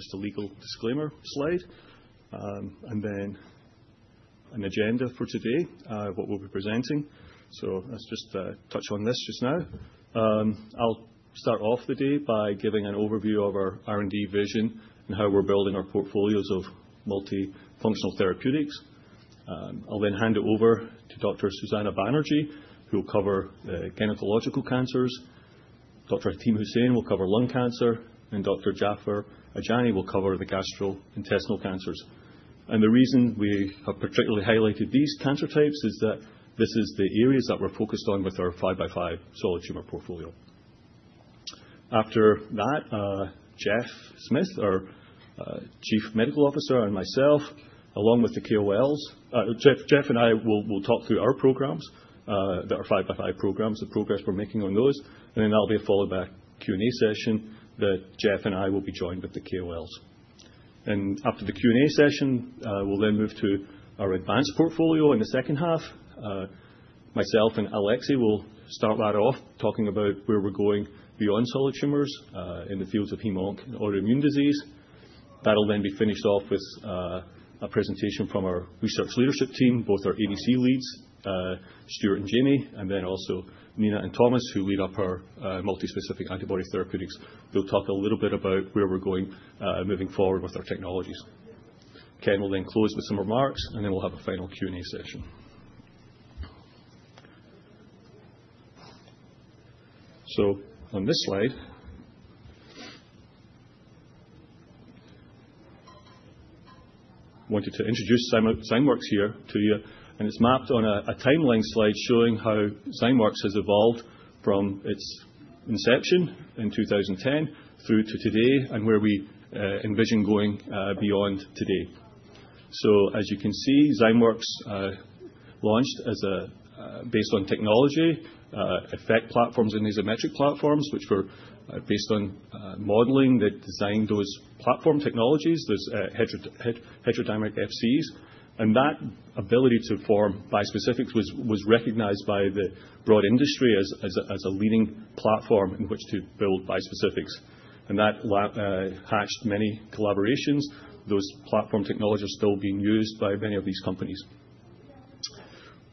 Just a legal disclaimer slide, and then an agenda for today, what we'll be presenting. So let's just touch on this just now. I'll start off the day by giving an overview of our R&D vision and how we're building our portfolios of multifunctional therapeutics. I'll then hand it over to Dr. Susana Banerjee, who'll cover gynecological cancers. Dr. Hatim Husain will cover lung cancer, and Dr. Jaffer Ajani will cover the gastrointestinal cancers. The reason we have particularly highlighted these cancer types is that this is the areas that we're focused on with our five-by-five solid tumor portfolio. After that, Jeff Smith, our Chief Medical Officer, and myself, along with the KOLs, Jeff and I will talk through our programs, the five-by-five programs, the progress we're making on those. There'll be a follow-up Q&A session that Jeff and I will be joined with the KOLs. After the Q&A session, we'll then move to our advanced portfolio in the second half. Myself and Alexey will start that off talking about where we're going beyond solid tumors in the fields of Hem/Onc and autoimmune disease. That'll then be finished off with a presentation from our research leadership team, both our ADC leads, Stuart and Jamie, and then also Nina and Thomas, who lead our multispecific antibody therapeutics. They'll talk a little bit about where we're going moving forward with our technologies. Ken will then close with some remarks, and then we'll have a final Q&A session. On this slide, I wanted to introduce Zymeworks here to you. It's mapped on a timeline slide showing how Zymeworks has evolved from its inception in 2010 through to today and where we envision going beyond today. As you can see, Zymeworks launched based on technology, EFect platforms and Azymetric platforms, which were based on modeling that designed those platform technologies. There's heterodimeric Fcs. That ability to form bispecifics was recognized by the broad industry as a leading platform in which to build bispecifics. That launched many collaborations. Those platform technologies are still being used by many of these companies.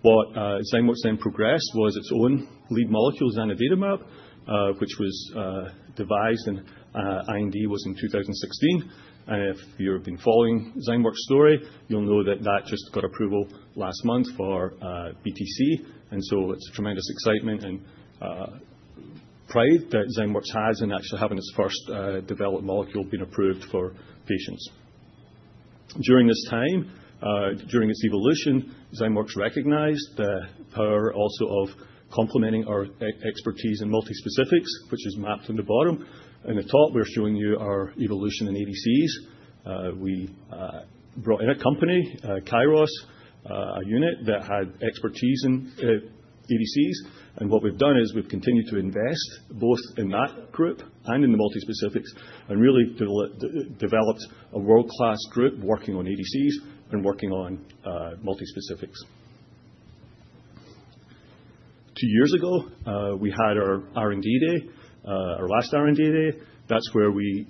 What Zymeworks then progressed was its own lead molecules and zanidatamab, which was designed and IND was in 2016. If you've been following Zymeworks' story, you'll know that that just got approval last month for BTC. It's a tremendous excitement and pride that Zymeworks has in actually having its first developed molecule being approved for patients. During this time, during its evolution, Zymeworks recognized the power also of complementing our expertise in multispecifics, which is mapped on the bottom, and at the top, we're showing you our evolution in ADCs. We brought in a company, Kairos, a unit that had expertise in ADCs, and what we've done is we've continued to invest both in that group and in the multispecifics and really developed a world-class group working on ADCs and working on multispecifics. Two years ago, we had our R&D day, our last R&D day. That's where we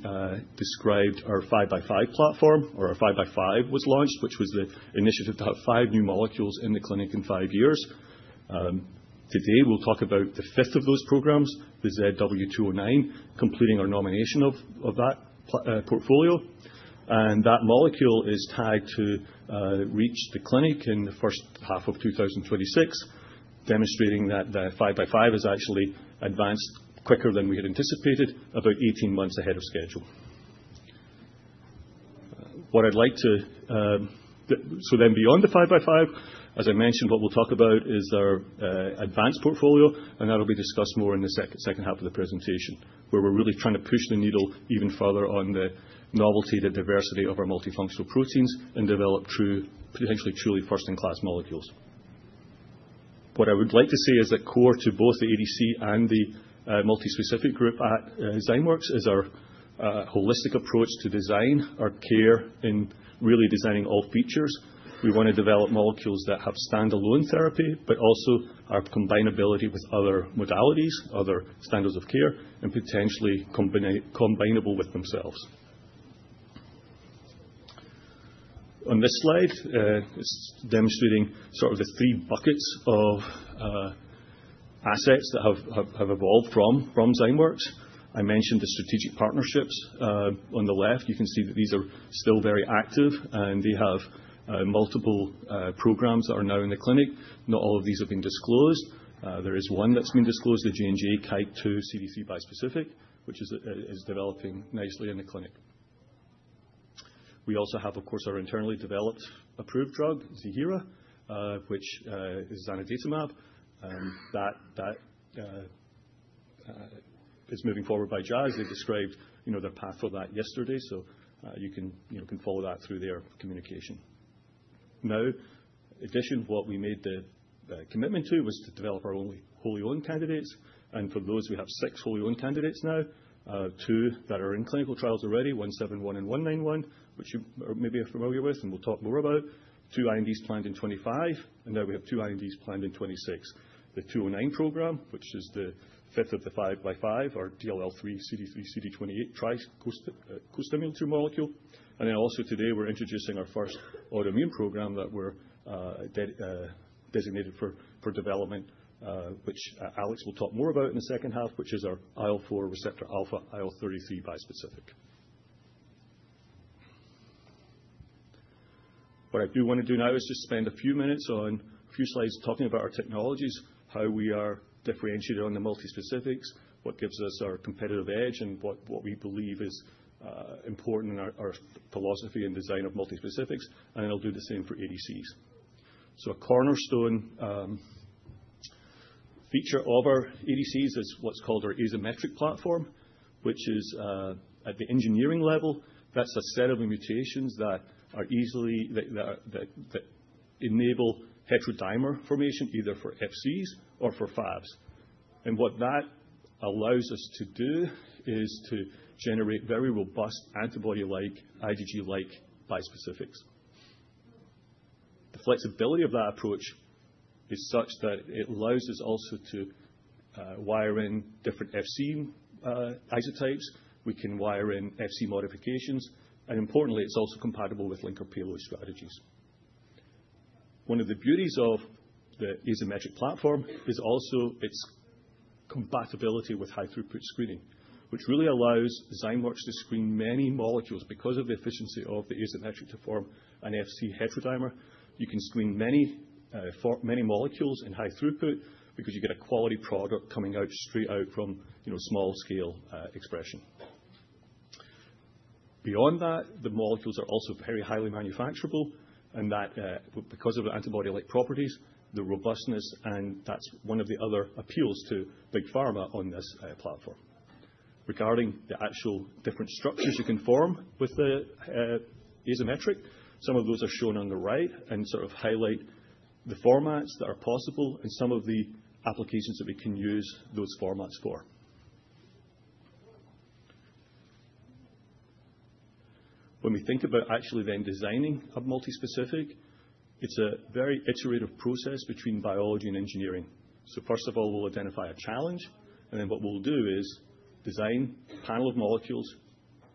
described our five-by-five platform, or our five-by-five was launched, which was the initiative to have five new molecules in the clinic in five years. Today, we'll talk about the fifth of those programs, the ZW209, completing our nomination of that portfolio. That molecule is set to reach the clinic in the first half of 2026, demonstrating that the five-by-five is actually advanced quicker than we had anticipated, about 18 months ahead of schedule. So then beyond the five-by-five, as I mentioned, what we'll talk about is our advanced portfolio, and that'll be discussed more in the second half of the presentation, where we're really trying to push the needle even further on the novelty and the diversity of our multifunctional proteins and develop potentially truly first-in-class molecules. What I would like to say is that core to both the ADC and the multispecific group at Zymeworks is our holistic approach to design. Our key is in really designing all features. We want to develop molecules that have stand-alone therapy, but also our combinability with other modalities, other standards of care, and potentially combinable with themselves. On this slide, it's demonstrating sort of the three buckets of assets that have evolved from Zymeworks. I mentioned the strategic partnerships. On the left, you can see that these are still very active, and they have multiple programs that are now in the clinic. Not all of these have been disclosed. There is one that's been disclosed, the J&J, Kite CD3 bispecific, which is developing nicely in the clinic. We also have, of course, our internally developed approved drug, Ziihera, which is on a data readout. That is moving forward by Jazz as described. They had that yesterday, so you can follow that through their communication. Now, in addition, what we made the commitment to was to develop our own wholly owned candidates. And for those, we have six wholly owned candidates now, two that are in clinical trials already, 171 and 191, which you may be familiar with and will talk more about, two INDs planned in 2025, and now we have two INDs planned in 2026. The 209 program, which is the fifth of the five-by-five, our DLL3 CD3 CD28 tri-co-stimulator molecule. And then also today, we're introducing our first autoimmune program that we're designated for development, which Alexey will talk more about in the second half, which is our IL-4 receptor alpha, IL-33 bispecific. What I do want to do now is just spend a few minutes on a few slides talking about our technologies, how we are differentiated on the multispecifics, what gives us our competitive edge, and what we believe is important in our philosophy and design of multispecifics. And then I'll do the same for ADCs. A cornerstone feature of our ADCs is what's called our Azymetric platform, which is at the engineering level. That's a set of mutations that enable heterodimer formation, either for Fcs or for Fabs. And what that allows us to do is to generate very robust antibody-like, IgG-like bispecifics. The flexibility of that approach is such that it allows us also to wire in different Fc isotypes. We can wire in Fc modifications. And importantly, it's also compatible with linker payload strategies. One of the beauties of the Azymetric platform is also its compatibility with high-throughput screening, which really allows Zymeworks to screen many molecules because of the efficiency of the Azymetric to form an Fc heterodimer. You can screen many molecules in high throughput because you get a quality product coming out straight out from small-scale expression. Beyond that, the molecules are also very highly manufacturable, and because of the antibody-like properties, the robustness, and that's one of the other appeals to big pharma on this platform. Regarding the actual different structures you can form with the Azymetric, some of those are shown on the right and sort of highlight the formats that are possible and some of the applications that we can use those formats for. When we think about actually then designing a multispecific, it's a very iterative process between biology and engineering. First of all, we'll identify a challenge, and then what we'll do is design a panel of molecules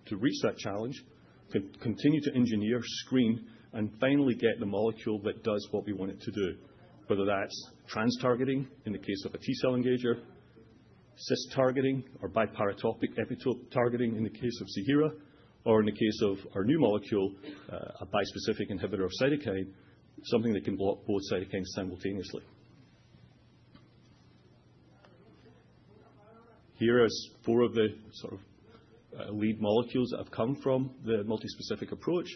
to reach that challenge, continue to engineer, screen, and finally get the molecule that does what we want it to do, whether that's trans-targeting in the case of a T-cell engager, cis-targeting, or biparatopic epitope targeting in the case of Ziihera, or in the case of our new molecule, a bispecific inhibitor of cytokine, something that can block both cytokines simultaneously. Here are four of the sort of lead molecules that have come from the multispecific approach.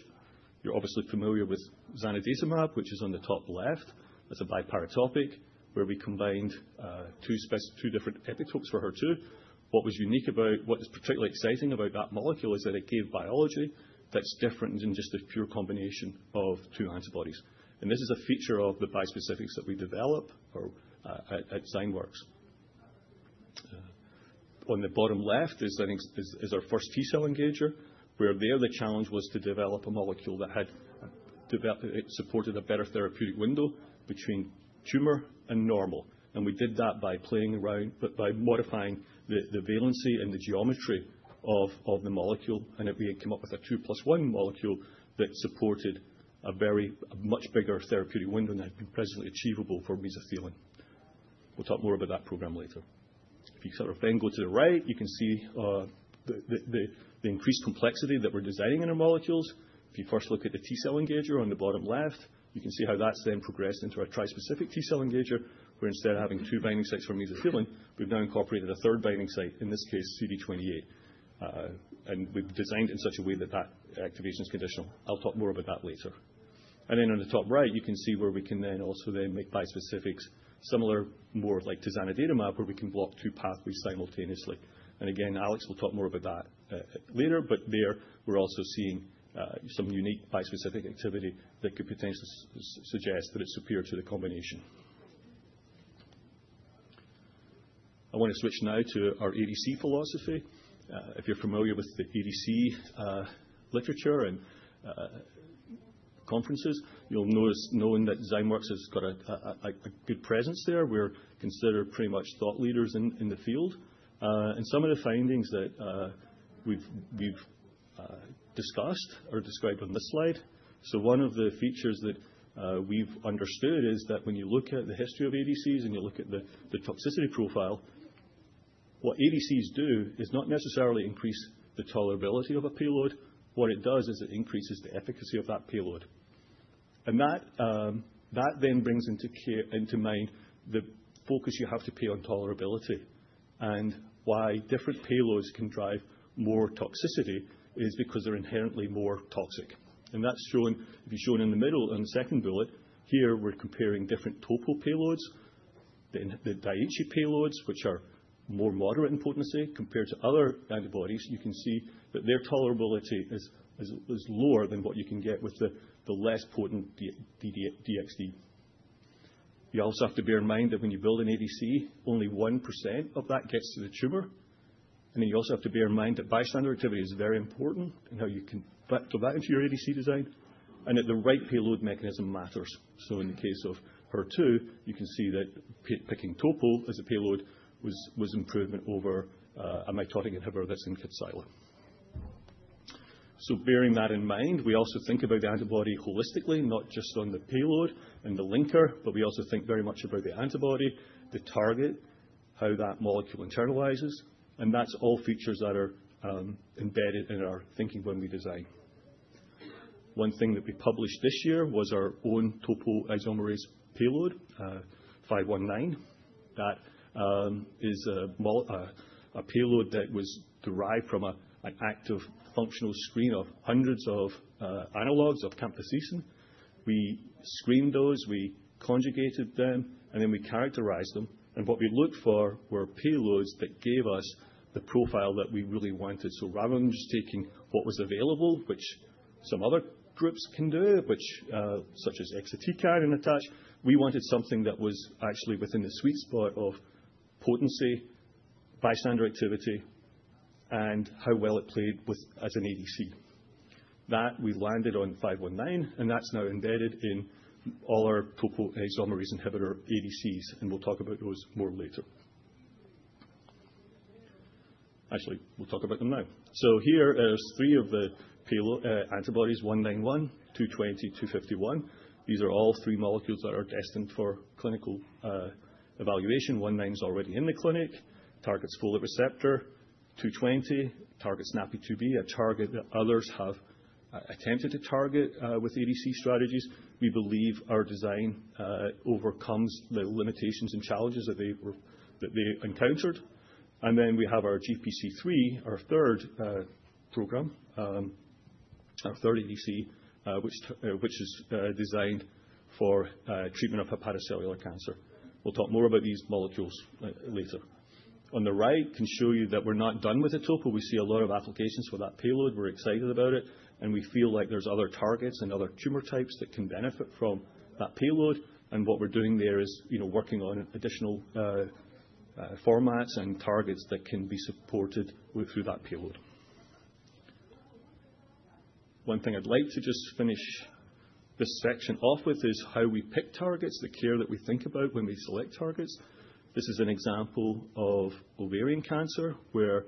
You're obviously familiar with Zymeworks' zanidatamab, which is on the top left. It's a biparatopic where we combined two different epitopes for HER2. What was unique about what is particularly exciting about that molecule is that it gave biology that's different than just a pure combination of two antibodies. This is a feature of the bispecifics that we develop at Zymeworks. On the bottom left is our first T-cell engager, where there the challenge was to develop a molecule that had supported a better therapeutic window between tumor and normal. We did that by playing around, by modifying the valency and the geometry of the molecule, and we had come up with a 2+1 molecule that supported a much bigger therapeutic window than had been presently achievable for mesothelin. We'll talk more about that program later. If you sort of then go to the right, you can see the increased complexity that we're designing in our molecules. If you first look at the T-cell engager on the bottom left, you can see how that's then progressed into our trispecific T-cell engager, where instead of having two binding sites for mesothelin, we've now incorporated a third binding site, in this case, CD28. And we've designed it in such a way that that activation is conditional. I'll talk more about that later. And then on the top right, you can see where we can then also make bispecifics similar, more like to Zymeworks, where we can block two pathways simultaneously. And again, Alexey will talk more about that later, but there we're also seeing some unique bispecific activity that could potentially suggest that it's superior to the combination. I want to switch now to our ADC philosophy. If you're familiar with the ADC literature and conferences, you'll notice, knowing that Zymeworks has got a good presence there. We're considered pretty much thought leaders in the field, and some of the findings that we've discussed are described on this slide, so one of the features that we've understood is that when you look at the history of ADCs and you look at the toxicity profile, what ADCs do is not necessarily increase the tolerability of a payload. What it does is it increases the efficacy of that payload, and that then brings into mind the focus you have to pay on tolerability. And why different payloads can drive more toxicity is because they're inherently more toxic, and that's shown as shown in the middle on the second bullet. Here we're comparing different topo payloads, the Daiichi payloads, which are more moderate in potency compared to other antibodies. You can see that their tolerability is lower than what you can get with the less potent DXd. You also have to bear in mind that when you build an ADC, only 1% of that gets to the tumor. And then you also have to bear in mind that bystander activity is very important in how you can factor that into your ADC design. And that the right payload mechanism matters. So in the case of HER2, you can see that picking topo as a payload was improvement over a mitotic inhibitor that's in cytosol. So bearing that in mind, we also think about the antibody holistically, not just on the payload and the linker, but we also think very much about the antibody, the target, how that molecule internalizes. And that's all features that are embedded in our thinking when we design. One thing that we published this year was our own topoisomerase payload, 519. That is a payload that was derived from an active functional screen of hundreds of analogs of camptothecin. We screened those, we conjugated them, and then we characterized them. What we looked for were payloads that gave us the profile that we really wanted. Rather than just taking what was available, which some other groups can do, such as exatecan and attach, we wanted something that was actually within the sweet spot of potency, bystander activity, and how well it played as an ADC. Then we landed on 519, and that's now embedded in all our topoisomerase inhibitor ADCs, and we'll talk about those more later. Actually, we'll talk about them now. Here are three of the antibodies, 191, 220, 251. These are all three molecules that are destined for clinical evaluation. ZW191 is already in the clinic, targets folate receptor, ZW220 targets NaPi2b, a target that others have attempted to target with ADC strategies. We believe our design overcomes the limitations and challenges that they encountered. And then we have our GPC3, our third program, our third ADC, which is designed for treatment of hepatocellular cancer. We'll talk more about these molecules later. On the right, I can show you that we're not done with the topo. We see a lot of applications for that payload. We're excited about it, and we feel like there's other targets and other tumor types that can benefit from that payload. And what we're doing there is working on additional formats and targets that can be supported through that payload. One thing I'd like to just finish this section off with is how we pick targets, the care that we think about when we select targets. This is an example of ovarian cancer, where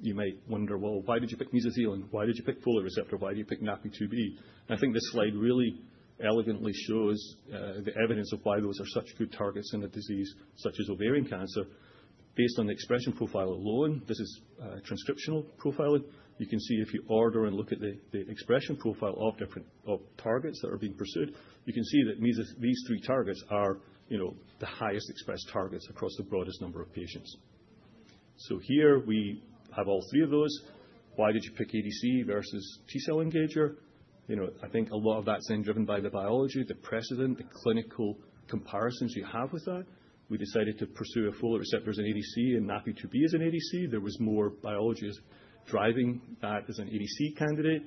you might wonder, well, why did you pick mesothelin? Why did you pick folate receptor? Why did you pick NaPi2b? And I think this slide really elegantly shows the evidence of why those are such good targets in a disease such as ovarian cancer. Based on the expression profile alone, this is transcriptional profiling. You can see if you order and look at the expression profile of different targets that are being pursued, you can see that these three targets are the highest expressed targets across the broadest number of patients. So here we have all three of those. Why did you pick ADC versus T-cell engager? I think a lot of that's then driven by the biology, the precedent, the clinical comparisons you have with that. We decided to pursue a folate receptor as an ADC, and NaPi2b as an ADC. There was more biology driving that as an ADC candidate,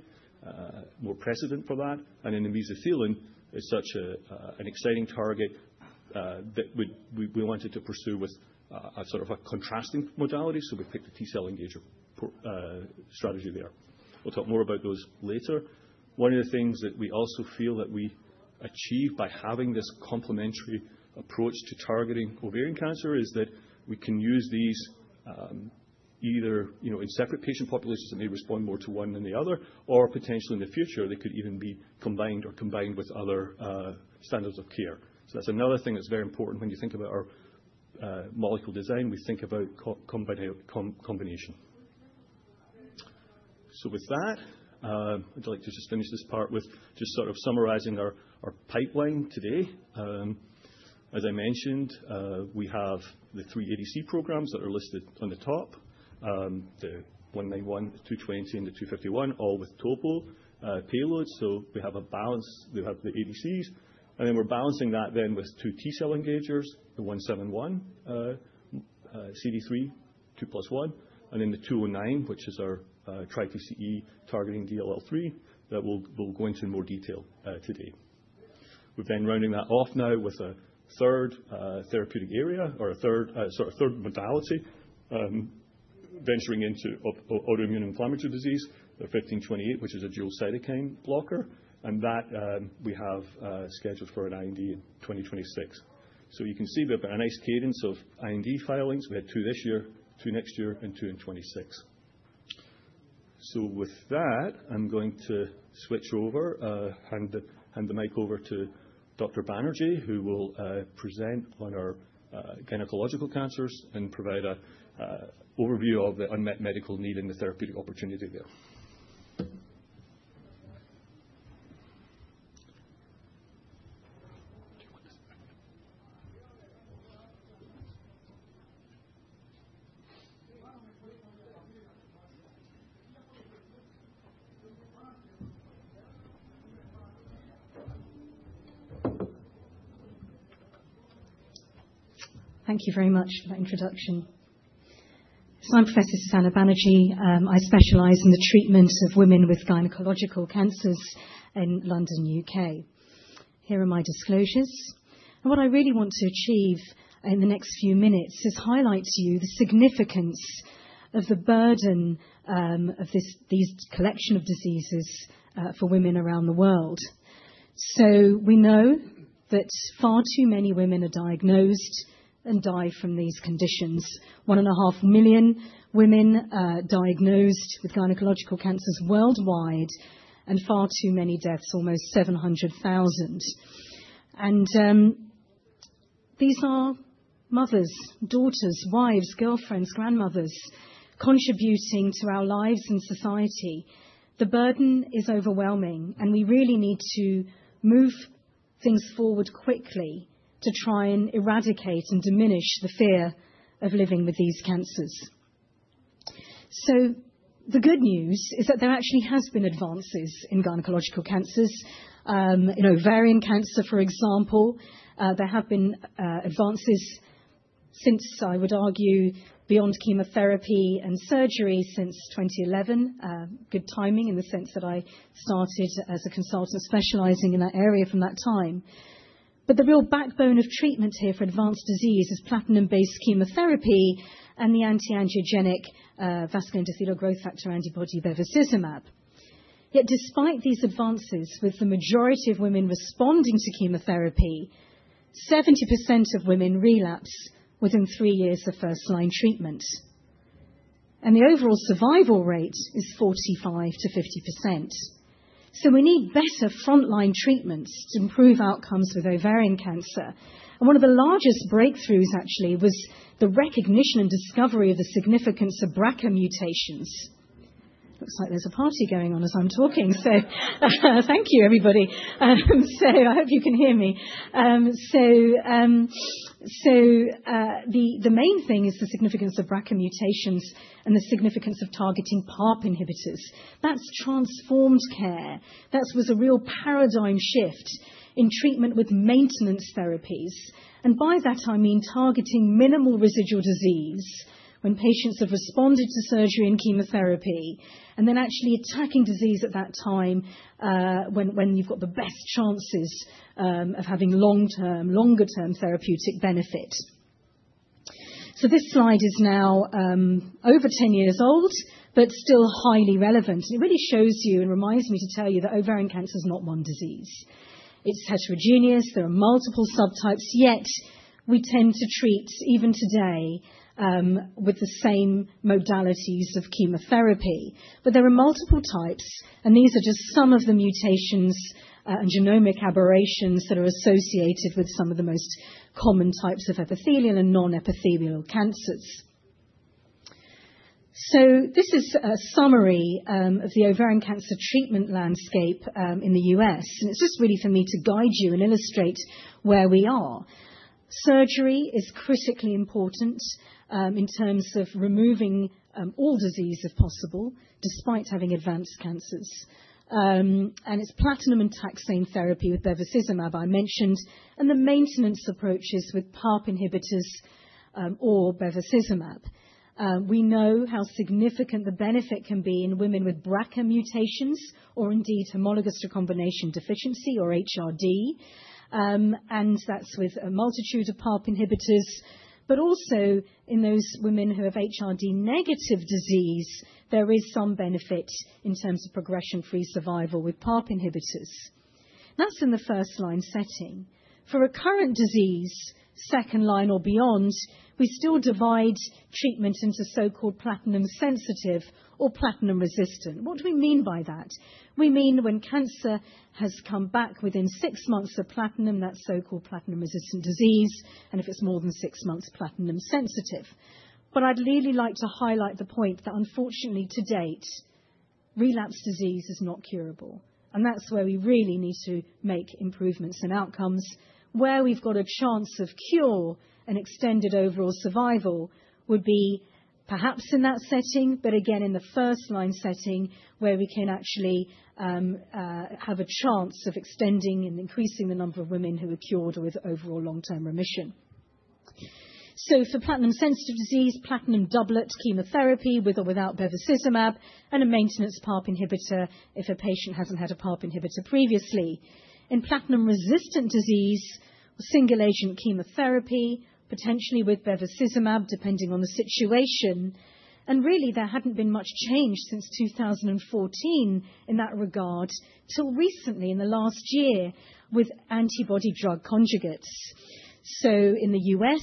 more precedent for that. And then the mesothelin is such an exciting target that we wanted to pursue with a sort of a contrasting modality, so we picked the T-cell engager strategy there. We'll talk more about those later. One of the things that we also feel that we achieve by having this complementary approach to targeting ovarian cancer is that we can use these either in separate patient populations that may respond more to one than the other, or potentially in the future, they could even be combined or combined with other standards of care. So that's another thing that's very important when you think about our molecule design. We think about combination. So with that, I'd like to just finish this part with just sort of summarizing our pipeline today. As I mentioned, we have the three ADC programs that are listed on the top, the 191, the 220, and the 251, all with topo payloads. So we have a balance, we have the ADCs, and then we're balancing that then with two T-cell engagers, the 171, CD3, 2+1, and then the 209, which is our TriTCE targeting DLL3 that we'll go into in more detail today. We're then rounding that off now with a third therapeutic area or a third sort of third modality venturing into autoimmune inflammatory disease, the 1528, which is a dual cytokine blocker, and that we have scheduled for an IND in 2026. So you can see we have a nice cadence of IND filings. We had two this year, two next year, and two in 2026. So with that, I'm going to switch over and hand the mic over to Dr. Banerjee, who will present on our gynecological cancers and provide an overview of the unmet medical need and the therapeutic opportunity there. Thank you very much for the introduction. So I'm Professor Susana Banerjee. I specialize in the treatment of women with gynecological cancers in London, U.K. Here are my disclosures. And what I really want to achieve in the next few minutes is highlight to you the significance of the burden of this collection of diseases for women around the world. So we know that far too many women are diagnosed and die from these conditions. One and a half million women diagnosed with gynecological cancers worldwide, and far too many deaths, almost 700,000. These are mothers, daughters, wives, girlfriends, grandmothers contributing to our lives and society. The burden is overwhelming, and we really need to move things forward quickly to try and eradicate and diminish the fear of living with these cancers. The good news is that there actually have been advances in gynecological cancers. In ovarian cancer, for example, there have been advances since, I would argue, beyond chemotherapy and surgery since 2011. Good timing in the sense that I started as a consultant specializing in that area from that time. The real backbone of treatment here for advanced disease is platinum-based chemotherapy and the antiangiogenic vascular endothelial growth factor antibody, bevacizumab. Yet despite these advances, with the majority of women responding to chemotherapy, 70% of women relapse within three years of first-line treatment. And the overall survival rate is 45%-50%. So we need better front-line treatments to improve outcomes with ovarian cancer. And one of the largest breakthroughs actually was the recognition and discovery of the significance of BRCA mutations. Looks like there's a party going on as I'm talking, so thank you, everybody. So I hope you can hear me. So the main thing is the significance of BRCA mutations and the significance of targeting PARP inhibitors. That's transformed care. That was a real paradigm shift in treatment with maintenance therapies. And by that, I mean targeting minimal residual disease when patients have responded to surgery and chemotherapy and then actually attacking disease at that time when you've got the best chances of having long-term therapeutic benefit. So this slide is now over 10 years old, but still highly relevant, and it really shows you and reminds me to tell you that ovarian cancer is not one disease. It's heterogeneous. There are multiple subtypes, yet we tend to treat even today with the same modalities of chemotherapy, but there are multiple types, and these are just some of the mutations and genomic aberrations that are associated with some of the most common types of epithelial and non-epithelial cancers, so this is a summary of the ovarian cancer treatment landscape in the U.S., and it's just really for me to guide you and illustrate where we are. Surgery is critically important in terms of removing all disease if possible, despite having advanced cancers, and it's platinum and taxane therapy with bevacizumab I mentioned, and the maintenance approaches with PARP inhibitors or bevacizumab. We know how significant the benefit can be in women with BRCA mutations or indeed homologous recombination deficiency or HRD, and that's with a multitude of PARP inhibitors. But also in those women who have HRD negative disease, there is some benefit in terms of progression-free survival with PARP inhibitors. That's in the first-line setting. For recurrent disease, second-line or beyond, we still divide treatment into so-called platinum sensitive or platinum resistant. What do we mean by that? We mean when cancer has come back within six months of platinum, that's so-called platinum resistant disease, and if it's more than six months, platinum sensitive. But I'd really like to highlight the point that unfortunately, to date, relapsed disease is not curable. And that's where we really need to make improvements in outcomes. Where we've got a chance of cure and extended overall survival would be perhaps in that setting, but again, in the first-line setting where we can actually have a chance of extending and increasing the number of women who are cured or with overall long-term remission. So for platinum sensitive disease, platinum doublet chemotherapy with or without bevacizumab and a maintenance PARP inhibitor if a patient hasn't had a PARP inhibitor previously. In platinum resistant disease, single-agent chemotherapy, potentially with bevacizumab depending on the situation. And really, there hadn't been much change since 2014 in that regard till recently in the last year with antibody drug conjugates. So in the U.S.,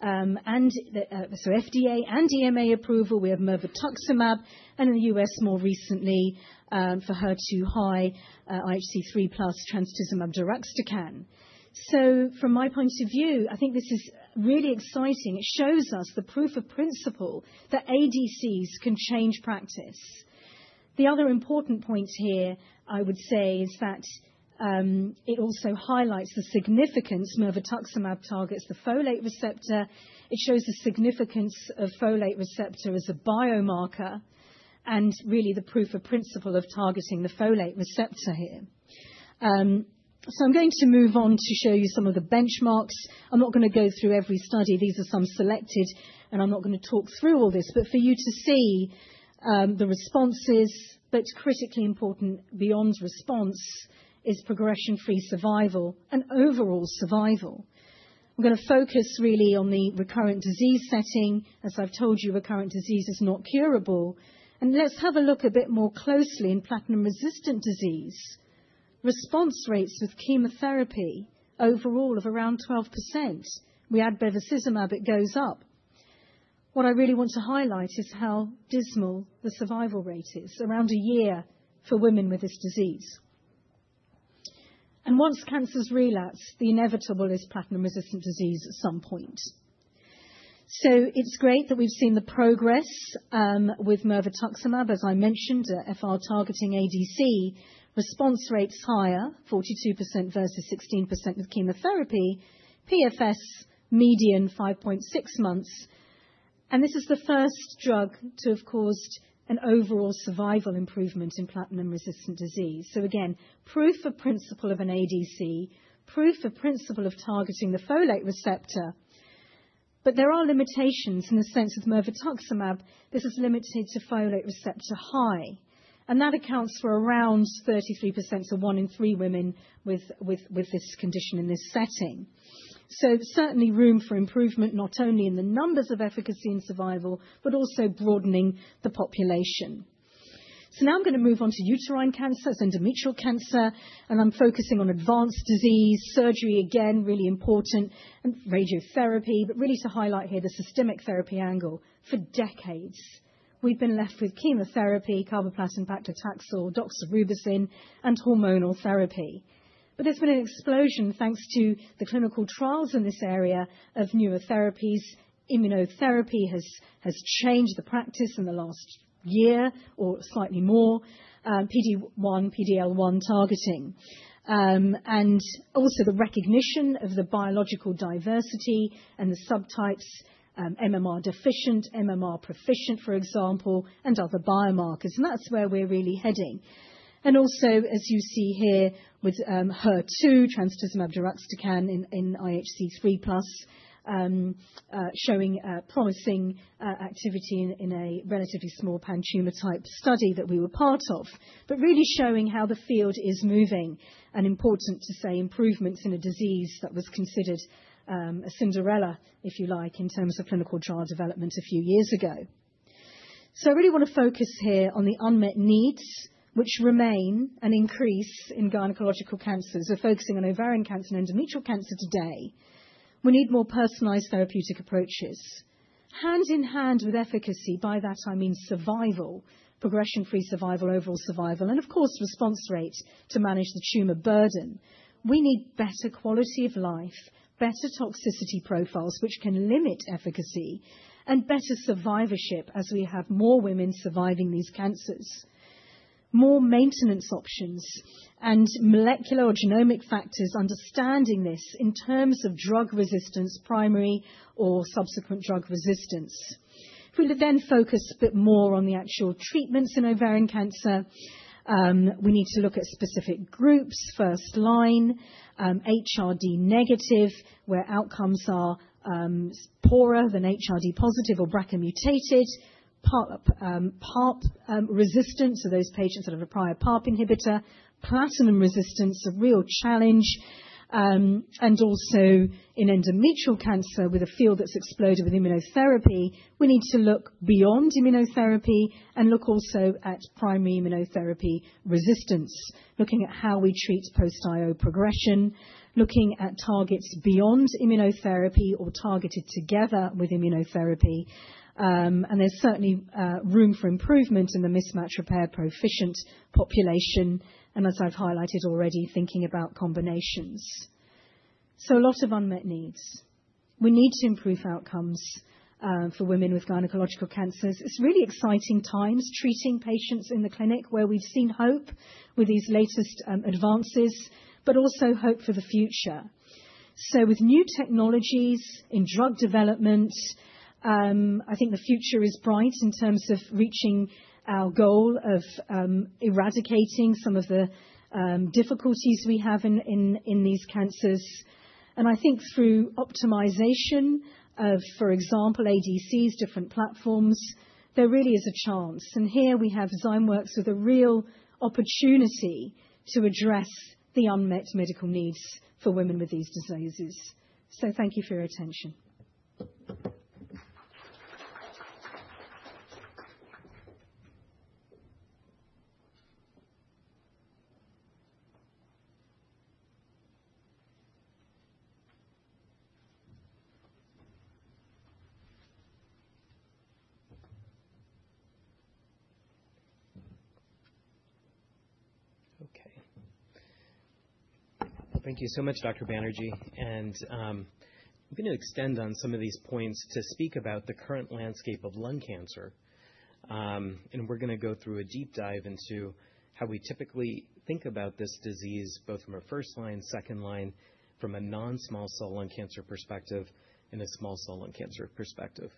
so FDA and EMA approval, we have mirvetuximab, and in the U.S. more recently for HER2 high, IHC 3+ trastuzumab deruxtecan. So from my point of view, I think this is really exciting. It shows us the proof of principle that ADCs can change practice. The other important point here, I would say, is that it also highlights the significance mirvetuximab targets the folate receptor. It shows the significance of folate receptor as a biomarker and really the proof of principle of targeting the folate receptor here. So I'm going to move on to show you some of the benchmarks. I'm not going to go through every study. These are some selected, and I'm not going to talk through all this, but for you to see the responses, but critically important beyond response is progression-free survival and overall survival. I'm going to focus really on the recurrent disease setting. As I've told you, recurrent disease is not curable. And let's have a look a bit more closely in platinum resistant disease. Response rates with chemotherapy overall of around 12%. We add bevacizumab, it goes up. What I really want to highlight is how dismal the survival rate is around a year for women with this disease. And once cancers relapse, the inevitable is platinum resistant disease at some point. So it's great that we've seen the progress with mirvetuximab, as I mentioned, FR targeting ADC, response rates higher, 42% versus 16% with chemotherapy. PFS median 5.6 months. And this is the first drug to have caused an overall survival improvement in platinum resistant disease. So again, proof of principle of an ADC, proof of principle of targeting the folate receptor. But there are limitations in the sense of mirvetuximab. This is limited to folate receptor high. And that accounts for around 33%, so one in three women with this condition in this setting. So certainly room for improvement, not only in the numbers of efficacy and survival, but also broadening the population. So now I'm going to move on to uterine cancer, endometrial cancer, and I'm focusing on advanced disease. Surgery again is really important, and radiotherapy, but really to highlight here the systemic therapy angle. For decades, we've been left with chemotherapy, carboplatin, paclitaxel, doxorubicin, and hormonal therapy. But there's been an explosion thanks to the clinical trials in this area of newer therapies. Immunotherapy has changed the practice in the last year or slightly more, PD-1, PD-L1 targeting. And also the recognition of the biological diversity and the subtypes, MMR deficient, MMR proficient, for example, and other biomarkers. And that's where we're really heading. Also, as you see here with HER2, trastuzumab deruxtecan in IHC 3+, showing promising activity in a relatively small pan-tumor type study that we were part of, but really showing how the field is moving and important to say improvements in a disease that was considered a Cinderella, if you like, in terms of clinical trial development a few years ago. So I really want to focus here on the unmet needs, which remain an increase in gynecological cancers. We're focusing on ovarian cancer and endometrial cancer today. We need more personalized therapeutic approaches. Hand in hand with efficacy, by that I mean survival, progression-free survival, overall survival, and of course, response rate to manage the tumor burden. We need better quality of life, better toxicity profiles, which can limit efficacy, and better survivorship as we have more women surviving these cancers. More maintenance options and molecular or genomic factors, understanding this in terms of drug resistance, primary or subsequent drug resistance. If we then focus a bit more on the actual treatments in ovarian cancer, we need to look at specific groups, first-line, HRD negative, where outcomes are poorer than HRD positive or BRCA mutated, PARP resistant to those patients that have a prior PARP inhibitor, platinum resistance, a real challenge, and also in endometrial cancer, with a field that's exploded with immunotherapy, we need to look beyond immunotherapy and look also at primary immunotherapy resistance, looking at how we treat post-IO progression, looking at targets beyond immunotherapy or targeted together with immunotherapy, and there's certainly room for improvement in the mismatch repair proficient population, and as I've highlighted already, thinking about combinations, so a lot of unmet needs. We need to improve outcomes for women with gynecological cancers. It's really exciting times treating patients in the clinic where we've seen hope with these latest advances, but also hope for the future. So with new technologies in drug development, I think the future is bright in terms of reaching our goal of eradicating some of the difficulties we have in these cancers. And I think through optimization of, for example, ADCs, different platforms, there really is a chance. And here we have Zymeworks with a real opportunity to address the unmet medical needs for women with these diseases. So thank you for your attention. Okay. Thank you so much, Dr. Banerjee. And I'm going to extend on some of these points to speak about the current landscape of lung cancer. We're going to go through a deep dive into how we typically think about this disease, both from a first-line, second-line, from a non-small cell lung cancer perspective, and a small cell lung cancer perspective.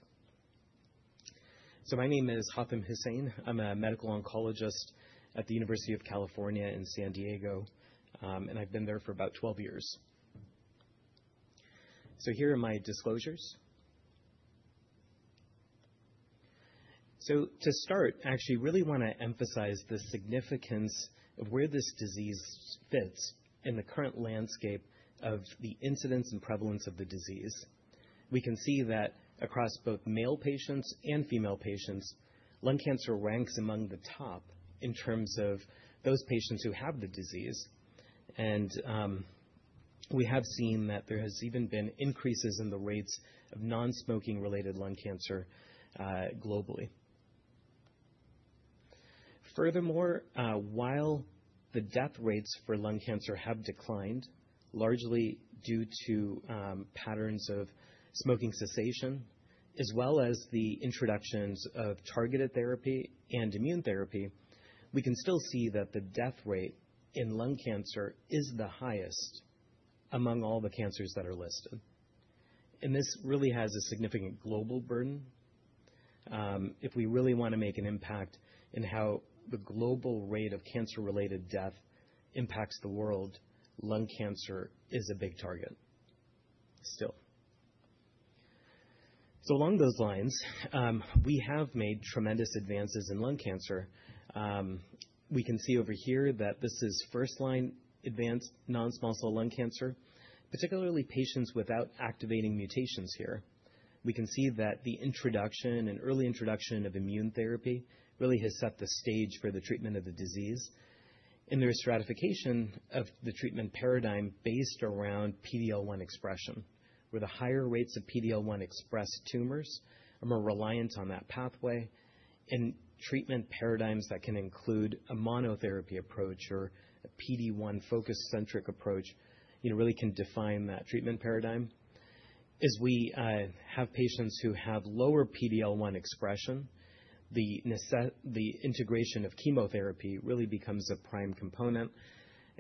My name is Hatim Husain. I'm a medical oncologist at the University of California San Diego, and I've been there for about 12 years. Here are my disclosures. To start, I actually really want to emphasize the significance of where this disease fits in the current landscape of the incidence and prevalence of the disease. We can see that across both male patients and female patients, lung cancer ranks among the top in terms of those patients who have the disease. We have seen that there has even been increases in the rates of non-smoking-related lung cancer globally. Furthermore, while the death rates for lung cancer have declined, largely due to patterns of smoking cessation, as well as the introductions of targeted therapy and immune therapy, we can still see that the death rate in lung cancer is the highest among all the cancers that are listed, and this really has a significant global burden. If we really want to make an impact in how the global rate of cancer-related death impacts the world, lung cancer is a big target still, so along those lines, we have made tremendous advances in lung cancer. We can see over here that this is first-line advanced non-small cell lung cancer, particularly patients without activating mutations here. We can see that the introduction and early introduction of immune therapy really has set the stage for the treatment of the disease. And there is stratification of the treatment paradigm based around PD-L1 expression, where the higher rates of PD-L1 expressed tumors are more reliant on that pathway. And treatment paradigms that can include a monotherapy approach or a PD-1 focus-centric approach really can define that treatment paradigm. As we have patients who have lower PD-L1 expression, the integration of chemotherapy really becomes a prime component.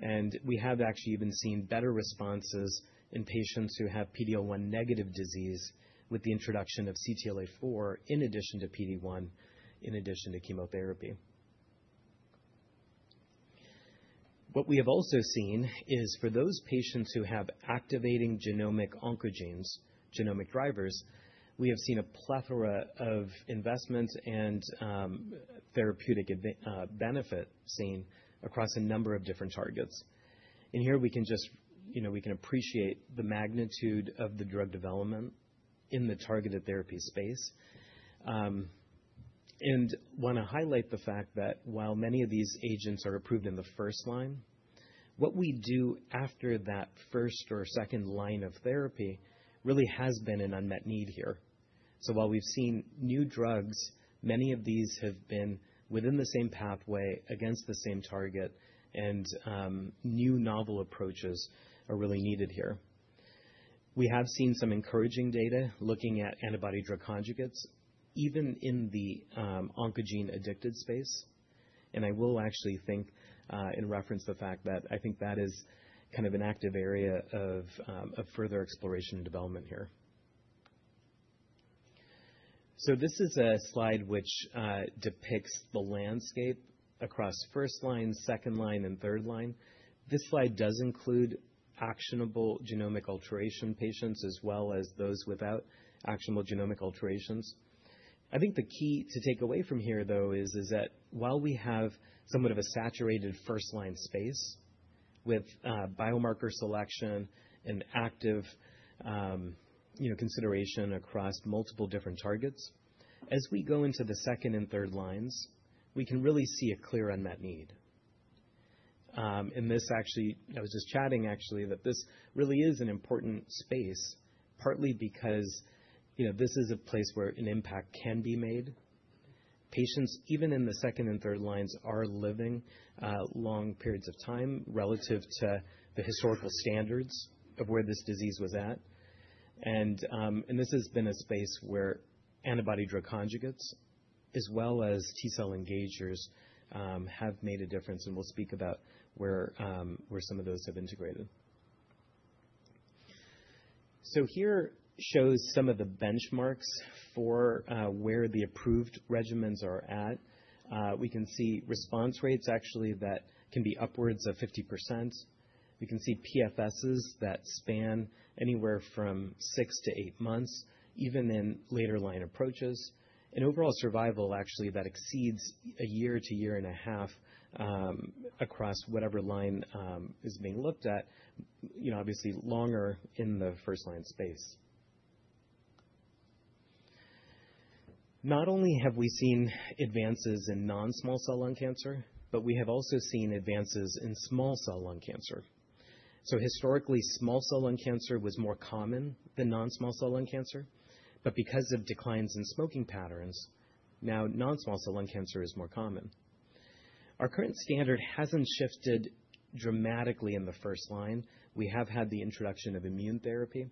And we have actually even seen better responses in patients who have PD-L1 negative disease with the introduction of CTLA4 in addition to PD-1, in addition to chemotherapy. What we have also seen is for those patients who have activating genomic oncogenes, genomic drivers, we have seen a plethora of investment and therapeutic benefit seen across a number of different targets. And here we can just, we can appreciate the magnitude of the drug development in the targeted therapy space. I want to highlight the fact that while many of these agents are approved in the first line, what we do after that first or second line of therapy really has been an unmet need here. So while we've seen new drugs, many of these have been within the same pathway against the same target, and new novel approaches are really needed here. We have seen some encouraging data looking at antibody drug conjugates, even in the oncogene-addicted space. And I will actually think in reference to the fact that I think that is kind of an active area of further exploration and development here. So this is a slide which depicts the landscape across first line, second line, and third line. This slide does include actionable genomic alteration patients as well as those without actionable genomic alterations. I think the key to take away from here, though, is that while we have somewhat of a saturated first-line space with biomarker selection and active consideration across multiple different targets, as we go into the second and third lines, we can really see a clear unmet need. And this actually, I was just chatting actually that this really is an important space, partly because this is a place where an impact can be made. Patients, even in the second and third lines, are living long periods of time relative to the historical standards of where this disease was at. And this has been a space where antibody drug conjugates, as well as T cell engagers, have made a difference. And we'll speak about where some of those have integrated. So here shows some of the benchmarks for where the approved regimens are at. We can see response rates actually that can be upwards of 50%. We can see PFSs that span anywhere from six to eight months, even in later line approaches and overall survival actually that exceeds a year to year and a half across whatever line is being looked at, obviously longer in the first-line space. Not only have we seen advances in non-small cell lung cancer, but we have also seen advances in small cell lung cancer, so historically, small cell lung cancer was more common than non-small cell lung cancer but because of declines in smoking patterns, now non-small cell lung cancer is more common. Our current standard hasn't shifted dramatically in the first line. We have had the introduction of immune therapy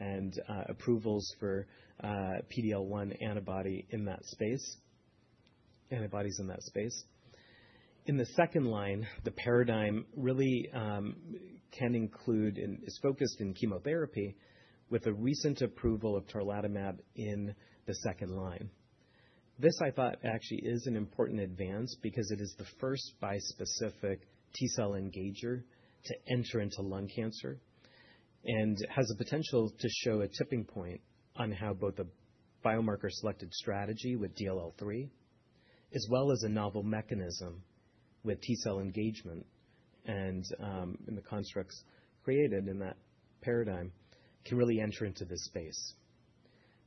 and approvals for PD-L1 antibody in that space, antibodies in that space. In the second line, the paradigm really can include and is focused in chemotherapy with a recent approval of tarlatamab in the second line. This, I thought, actually is an important advance because it is the first bispecific T cell engager to enter into lung cancer and has the potential to show a tipping point on how both a biomarker-selected strategy with DLL3, as well as a novel mechanism with T cell engagement and the constructs created in that paradigm, can really enter into this space.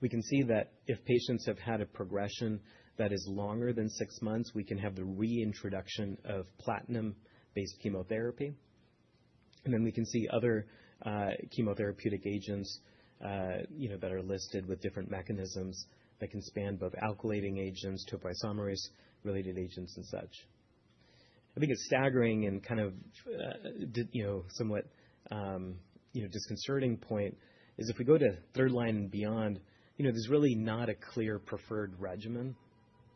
We can see that if patients have had a progression that is longer than six months, we can have the reintroduction of platinum-based chemotherapy, and then we can see other chemotherapeutic agents that are listed with different mechanisms that can span both alkylating agents, topoisomerase-related agents, and such. I think a staggering and kind of somewhat disconcerting point is if we go to third line and beyond, there's really not a clear preferred regimen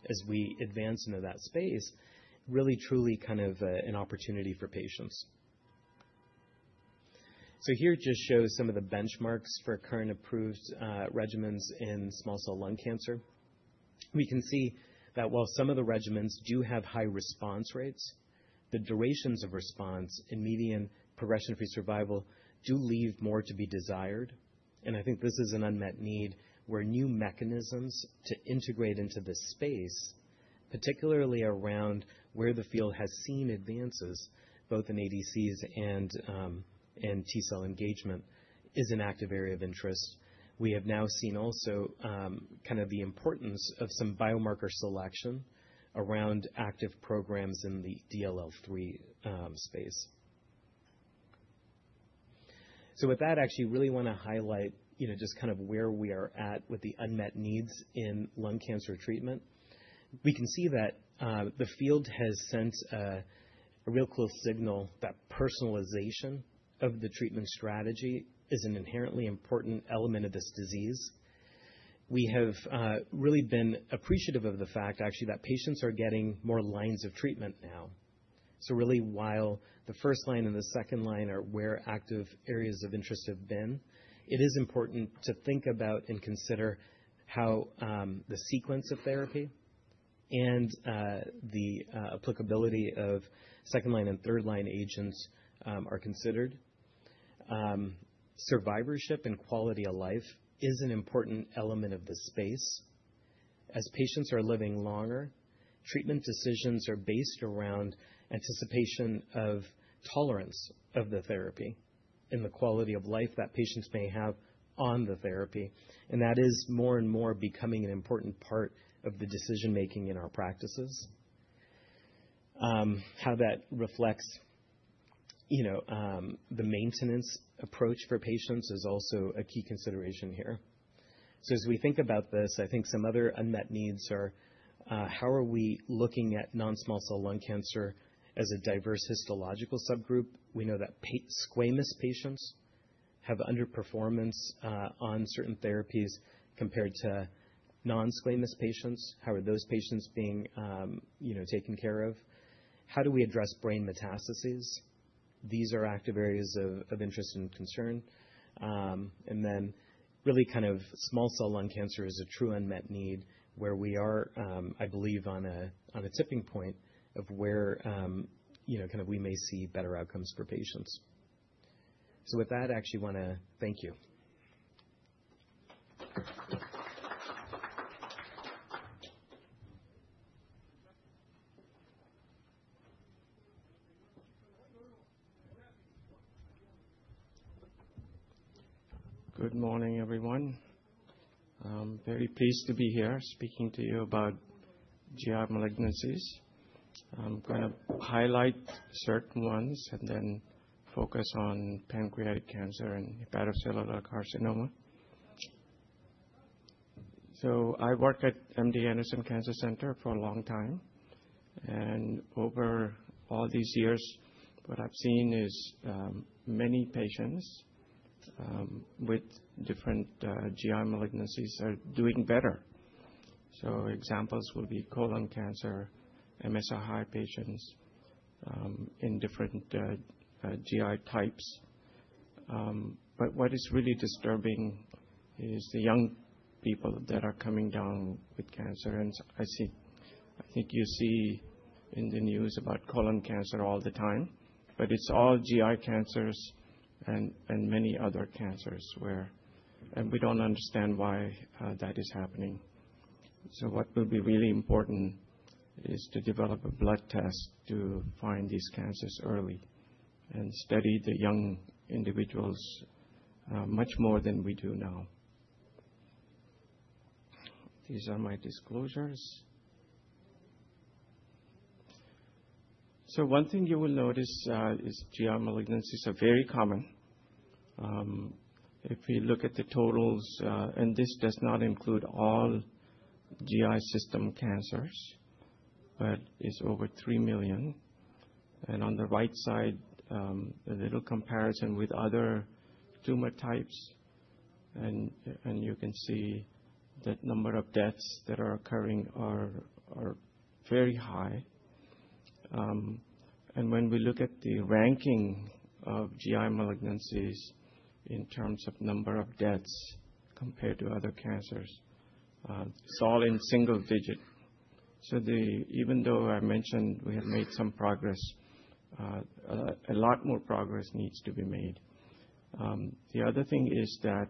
as we advance into that space, really truly kind of an opportunity for patients. So here just shows some of the benchmarks for current approved regimens in small cell lung cancer. We can see that while some of the regimens do have high response rates, the durations of response and median progression-free survival do leave more to be desired. And I think this is an unmet need where new mechanisms to integrate into this space, particularly around where the field has seen advances, both in ADCs and T cell engagement, is an active area of interest. We have now seen also kind of the importance of some biomarker selection around active programs in the DLL3 space. So with that, I actually really want to highlight just kind of where we are at with the unmet needs in lung cancer treatment. We can see that the field has sent a real clear signal that personalization of the treatment strategy is an inherently important element of this disease. We have really been appreciative of the fact actually that patients are getting more lines of treatment now. So really, while the first line and the second line are where active areas of interest have been, it is important to think about and consider how the sequence of therapy and the applicability of second line and third line agents are considered. Survivorship and quality of life is an important element of the space. As patients are living longer, treatment decisions are based around anticipation of tolerance of the therapy and the quality of life that patients may have on the therapy, and that is more and more becoming an important part of the decision-making in our practices. How that reflects the maintenance approach for patients is also a key consideration here, so as we think about this, I think some other unmet needs are how are we looking at non-small cell lung cancer as a diverse histological subgroup? We know that squamous patients have underperformance on certain therapies compared to non-squamous patients. How are those patients being taken care of? How do we address brain metastases? These are active areas of interest and concern. And then really kind of small cell lung cancer is a true unmet need where we are, I believe, on a tipping point of where kind of we may see better outcomes for patients. So with that, I actually want to thank you. Good morning, everyone. I'm very pleased to be here speaking to you about GI malignancies. I'm going to highlight certain ones and then focus on pancreatic cancer and hepatocellular carcinoma. So I work at MD Anderson Cancer Center for a long time. And over all these years, what I've seen is many patients with different GI malignancies are doing better. So examples will be colon cancer, MSI patients in different GI types. But what is really disturbing is the young people that are coming down with cancer. And I think you see in the news about colon cancer all the time, but it's all GI cancers and many other cancers where we don't understand why that is happening. So what will be really important is to develop a blood test to find these cancers early and study the young individuals much more than we do now. These are my disclosures. So one thing you will notice is GI malignancies are very common. If we look at the totals, and this does not include all GI system cancers, but it's over three million. And on the right side, a little comparison with other tumor types. And you can see that number of deaths that are occurring are very high. And when we look at the ranking of GI malignancies in terms of number of deaths compared to other cancers, it's all in single digit. So even though I mentioned we have made some progress, a lot more progress needs to be made. The other thing is that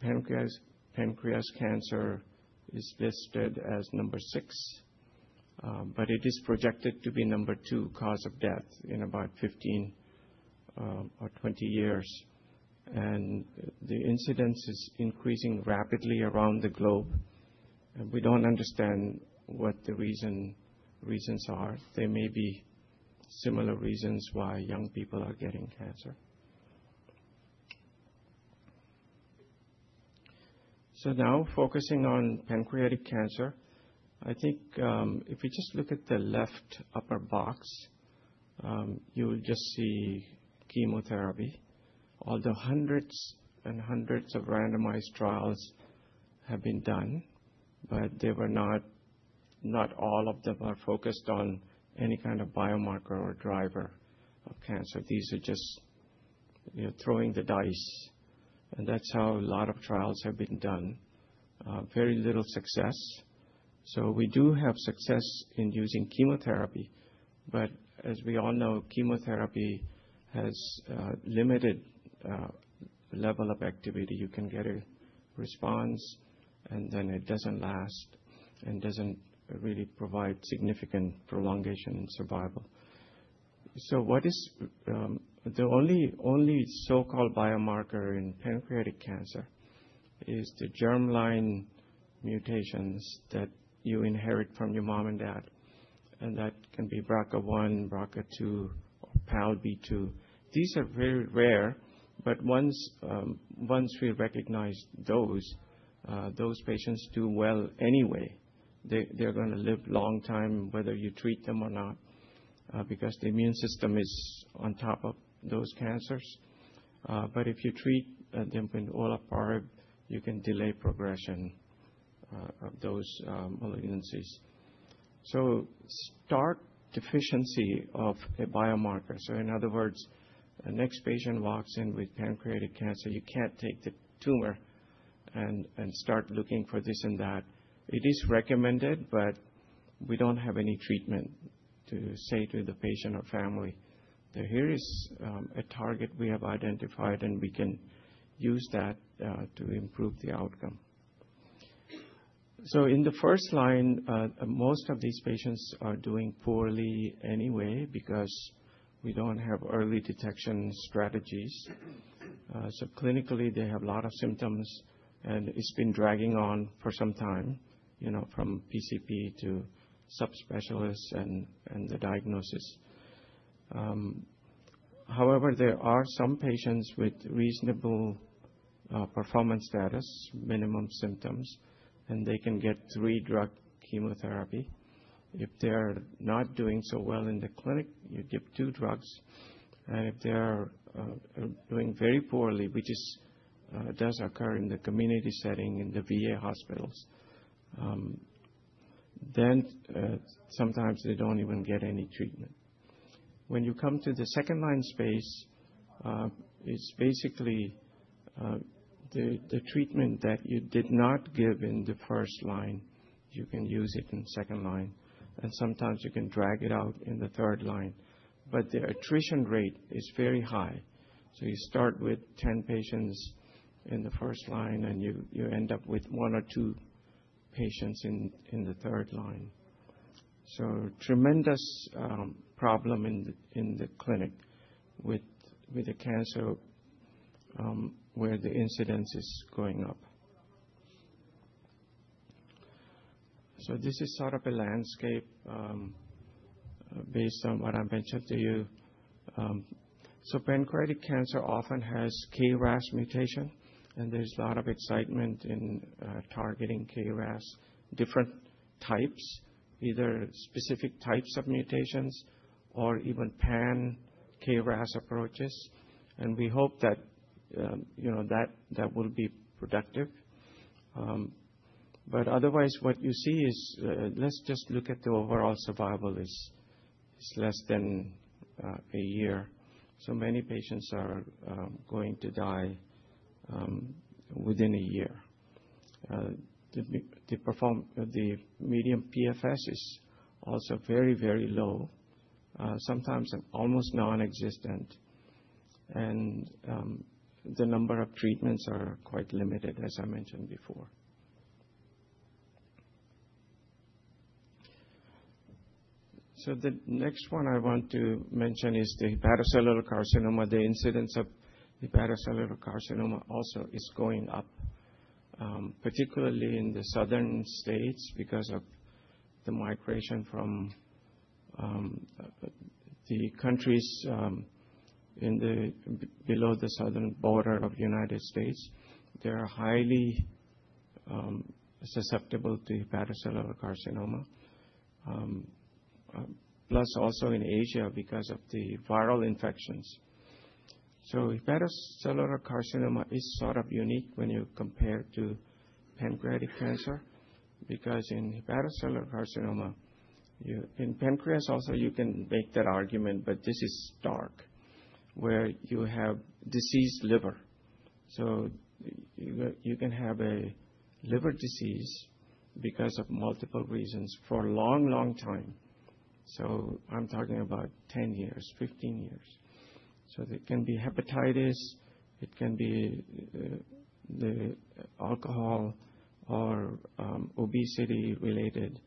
pancreatic cancer is listed as number six, but it is projected to be number two cause of death in about 15 or 20 years. And the incidence is increasing rapidly around the globe. And we don't understand what the reasons are. There may be similar reasons why young people are getting cancer. So now focusing on pancreatic cancer, I think if we just look at the left upper box, you will just see chemotherapy. Although hundreds and hundreds of randomized trials have been done, but they were not all of them are focused on any kind of biomarker or driver of cancer. These are just throwing the dice. And that's how a lot of trials have been done, very little success. So we do have success in using chemotherapy. But as we all know, chemotherapy has limited level of activity. You can get a response, and then it doesn't last and doesn't really provide significant prolongation and survival. So the only so-called biomarker in pancreatic cancer is the germline mutations that you inherit from your mom and dad. And that can be BRCA1, BRCA2, or PALB2. These are very rare. But once we recognize those, those patients do well anyway. They're going to live a long time, whether you treat them or not, because the immune system is on top of those cancers. But if you treat them with olaparib, you can delay progression of those malignancies. So that's the deficiency of a biomarker. So in other words, the next patient walks in with pancreatic cancer, you can't take the tumor and start looking for this and that. It is recommended, but we don't have any treatment to say to the patient or family. Here is a target we have identified, and we can use that to improve the outcome, so in the first line, most of these patients are doing poorly anyway because we don't have early detection strategies, so clinically, they have a lot of symptoms, and it's been dragging on for some time from PCP to subspecialists and the diagnosis. However, there are some patients with reasonable performance status, minimum symptoms, and they can get three-drug chemotherapy. If they're not doing so well in the clinic, you give two drugs, and if they're doing very poorly, which does occur in the community setting, in the VA hospitals, then sometimes they don't even get any treatment. When you come to the second line space, it's basically the treatment that you did not give in the first line. You can use it in second line. And sometimes you can drag it out in the third line. But the attrition rate is very high. So you start with 10 patients in the first line, and you end up with one or two patients in the third line. So tremendous problem in the clinic with the cancer where the incidence is going up. So this is sort of a landscape based on what I mentioned to you. So pancreatic cancer often has KRAS mutation, and there's a lot of excitement in targeting KRAS, different types, either specific types of mutations or even pan-KRAS approaches. And we hope that that will be productive. But otherwise, what you see is, let's just look at the overall survival. It is less than a year. So many patients are going to die within a year. The median PFS is also very, very low, sometimes almost nonexistent. And the number of treatments are quite limited, as I mentioned before. So the next one I want to mention is the hepatocellular carcinoma. The incidence of hepatocellular carcinoma also is going up, particularly in the southern states because of the migration from the countries below the southern border of the United States. They are highly susceptible to hepatocellular carcinoma, plus also in Asia because of the viral infections. So hepatocellular carcinoma is sort of unique when you compare to pancreatic cancer because in hepatocellular carcinoma, in pancreas also, you can make that argument, but this is stark, where you have diseased liver. So you can have a liver disease because of multiple reasons for a long, long time, so I'm talking about 10 years, 15 years, so it can be hepatitis. It can be alcohol or obesity-related,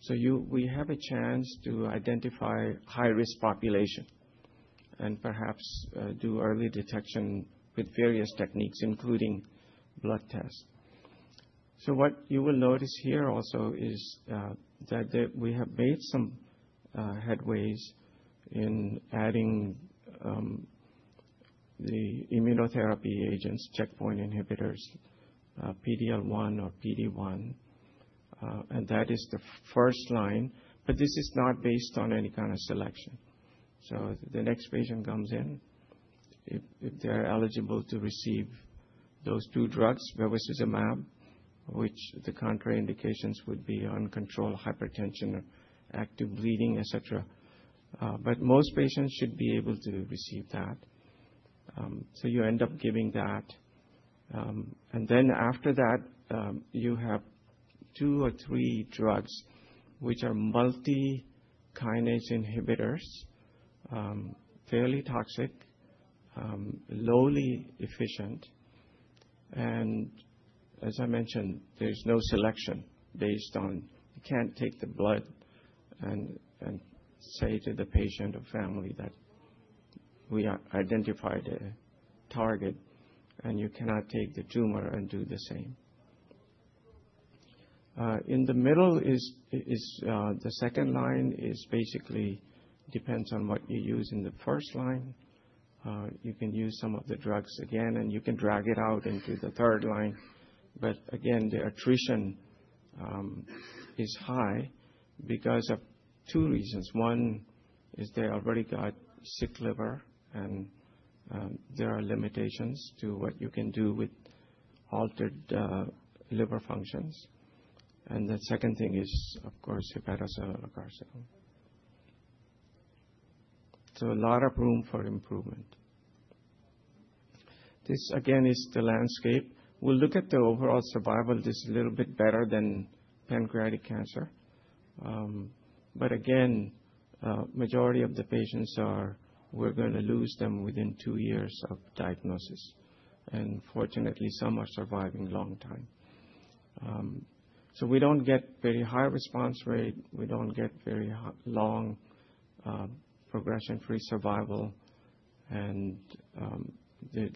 so we have a chance to identify high-risk population and perhaps do early detection with various techniques, including blood tests, so what you will notice here also is that we have made some headway in adding the immunotherapy agents, checkpoint inhibitors, PD-L1 or PD-1, and that is the first-line. But this is not based on any kind of selection, so the next patient comes in, if they're eligible to receive those two drugs, bevacizumab, which the contraindications would be uncontrolled hypertension, active bleeding, etc. But most patients should be able to receive that, so you end up giving that. Then after that, you have two or three drugs which are multikinase inhibitors, fairly toxic, lowly efficient. As I mentioned, there's no selection based on you can't take the blood and say to the patient or family that we identified a target, and you cannot take the tumor and do the same. In the middle, the second line basically depends on what you use in the first line. You can use some of the drugs again, and you can drag it out into the third line. Again, the attrition is high because of two reasons. One is they already got sick liver, and there are limitations to what you can do with altered liver functions. The second thing is, of course, hepatocellular carcinoma. A lot of room for improvement. This, again, is the landscape. We'll look at the overall survival just a little bit better than pancreatic cancer, but again, majority of the patients we're going to lose them within two years of diagnosis, and fortunately, some are surviving a long time, so we don't get very high response rate. We don't get very long progression-free survival, and the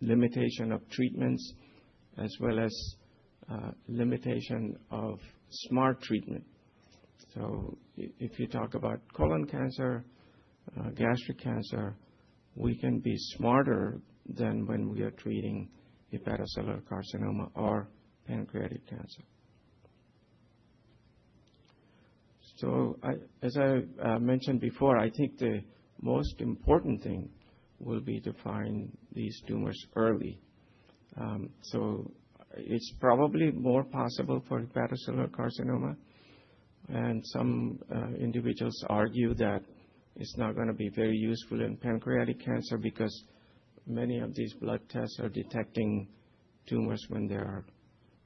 limitation of treatments, as well as limitation of smart treatment, so if you talk about colon cancer, gastric cancer, we can be smarter than when we are treating hepatocellular carcinoma or pancreatic cancer, so as I mentioned before, I think the most important thing will be to find these tumors early, so it's probably more possible for hepatocellular carcinoma, and some individuals argue that it's not going to be very useful in pancreatic cancer because many of these blood tests are detecting tumors when they are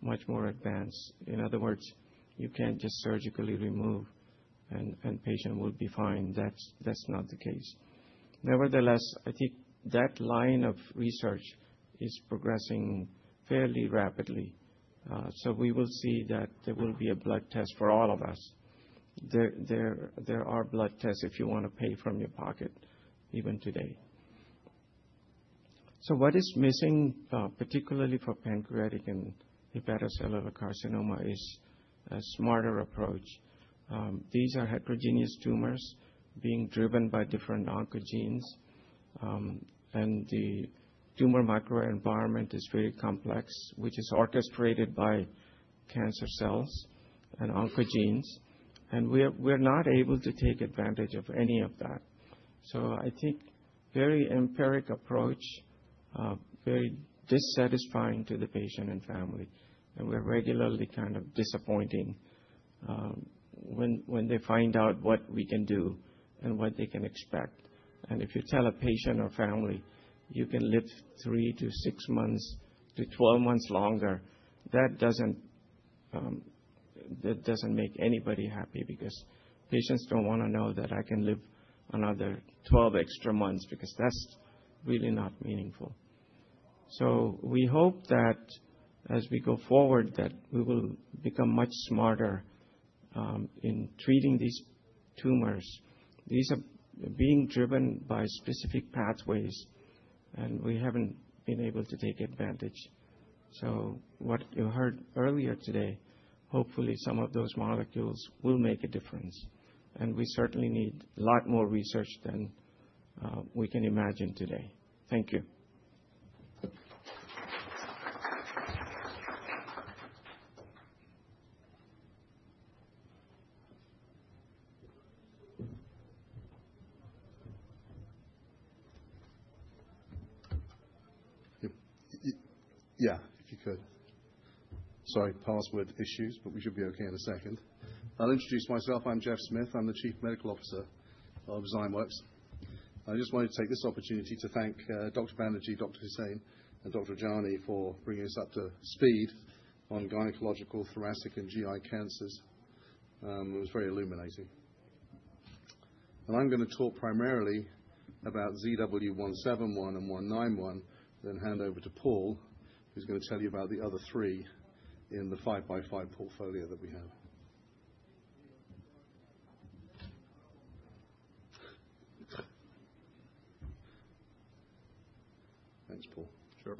much more advanced. In other words, you can't just surgically remove, and the patient will be fine. That's not the case. Nevertheless, I think that line of research is progressing fairly rapidly, so we will see that there will be a blood test for all of us. There are blood tests if you want to pay from your pocket even today, so what is missing, particularly for pancreatic and hepatocellular carcinoma, is a smarter approach. These are heterogeneous tumors being driven by different oncogenes, and the tumor microenvironment is very complex, which is orchestrated by cancer cells and oncogenes, and we're not able to take advantage of any of that, so I think very empiric approach, very dissatisfying to the patient and family, and we're regularly kind of disappointing when they find out what we can do and what they can expect. If you tell a patient or family you can live three to six months to 12 months longer, that doesn't make anybody happy because patients don't want to know that I can live another 12 extra months because that's really not meaningful. We hope that as we go forward, that we will become much smarter in treating these tumors. These are being driven by specific pathways, and we haven't been able to take advantage. What you heard earlier today, hopefully some of those molecules will make a difference. We certainly need a lot more research than we can imagine today. Thank you. Yeah, if you could. Sorry, password issues, but we should be okay in a second. I'll introduce myself. I'm Jeff Smith. I'm the Chief Medical Officer of Zymeworks. I just wanted to take this opportunity to thank Dr. Banerjee, Dr. Husain, and Dr. Ajani for bringing us up to speed on gynecological, thoracic, and GI cancers. It was very illuminating, and I'm going to talk primarily about ZW171 and ZW191, then hand over to Paul, who's going to tell you about the other three in the 5x5 portfolio that we have. Thanks, Paul. Sure.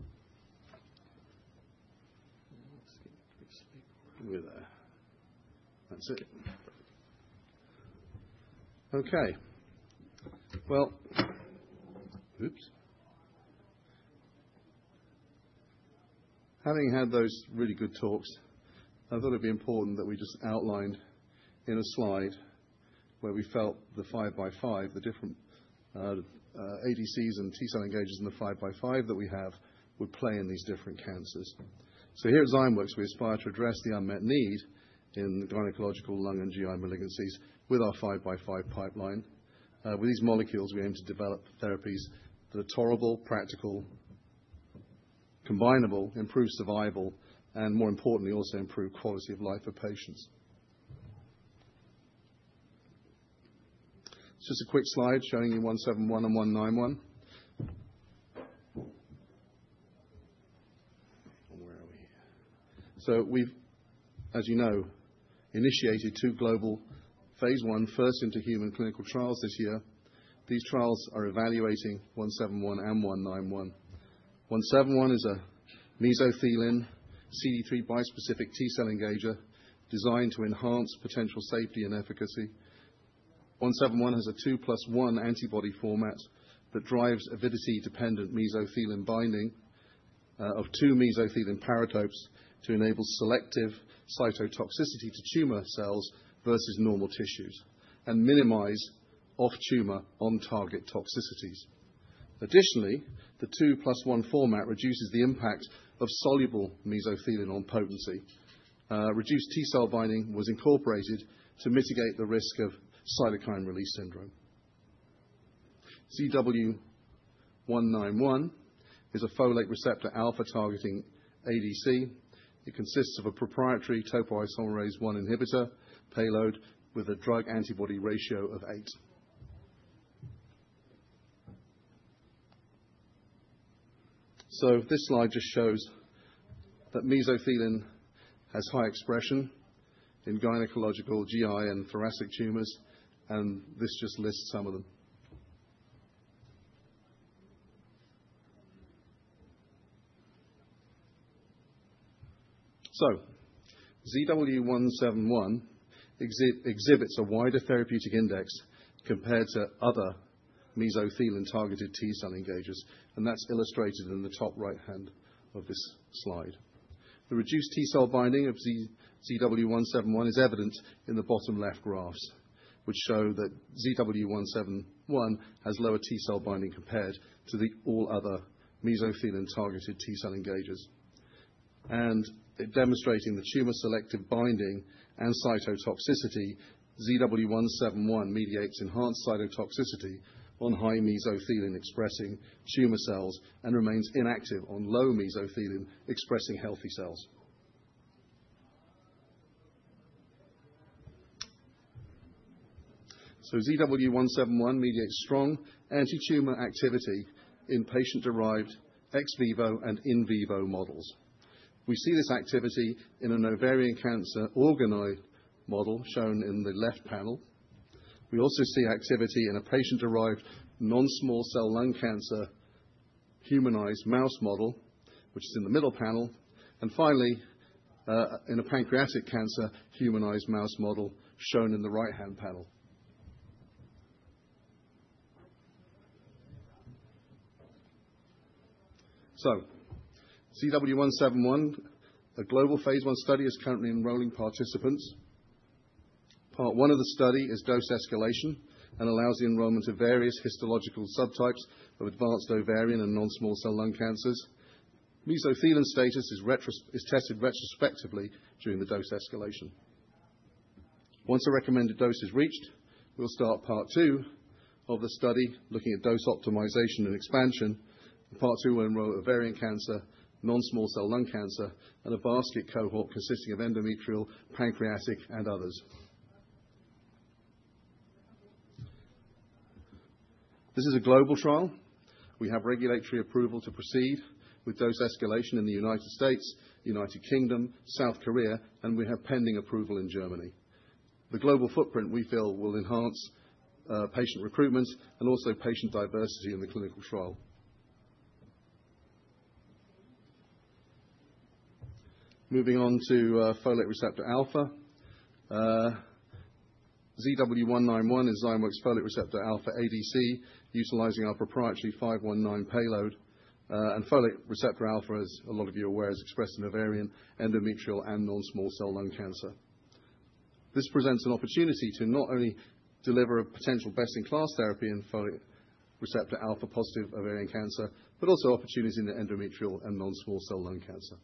Having had those really good talks, I thought it'd be important that we just outlined in a slide where we felt the 5x5, the different ADCs and T-cell engagers in the 5x5 that we have would play in these different cancers. So here at Zymeworks, we aspire to address the unmet need in gynecological, lung, and GI malignancies with our 5x5 pipeline. With these molecules, we aim to develop therapies that are tolerable, practical, combinable, improve survival, and more importantly, also improve quality of life for patients. It's just a quick slide showing you ZW171 and ZW191. Where are we? So we've, as you know, initiated two global phase 1, first-in-human clinical trials this year. These trials are evaluating ZW171 and ZW191. ZW171 is a mesothelin, CD3 bispecific T-cell engager designed to enhance potential safety and efficacy. ZW171 has a 2 plus 1 antibody format that drives avidity-dependent mesothelin binding of two mesothelin paratopes to enable selective cytotoxicity to tumor cells versus normal tissues and minimize off-tumor, on-target toxicities. Additionally, the 2 plus 1 format reduces the impact of soluble mesothelin on potency. Reduced T-cell binding was incorporated to mitigate the risk of cytokine release syndrome. ZW191 is a folate receptor alpha-targeting ADC. It consists of a proprietary topoisomerase 1 inhibitor payload with a drug-antibody ratio of eight. This slide just shows that mesothelin has high expression in gynecological, GI, and thoracic tumors, and this just lists some of them. ZW171 exhibits a wider therapeutic index compared to other mesothelin-targeted T-cell engagers, and that's illustrated in the top right hand of this slide. The reduced T-cell binding of ZW171 is evident in the bottom left graphs, which show that ZW171 has lower T-cell binding compared to all other mesothelin-targeted T-cell engagers. Demonstrating the tumor selective binding and cytotoxicity, ZW171 mediates enhanced cytotoxicity on high mesothelin-expressing tumor cells and remains inactive on low mesothelin-expressing healthy cells. ZW171 mediates strong anti-tumor activity in patient-derived ex vivo and in vivo models. We see this activity in an ovarian cancer organoid model shown in the left panel. We also see activity in a patient-derived non-small cell lung cancer humanized mouse model, which is in the middle panel, and finally, in a pancreatic cancer humanized mouse model shown in the right hand panel, so ZW171, a global phase one study is currently enrolling participants. Part one of the study is dose escalation and allows the enrollment of various histological subtypes of advanced ovarian and non-small cell lung cancers. Mesothelin status is tested retrospectively during the dose escalation. Once a recommended dose is reached, we'll start part two of the study looking at dose optimization and expansion. Part two will enroll ovarian cancer, non-small cell lung cancer, and a basket cohort consisting of endometrial, pancreatic, and others. This is a global trial. We have regulatory approval to proceed with dose escalation in the United States, United Kingdom, South Korea, and we have pending approval in Germany. The global footprint we feel will enhance patient recruitment and also patient diversity in the clinical trial. Moving on to folate receptor alpha. ZW191 is Zymeworks folate receptor alpha ADC utilizing our proprietary 519 payload. Folate receptor alpha, as a lot of you are aware, is expressed in ovarian, endometrial, and non-small cell lung cancer. This presents an opportunity to not only deliver a potential best-in-class therapy in folate receptor alpha positive ovarian cancer, but also opportunities in the endometrial and non-small cell lung cancer.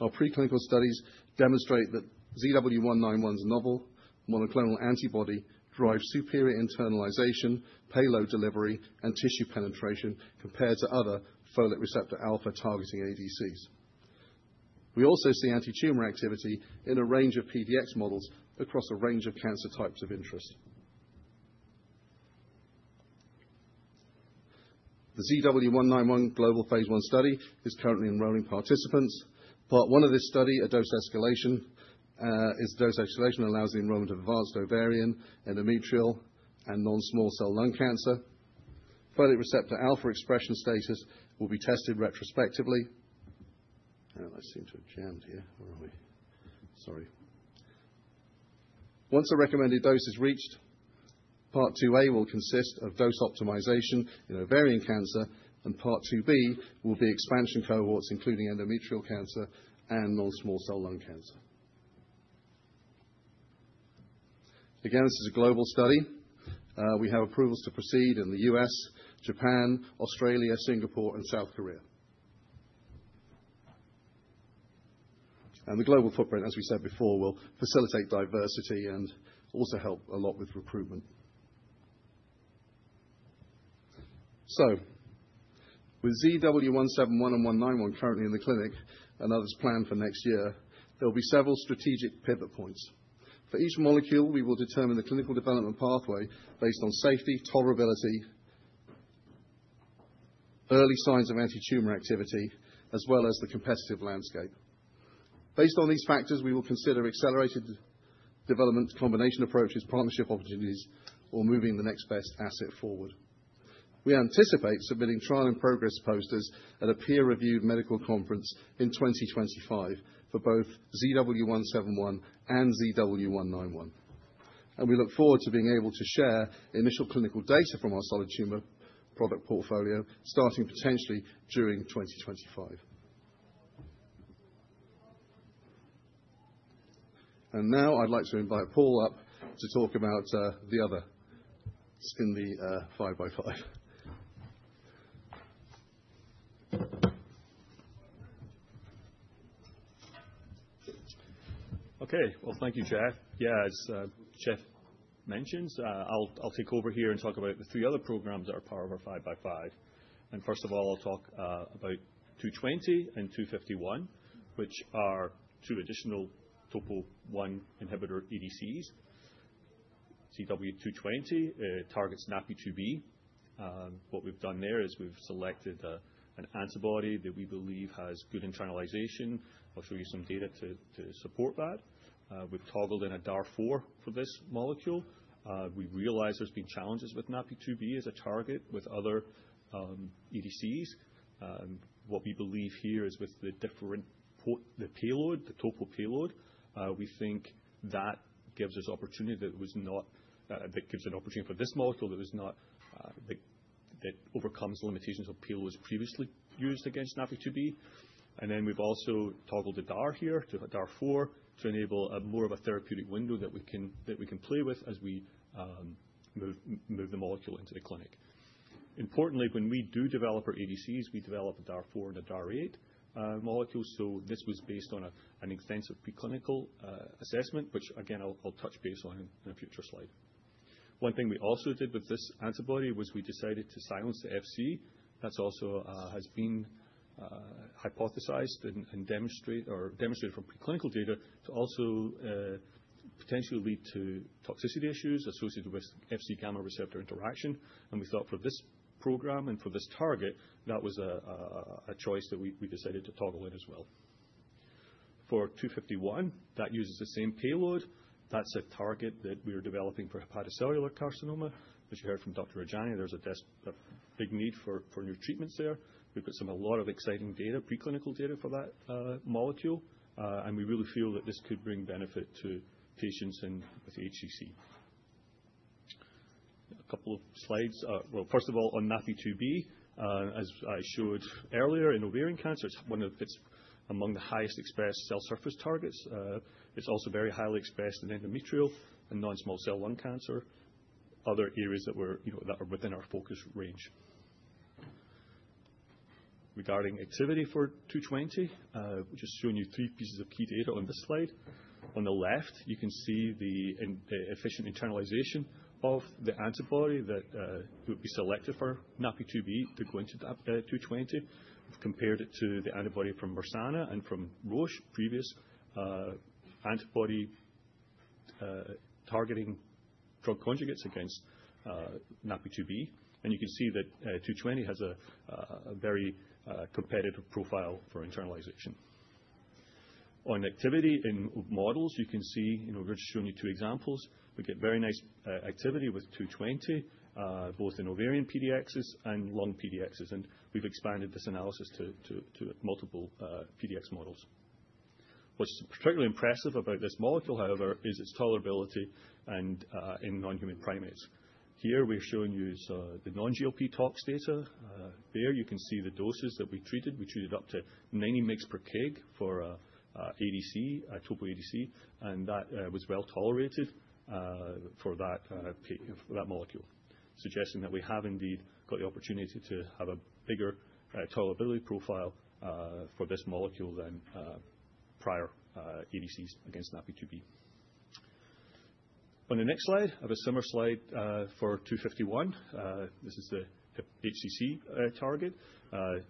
Our preclinical studies demonstrate that ZW191's novel monoclonal antibody drives superior internalization, payload delivery, and tissue penetration compared to other folate receptor alpha targeting ADCs. We also see anti-tumor activity in a range of PDX models across a range of cancer types of interest. The ZW191 global phase one study is currently enrolling participants. Part one of this study, a dose escalation, is a dose escalation that allows the enrollment of advanced ovarian, endometrial, and non-small cell lung cancer. Folate receptor alpha expression status will be tested retrospectively. I seem to have jammed here. Where are we? Sorry. Once a recommended dose is reached, part two A will consist of dose optimization in ovarian cancer, and part two B will be expansion cohorts, including endometrial cancer and non-small cell lung cancer. Again, this is a global study. We have approvals to proceed in the U.S., Japan, Australia, Singapore, and South Korea. And the global footprint, as we sA&ID before, will facilitate diversity and also help a lot with recruitment. So with ZW171 and ZW191 currently in the clinic and others planned for next year, there will be several strategic pivot points. For each molecule, we will determine the clinical development pathway based on safety, tolerability, early signs of anti-tumor activity, as well as the competitive landscape. Based on these factors, we will consider accelerated development combination approaches, partnership opportunities, or moving the next best asset forward. We anticipate submitting trial and progress posters at a peer-reviewed medical conference in 2025 for both ZW171 and ZW191. And we look forward to being able to share initial clinical data from our solid tumor product portfolio starting potentially during 2025. And now I'd like to invite Paul up to talk about the other in the 5x5. Okay. Well, thank you, Jeff. Yeah, as Jeff mentioned, I'll take over here and talk about the three other programs that are part of our 5x5. And first of all, I'll talk about 220 and 251, which are two additional topo 1 inhibitor ADCs. ZW220 targets NaPi2b. What we've done there is we've selected an antibody that we believe has good internalization. I'll show you some data to support that. We've toggled in a DAR4 for this molecule. We realize there's been challenges with NaPi2b as a target with other ADCs. What we believe here is with the different payload, the topo payload, we think that gives us an opportunity for this molecule that overcomes limitations of payloads previously used against NaPi2b. And then we've also toggled the DAR here to DAR4 to enable more of a therapeutic window that we can play with as we move the molecule into the clinic. Importantly, when we do develop our ADCs, we develop a DAR4 and a DAR8 molecule. So this was based on an extensive preclinical assessment, which again, I'll touch base on in a future slide. One thing we also did with this antibody was we decided to silence the Fc. That's also been hypothesized and demonstrated from preclinical data to also potentially lead to toxicity issues associated with Fc gamma receptor interaction. And we thought for this program and for this target, that was a choice that we decided to toggle in as well. For 251, that uses the same payload. That's a target that we are developing for hepatocellular carcinoma. As you heard from Dr. Ajani, there's a big need for new treatments there. We've got a lot of exciting data, preclinical data for that molecule, and we really feel that this could bring benefit to patients with HCC. A couple of slides. Well, first of all, on NaPi2b, as I showed earlier in ovarian cancer, it's among the highest expressed cell surface targets. It's also very highly expressed in endometrial and non-small cell lung cancer, other areas that are within our focus range. Regarding activity for 220, we've just shown you three pieces of key data on this slide. On the left, you can see the efficient internalization of the antibody that would be selected for NaPi2b to go into 220. We've compared it to the antibody from Mersana and from Roche, previous antibody-drug conjugates against NaPi2b. And you can see that 220 has a very competitive profile for internalization. On activity in models, you can see we've just shown you two examples. We get very nice activity with 220, both in ovarian PDXs and lung PDXs, and we've expanded this analysis to multiple PDX models. What's particularly impressive about this molecule, however, is its tolerability in non-human primates. Here, we're showing you the non-GLP tox data. There you can see the doses that we treated. We treated up to 90 mg per kg for a topo ADC, and that was well tolerated for that molecule, suggesting that we have indeed got the opportunity to have a bigger tolerability profile for this molecule than prior ADCs against NaPi2b. On the next slide, I have a similar slide for 251. This is the HCC target. GPC3,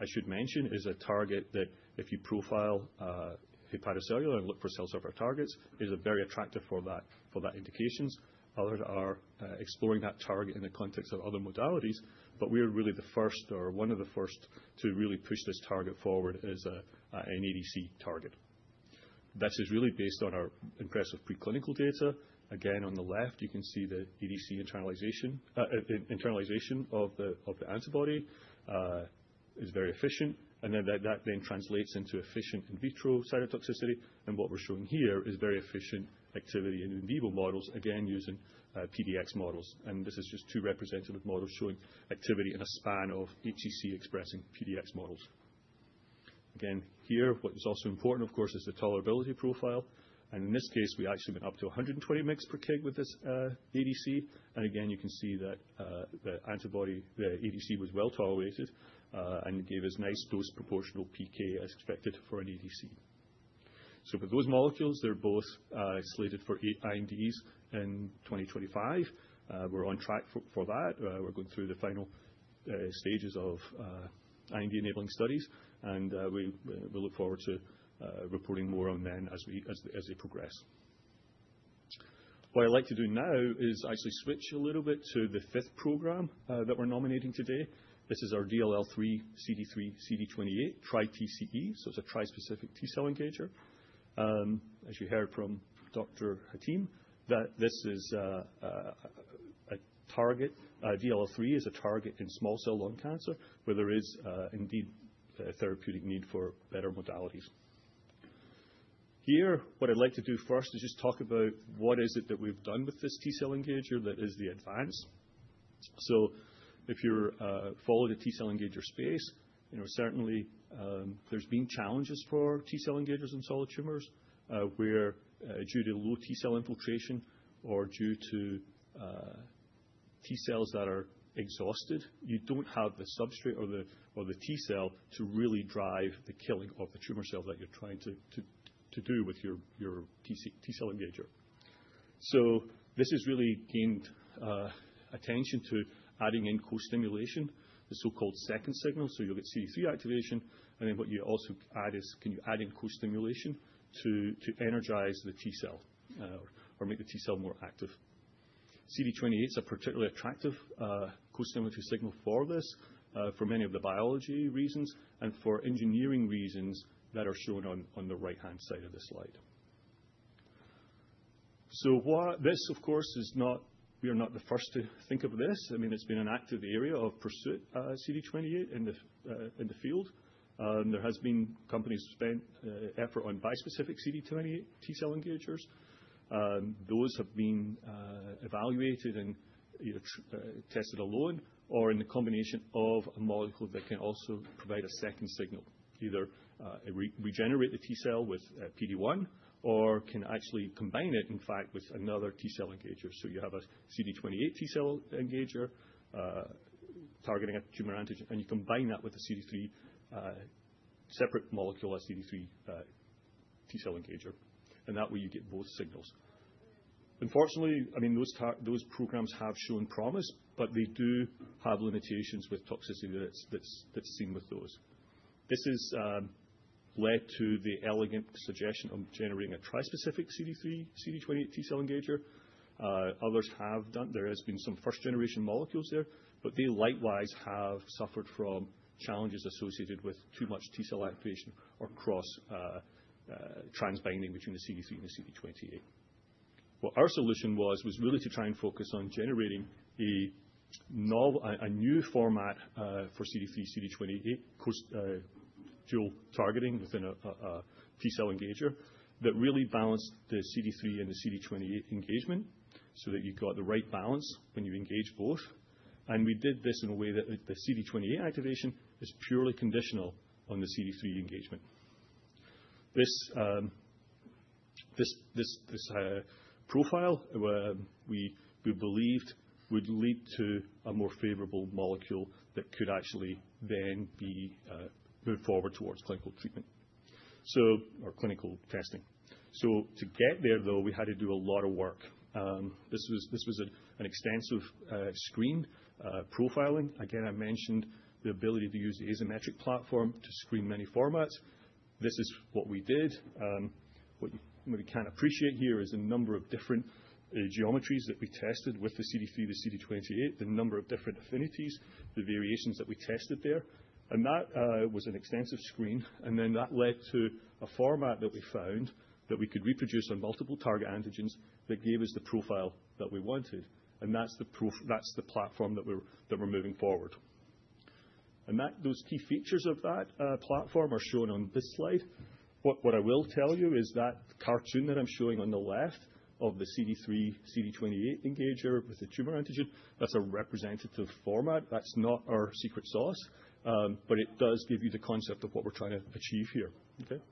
I should mention, is a target that if you profile hepatocellular and look for cell surface targets, is very attractive for that indications. Others are exploring that target in the context of other modalities, but we're really the first or one of the first to really push this target forward as an ADC target. That is really based on our impressive preclinical data. Again, on the left, you can see the ADC internalization of the antibody is very efficient, and then that translates into efficient in vitro cytotoxicity. What we're showing here is very efficient activity in vivo models, again, using PDX models. This is just two representative models showing activity in a span of HCC expressing PDX models. Here, what is also important, of course, is the tolerability profile. In this case, we actually went up to 120 mg per kg with this ADC. You can see that the antibody, the ADC, was well tolerated and gave us nice dose proportional PK as expected for an ADC. For those molecules, they're both slated for INDs in 2025. We're on track for that. We're going through the final stages of IND enabling studies, and we look forward to reporting more on them as they progress. What I'd like to do now is actually switch a little bit to the fifth program that we're nominating today. This is our DLL3 CD3 CD28 TriTCE. So it's a tri-specific T-cell engager. As you heard from Dr. Hatim, this is a target. DLL3 is a target in small cell lung cancer where there is indeed a therapeutic need for better modalities. Here, what I'd like to do first is just talk about what is it that we've done with this T-cell engager that is the advance. So if you're following the T-cell engager space, certainly there's been challenges for T-cell engagers in solid tumors where, due to low T-cell infiltration or due to T-cells that are exhausted, you don't have the substrate or the T-cell to really drive the killing of the tumor cells that you're trying to do with your T-cell engager. So this has really gained attention to adding in co-stimulation, the so-called second signal. So you'll get CD3 activation. And then what you also add is, can you add in co-stimulation to energize the T-cell or make the T-cell more active? CD28 is a particularly attractive co-stimulatory signal for this for many of the biology reasons and for engineering reasons that are shown on the right-hand side of this slide. So this, of course, is not. We are not the first to think of this. I mean, it's been an active area of pursuit, CD28, in the field. There has been companies spent effort on bispecific CD28 T-cell engagers. Those have been evaluated and tested alone or in the combination of a molecule that can also provide a second signal, either regenerate the T-cell with PD1 or can actually combine it, in fact, with another T-cell engager. So you have a CD28 T-cell engager targeting a tumor antigen, and you combine that with a separate molecule as CD3 T-cell engager. And that way, you get both signals. Unfortunately, I mean, those programs have shown promise, but they do have limitations with toxicity that's seen with those. This has led to the elegant suggestion of generating a tri-specific CD3 CD28 T-cell engager. Others have done. There has been some first-generation molecules there, but they likewise have suffered from challenges associated with too much T-cell activation or cross-transbinding between the CD3 and the CD28. What our solution was really to try and focus on generating a new format for CD3 CD28 dual targeting within a T-cell engager that really balanced the CD3 and the CD28 engagement so that you've got the right balance when you engage both. We did this in a way that the CD28 activation is purely conditional on the CD3 engagement. This profile, we believed, would lead to a more favorable molecule that could actually then be moved forward towards clinical treatment or clinical testing. To get there, though, we had to do a lot of work. This was an extensive screen profiling. Again, I mentioned the ability to use the Azymetric platform to screen many formats. This is what we did. What you maybe can't appreciate here is the number of different geometries that we tested with the CD3, the CD28, the number of different affinities, the variations that we tested there, and that was an extensive screen, and then that led to a format that we found that we could reproduce on multiple target antigens that gave us the profile that we wanted, and that's the platform that we're moving forward, and those key features of that platform are shown on this slide. What I will tell you is that cartoon that I'm showing on the left of the CD3 CD28 engager with the tumor antigen, that's a representative format. That's not our secret sauce, but it does give you the concept of what we're trying to achieve here. Okay?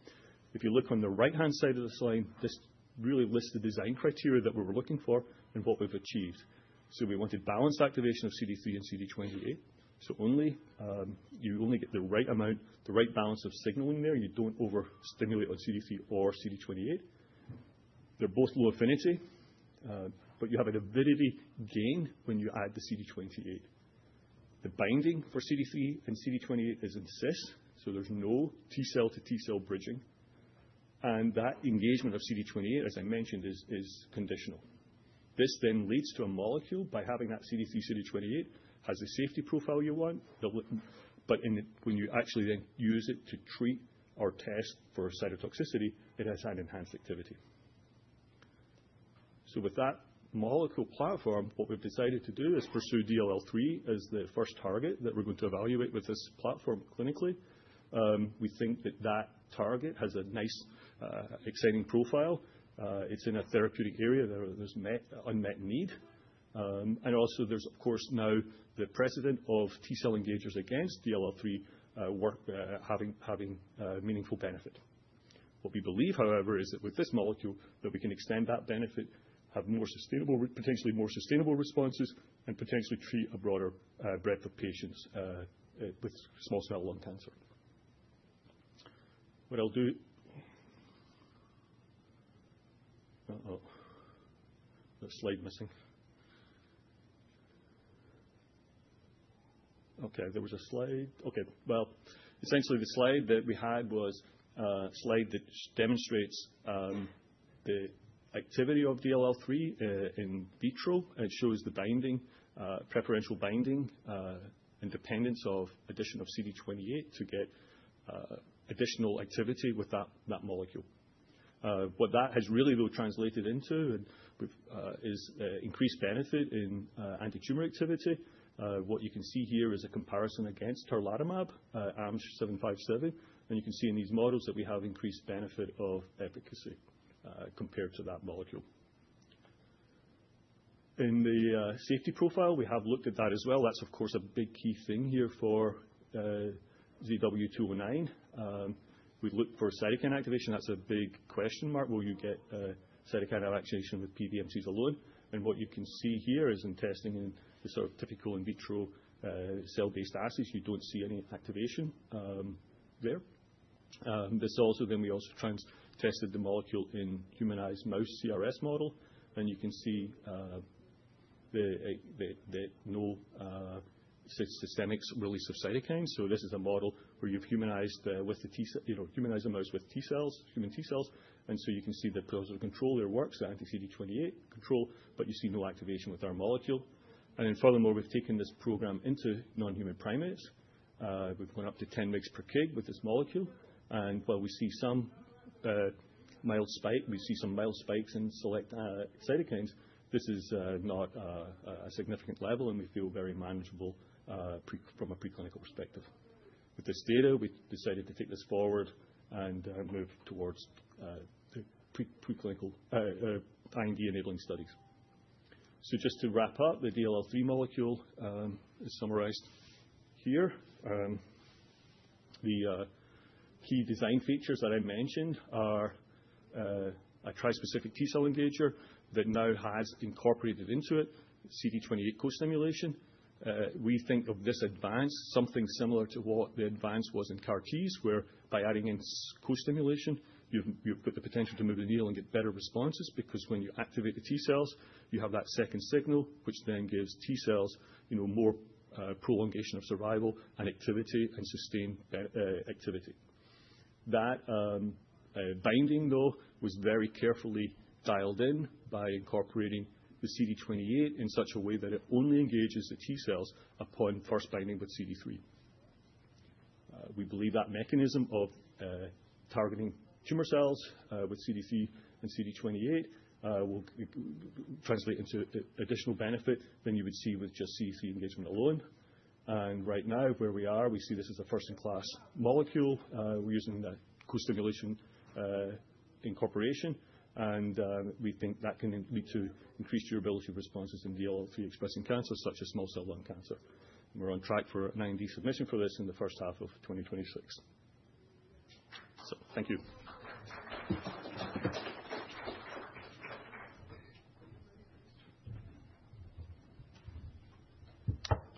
If you look on the right-hand side of the slide, this really lists the design criteria that we were looking for and what we've achieved so we wanted balanced activation of CD3 and CD28 so you only get the right amount, the right balance of signaling there. You don't overstimulate on CD3 or CD28. They're both low affinity, but you have an avidity gain when you add the CD28. The binding for CD3 and CD28 is in cis, so there's no T-cell to T-cell bridging and that engagement of CD28, as I mentioned, is conditional. This then leads to a molecule, by having that CD3 CD28, has the safety profile you want, but when you actually then use it to treat or test for cytotoxicity, it has had enhanced activity. So with that molecule platform, what we've decided to do is pursue DLL3 as the first target that we're going to evaluate with this platform clinically. We think that that target has a nice, exciting profile. It's in a therapeutic area where there's unmet need. And also, there's, of course, now the precedent of T-cell engagers against DLL3 having meaningful benefit. What we believe, however, is that with this molecule, that we can extend that benefit, have potentially more sustainable responses, and potentially treat a broader breadth of patients with small cell lung cancer. What I'll do, oh, the slide missing. Okay, there was a slide. Okay, well, essentially, the slide that we had was a slide that demonstrates the activity of DLL3 in vitro and shows the preferential binding and dependence of addition of CD28 to get additional activity with that molecule. What that has really, though, translated into is increased benefit in anti-tumor activity. What you can see here is a comparison against tarlatamab, AMG 757, and you can see in these models that we have increased benefit of efficacy compared to that molecule. In the safety profile, we have looked at that as well. That's, of course, a big key thing here for ZW209. We've looked for cytokine activation. That's a big question mark. Will you get cytokine activation with PBMCs alone? And what you can see here is, in testing in the sort of typical in vitro cell-based assays, you don't see any activation there, then we also tested the molecule in humanized mouse CRS model, and you can see that no systemic release of cytokines, so this is a model where you've humanized a mouse with human T-cells. You can see that the controller works, the anti-CD28 control, but you see no activation with our molecule. Furthermore, we've taken this program into non-human primates. We've gone up to 10 mg per kg with this molecule. While we see some mild spikes in select cytokines, this is not a significant level, and we feel very manageable from a preclinical perspective. With this data, we decided to take this forward and move towards preclinical IND enabling studies. Just to wrap up, the DLL3 molecule is summarized here. The key design features that I mentioned are a tri-specific T-cell engager that now has incorporated into it CD28 co-stimulation. We think of this advance something similar to what the advance was in CAR-Ts, where by adding in co-stimulation, you've got the potential to move the needle and get better responses because when you activate the T-cells, you have that second signal, which then gives T-cells more prolongation of survival and activity and sustained activity. That binding, though, was very carefully dialed in by incorporating the CD28 in such a way that it only engages the T-cells upon first binding with CD3. We believe that mechanism of targeting tumor cells with CD3 and CD28 will translate into additional benefit than you would see with just CD3 engagement alone, and right now, where we are, we see this as a first-in-class molecule. We're using that co-stimulation incorporation, and we think that can lead to increased durability of responses in DLL3 expressing cancer, such as small cell lung cancer. And we're on track for an IND submission for this in the first half of 2026. So thank you.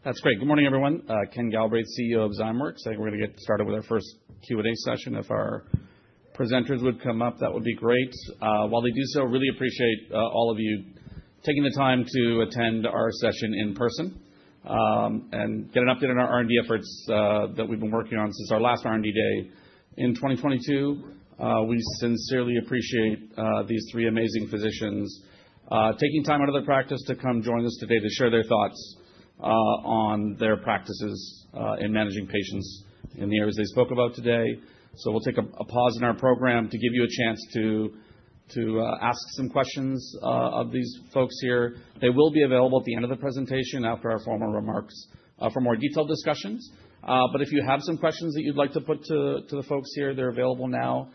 That's great. Good morning, everyone. Ken Galbraith, CEO of Zymeworks. I think we're going to get started with our first Q&A session. If our presenters would come up, that would be great. While they do so, I really appreciate all of you taking the time to attend our session in person and get an update on our R&D efforts that we've been working on since our last R&D day in 2022. We sincerely appreciate these three amazing physicians taking time out of their practice to come join us today to share their thoughts on their practices in managing patients in the areas they spoke about today. So we'll take a pause in our program to give you a chance to ask some questions of these folks here. They will be available at the end of the presentation after our formal remarks for more detailed discussions. But if you have some questions that you'd like to put to the folks here, they're available now.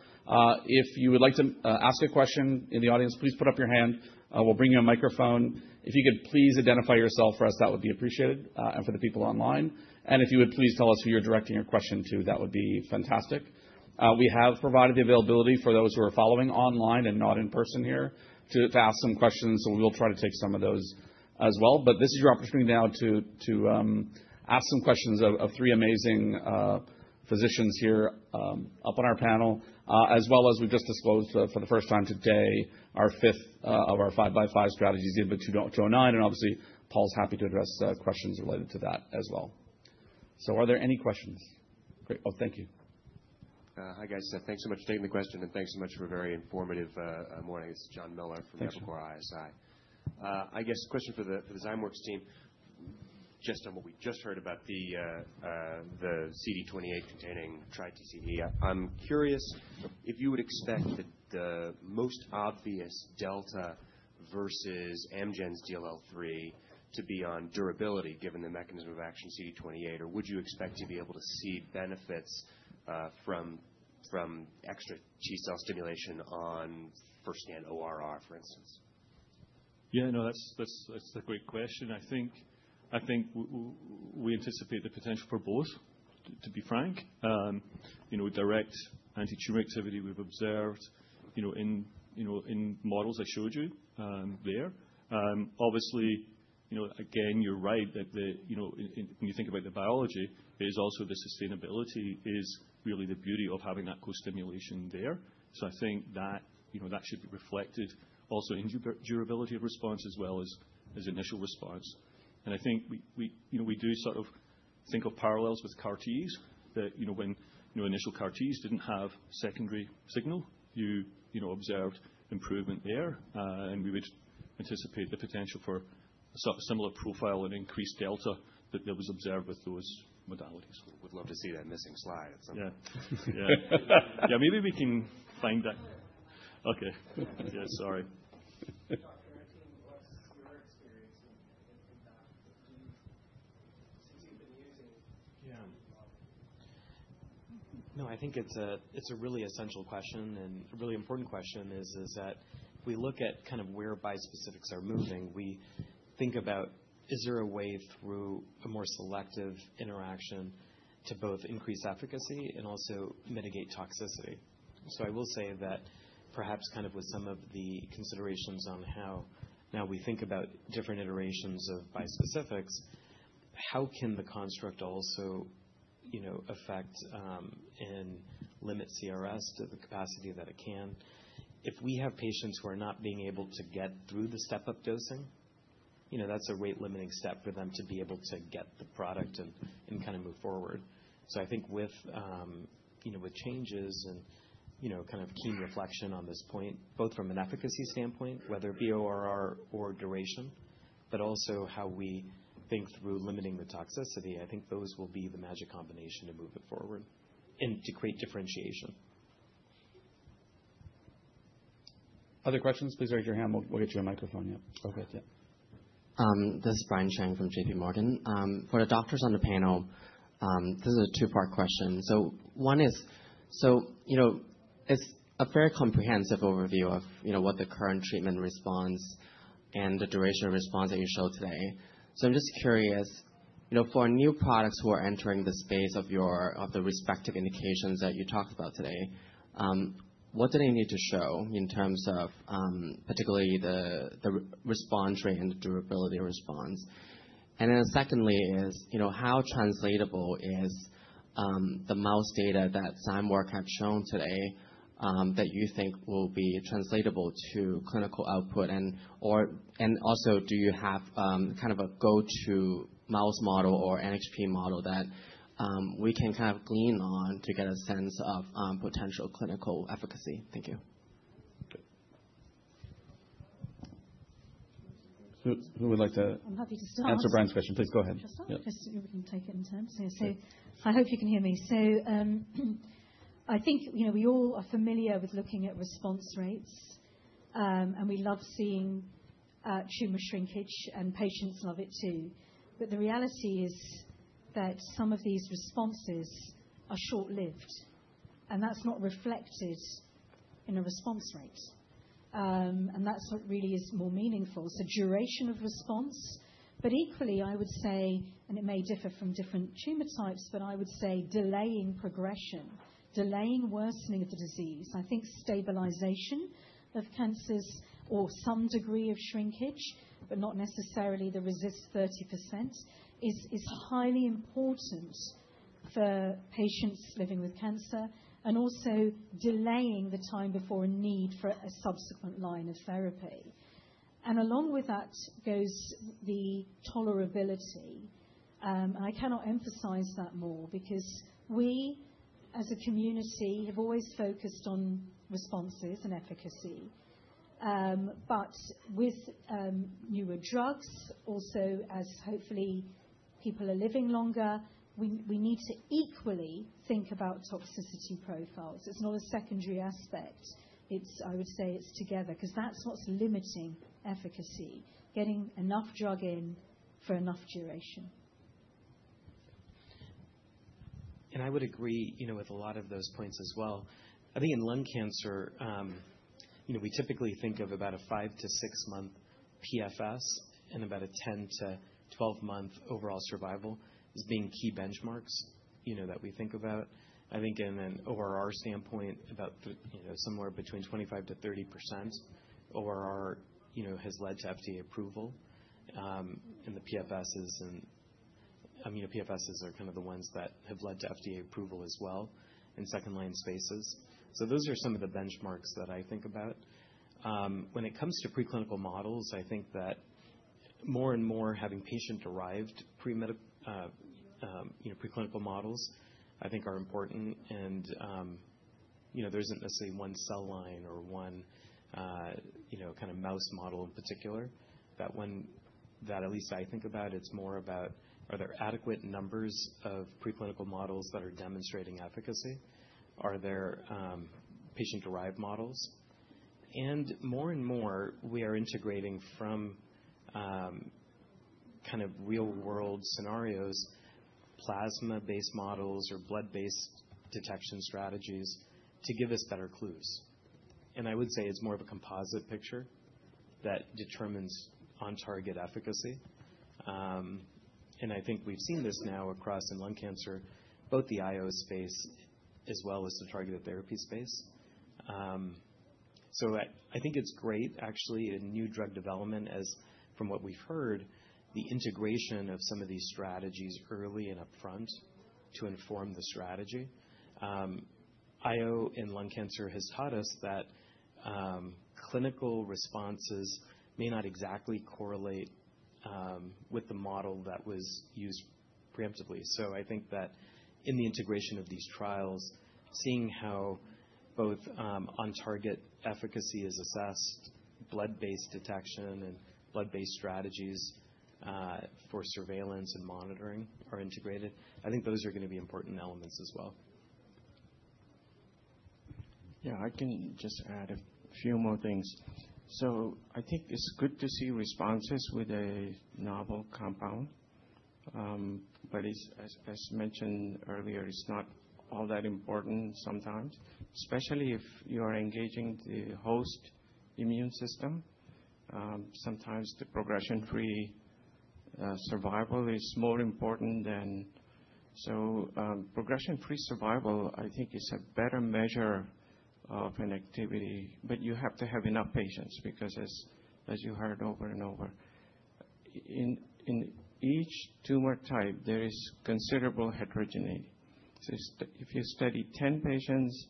If you would like to ask a question in the audience, please put up your hand. We'll bring you a microphone. If you could please identify yourself for us, that would be appreciated. And for the people online, and if you would please tell us who you're directing your question to, that would be fantastic. We have provided the availability for those who are following online and not in person here to ask some questions, so we will try to take some of those as well. But this is your opportunity now to ask some questions of three amazing physicians here up on our panel, as well as we've just disclosed for the first time today our fifth of our five-by-five strategies, ZW209. And obviously, Paul's happy to address questions related to that as well. So are there any questions? Great. Oh, thank you. Hi, guys. Thanks so much for taking the question, and thanks so much for a very informative morning. This is John Miller from Evercore ISI. I guess a question for the Zymeworks team, just on what we just heard about the CD28 containing TriTCE. I'm curious if you would expect that the most obvious delta versus Amgen's DLL3 to be on durability, given the mechanism of action CD28, or would you expect to be able to see benefits from extra T-cell stimulation on firsthand ORR, for instance? Yeah, no, that's a great question. I think we anticipate the potential for both, to be frank. Direct anti-tumor activity we've observed in models I showed you there. Obviously, again, you're right that when you think about the biology, it is also the sustainability is really the beauty of having that co-stimulation there. So I think that should be reflected also in durability of response as well as initial response. And I think we do sort of think of parallels with CAR-Ts that when initial CAR-Ts didn't have secondary signal, you observed improvement there. And we would anticipate the potential for a similar profile and increased delta that was observed with those modalities. We'd love to see that missing slide at some point. Yeah. Yeah, maybe we can find that. Okay. Yeah, sorry. Doctor, what's your experience in that since you've been using? Yeah. No, I think it's a really essential question and a really important question is that if we look at kind of where bispecifics are moving, we think about is there a way through a more selective interaction to both increase efficacy and also mitigate toxicity? So I will say that perhaps kind of with some of the considerations on how now we think about different iterations of bispecifics, how can the construct also affect and limit CRS to the capacity that it can? If we have patients who are not being able to get through the step-up dosing, that's a rate-limiting step for them to be able to get the product and kind of move forward. So I think with changes and kind of keen reflection on this point, both from an efficacy standpoint, whether it be ORR or duration, but also how we think through limiting the toxicity, I think those will be the magic combination to move it forward and to create differentiation. Other questions? Please raise your hand. We'll get you a microphone. Yeah. Okay. Yeah. This is Brian Cheng from JPMorgan. For the doctors on the panel, this is a two-part question. One is, so it's a very comprehensive overview of what the current treatment response and the duration of response that you showed today. I'm just curious, for new products who are entering the space of the respective indications that you talked about today, what do they need to show in terms of particularly the response rate and durability of response? And then secondly is, how translatable is the mouse data that Zymeworks have shown today that you think will be translatable to clinical output? And also, do you have kind of a go-to mouse model or NHP model that we can kind of lean on to get a sense of potential clinical efficacy? Thank you. Who would like to answer Brian's question? Please go ahead. Just asking if you can take it in turn. So I hope you can hear me. So I think we all are familiar with looking at response rates, and we love seeing tumor shrinkage, and patients love it too. But the reality is that some of these responses are short-lived, and that's not reflected in a response rate. And that's what really is more meaningful, so duration of response. But equally, I would say, and it may differ from different tumor types, but I would say delaying progression, delaying worsening of the disease. I think stabilization of cancers or some degree of shrinkage, but not necessarily the RECIST 30%, is highly important for patients living with cancer and also delaying the time before a need for a subsequent line of therapy. And along with that goes the tolerability. And I cannot emphasize that more because we, as a community, have always focused on responses and efficacy. But with newer drugs, also, as hopefully people are living longer, we need to equally think about toxicity profiles. It's not a secondary aspect. I would say it's together because that's what's limiting efficacy, getting enough drug in for enough duration. I would agree with a lot of those points as well. I think in lung cancer, we typically think of about a five- to six-month PFS and about a 10- to 12-month overall survival as being key benchmarks that we think about. I think in an ORR standpoint, about somewhere between 25%-30% ORR has led to FDA approval. The PFSs are kind of the ones that have led to FDA approval as well in second-line spaces. Those are some of the benchmarks that I think about. When it comes to preclinical models, I think that more and more having patient-derived preclinical models, I think, are important. There isn't necessarily one cell line or one kind of mouse model in particular. When that, at least I think about, it's more about are there adequate numbers of preclinical models that are demonstrating efficacy? Are there patient-derived models? And more and more, we are integrating from kind of real-world scenarios, plasma-based models or blood-based detection strategies to give us better clues. And I would say it's more of a composite picture that determines on-target efficacy. And I think we've seen this now across in lung cancer, both the IO space as well as the targeted therapy space. So I think it's great, actually, in new drug development, as from what we've heard, the integration of some of these strategies early and upfront to inform the strategy. IO in lung cancer has taught us that clinical responses may not exactly correlate with the model that was used preemptively. I think that in the integration of these trials, seeing how both on-target efficacy is assessed, blood-based detection, and blood-based strategies for surveillance and monitoring are integrated, I think those are going to be important elements as well. Yeah, I can just add a few more things. So I think it's good to see responses with a novel compound. But as mentioned earlier, it's not all that important sometimes, especially if you are engaging the host immune system. Sometimes the progression-free survival is more important than. So progression-free survival, I think, is a better measure of an activity. But you have to have enough patients because, as you heard over and over, in each tumor type, there is considerable heterogeneity. So if you study 10 patients,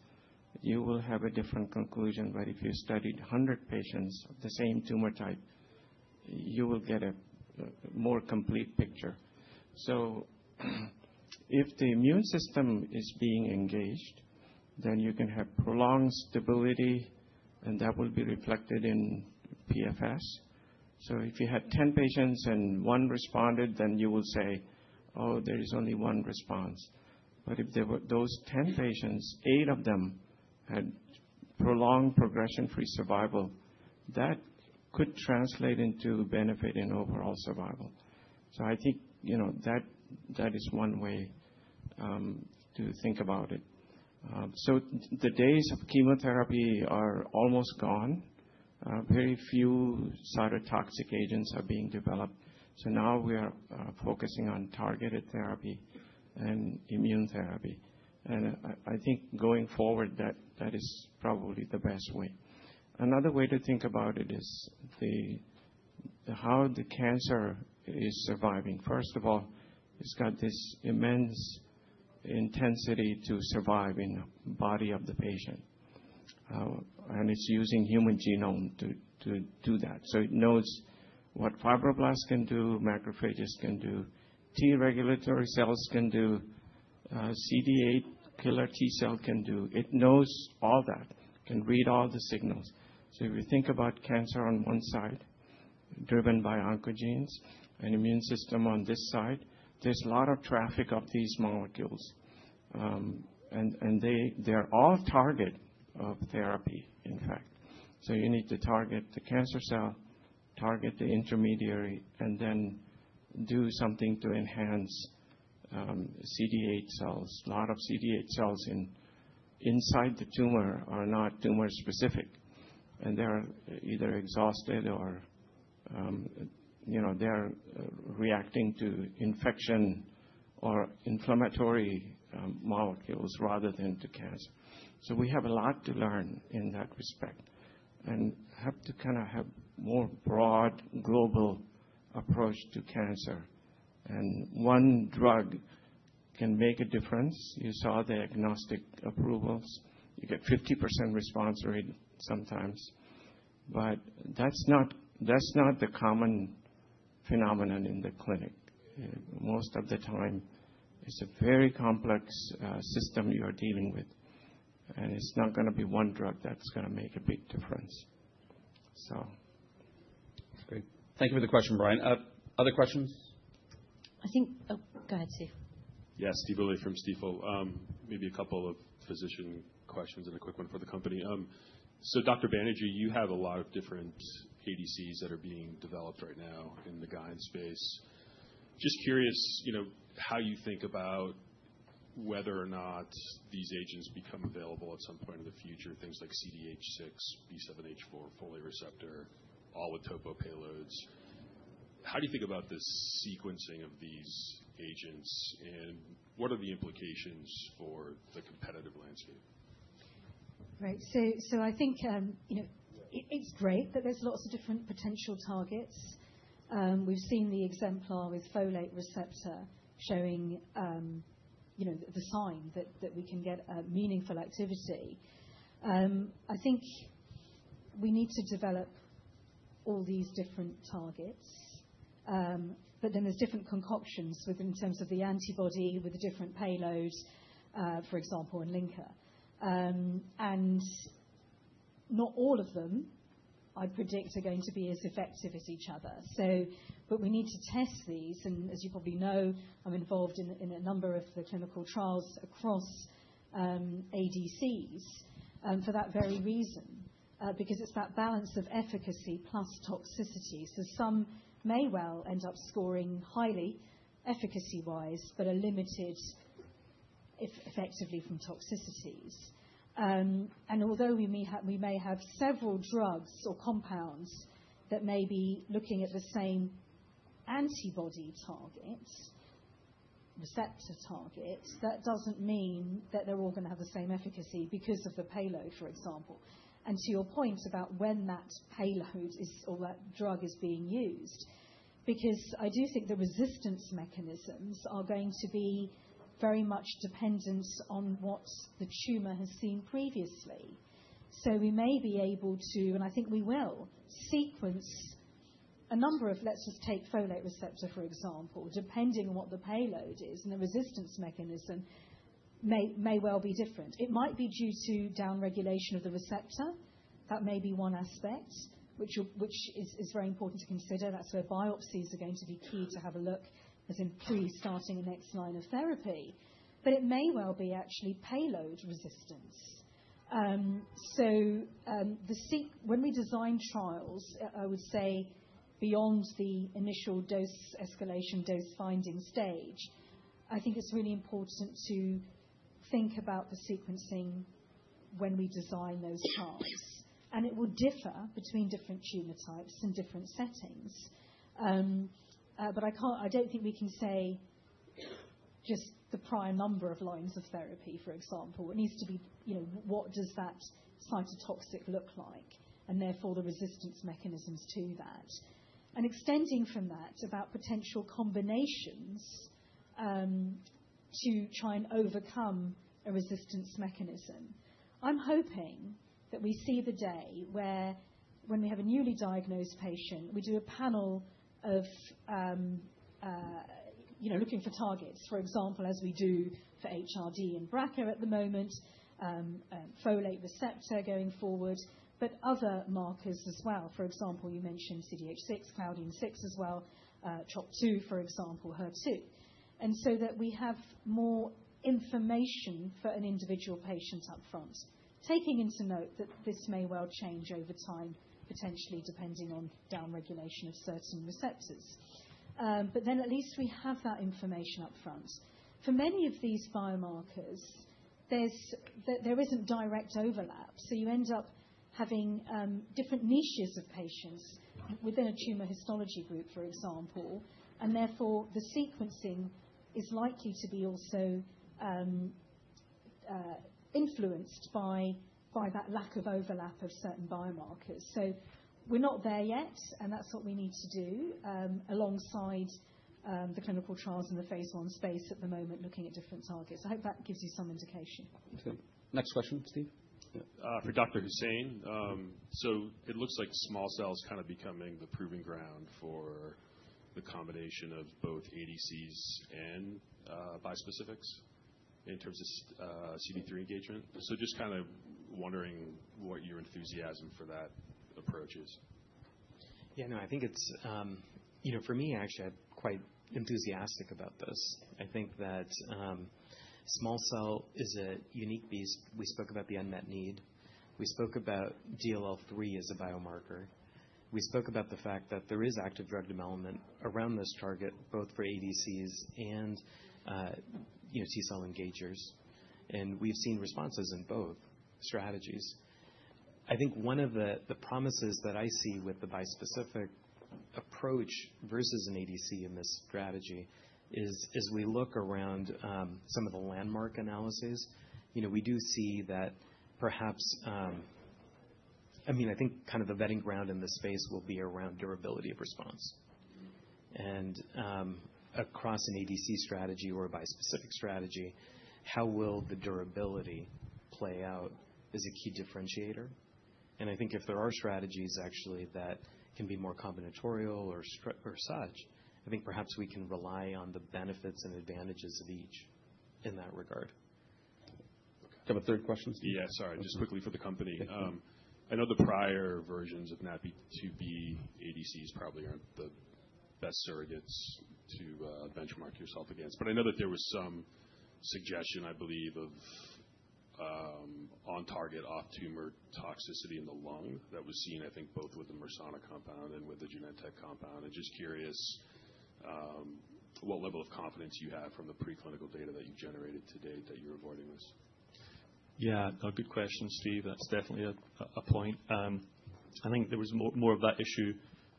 you will have a different conclusion. But if you studied 100 patients of the same tumor type, you will get a more complete picture. So if the immune system is being engaged, then you can have prolonged stability, and that will be reflected in PFS. So if you had 10 patients and one responded, then you will say, "Oh, there is only one response." But if there were those 10 patients, eight of them had prolonged progression-free survival, that could translate into benefit in overall survival. So I think that is one way to think about it. So the days of chemotherapy are almost gone. Very few cytotoxic agents are being developed. So now we are focusing on targeted therapy and immune therapy. And I think going forward, that is probably the best way. Another way to think about it is how the cancer is surviving. First of all, it's got this immense intensity to survive in the body of the patient. And it's using human genome to do that. So it knows what fibroblasts can do, macrophages can do, T regulatory cells can do, CD8 killer T cell can do. It knows all that, can read all the signals. So if you think about cancer on one side, driven by oncogenes and immune system on this side, there's a lot of traffic of these molecules. And they're all target of therapy, in fact. So you need to target the cancer cell, target the intermediary, and then do something to enhance CD8 cells. A lot of CD8 cells inside the tumor are not tumor-specific. And they're either exhausted or they're reacting to infection or inflammatory molecules rather than to cancer. So we have a lot to learn in that respect and have to kind of have a more broad, global approach to cancer. And one drug can make a difference. You saw the agnostic approvals. You get 50% response rate sometimes. But that's not the common phenomenon in the clinic. Most of the time, it's a very complex system you are dealing with. And it's not going to be one drug that's going to make a big difference. So. Thank you for the question, Brian. Other questions? I think, oh, go ahead, Stephen. Yes, Stephen Willey from Stifel. Maybe a couple of physician questions and a quick one for the company. So Doctor Banerjee, you have a lot of different ADCs that are being developed right now in the GYN space. Just curious how you think about whether or not these agents become available at some point in the future, things like CDH6, B7-H4, folate receptor, all with topo payloads. How do you think about the sequencing of these agents and what are the implications for the competitive landscape? Right. So I think it's great that there's lots of different potential targets. We've seen the exemplar with folate receptor showing the sign that we can get meaningful activity. I think we need to develop all these different targets. But then there's different concoctions in terms of the antibody with the different payloads, for example, in linker. And not all of them, I predict, are going to be as effective as each other. But we need to test these. And as you probably know, I'm involved in a number of the clinical trials across ADCs for that very reason, because it's that balance of efficacy plus toxicity. So some may well end up scoring highly efficacy-wise, but are limited effectively from toxicities. Although we may have several drugs or compounds that may be looking at the same antibody target, receptor target, that doesn't mean that they're all going to have the same efficacy because of the payload, for example. To your point about when that payload or that drug is being used, because I do think the resistance mechanisms are going to be very much dependent on what the tumor has seen previously. We may be able to, and I think we will, sequence a number of, let's just take folate receptor, for example, depending on what the payload is, and the resistance mechanism may well be different. It might be due to downregulation of the receptor. That may be one aspect, which is very important to consider. That's where biopsies are going to be key to have a look as in pre-starting the next line of therapy. It may well be actually payload resistance. When we design trials, I would say beyond the initial dose escalation, dose finding stage, I think it's really important to think about the sequencing when we design those trials. It will differ between different tumor types and different settings. I don't think we can say just the prime number of lines of therapy, for example. It needs to be what does that cytotoxic look like, and therefore the resistance mechanisms to that. Extending from that about potential combinations to try and overcome a resistance mechanism. I'm hoping that we see the day where when we have a newly diagnosed patient, we do a panel of looking for targets, for example, as we do for HRD and BRCA at the moment, folate receptor going forward, but other markers as well. For example, you mentioned CDH6, Claudin 6 as well, TROP2, for example, HER2, and so that we have more information for an individual patient upfront, taking into note that this may well change over time, potentially depending on downregulation of certain receptors. But then at least we have that information upfront. For many of these biomarkers, there isn't direct overlap. So you end up having different niches of patients within a tumor histology group, for example. And therefore, the sequencing is likely to be also influenced by that lack of overlap of certain biomarkers. So we're not there yet, and that's what we need to do alongside the clinical trials in the phase one space at the moment, looking at different targets. I hope that gives you some indication. Next question, Stephen. For Doctor Husain. So it looks like small cells kind of becoming the proving ground for the combination of both ADCs and bispecifics in terms of CD3 engagement. So just kind of wondering what your enthusiasm for that approach is. Yeah, no, I think it's for me, actually. I'm quite enthusiastic about this. I think that small cell is a unique beast. We spoke about the unmet need. We spoke about DLL3 as a biomarker. We spoke about the fact that there is active drug development around this target, both for ADCs and T cell engagers. And we've seen responses in both strategies. I think one of the promises that I see with the bispecific approach versus an ADC in this strategy is we look around some of the landmark analyses. We do see that perhaps, I mean, I think kind of the testing ground in this space will be around durability of response. And across an ADC strategy or a bispecific strategy, how will the durability play out is a key differentiator. I think if there are strategies actually that can be more combinatorial or such, I think perhaps we can rely on the benefits and advantages of each in that regard. Do you have a third question? Yeah, sorry. Just quickly for the company. I know the prior versions of NaPi2b ADCs probably aren't the best surrogates to benchmark yourself against. But I know that there was some suggestion, I believe, of on-target, off-tumor toxicity in the lung that was seen, I think, both with the Mersana compound and with the Genentech compound. And just curious what level of confidence you have from the preclinical data that you've generated to date that you're avoiding this. Yeah, good question, Stephen. That's definitely a point. I think there was more of that issue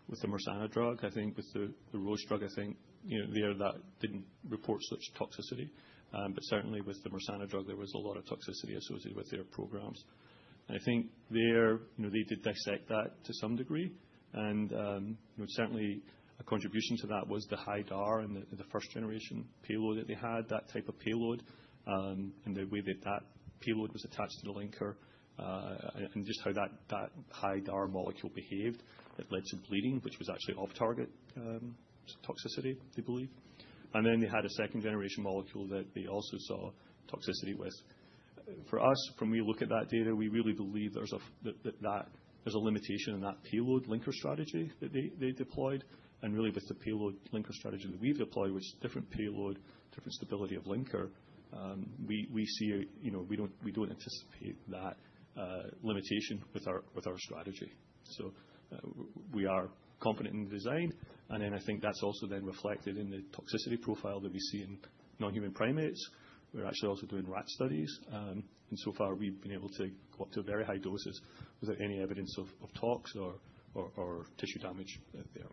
with the Mersana drug. I think with the Roche drug, I think they didn't report such toxicity. But certainly with the Mersana drug, there was a lot of toxicity associated with their programs. And I think they did dissect that to some degree. And certainly a contribution to that was the high DAR and the first generation payload that they had, that type of payload, and the way that that payload was attached to the linker and just how that high DAR molecule behaved that led to bleeding, which was actually off-target toxicity, they believe. And then they had a second generation molecule that they also saw toxicity with. For us, when we look at that data, we really believe there's a limitation in that payload linker strategy that they deployed. Really with the payload linker strategy that we've deployed, which is different payload, different stability of linker, we see we don't anticipate that limitation with our strategy. We are confident in the design. I think that's also then reflected in the toxicity profile that we see in non-human primates. We're actually also doing rat studies. So far, we've been able to go up to very high doses without any evidence of tox or tissue damage there.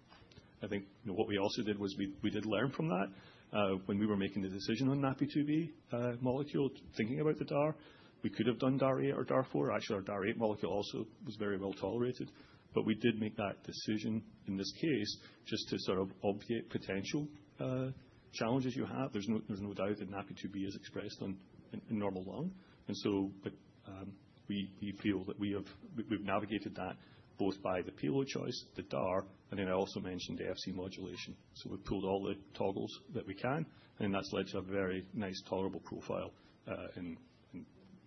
I think what we also did was we did learn from that. When we were making the decision on NaPi2b molecule, thinking about the DAR, we could have done DAR8 or DAR4. Actually, our DAR8 molecule also was very well tolerated. We did make that decision in this case just to sort of obviate potential challenges you have. There's no doubt that NaPi2b is expressed in normal lung. We feel that we've navigated that both by the payload choice, the DAR, and then I also mentioned the Fc modulation. We've pulled all the toggles that we can. That's led to a very nice tolerable profile in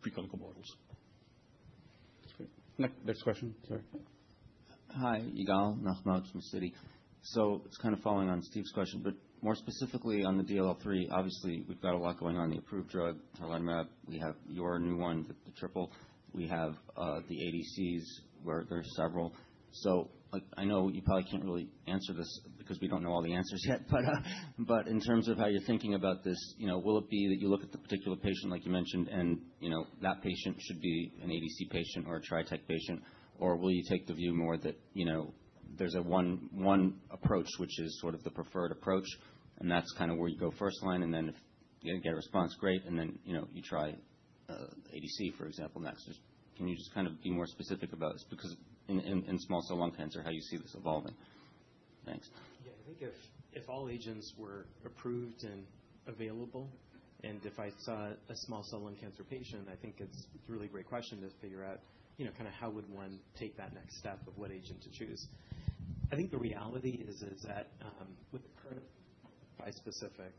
preclinical models. Next question, sorry. Hi, Yigal Nochomovitz from Citi. So it's kind of following on Stephen's question, but more specifically on the DLL3, obviously we've got a lot going on. The approved drug, tarlatamab, we have your new one, the triple. We have the ADCs where there are several. So I know you probably can't really answer this because we don't know all the answers yet. But in terms of how you're thinking about this, will it be that you look at the particular patient like you mentioned and that patient should be an ADC patient or a TriTCE patient? Or will you take the view more that there's one approach, which is sort of the preferred approach, and that's kind of where you go first line? And then if you get a response, great. And then you try ADC, for example, next. Can you just kind of be more specific about this? Because in small cell lung cancer, how do you see this evolving? Thanks. Yeah, I think if all agents were approved and available, and if I saw a small cell lung cancer patient, I think it's a really great question to figure out kind of how would one take that next step of what agent to choose. I think the reality is that with the current bispecific,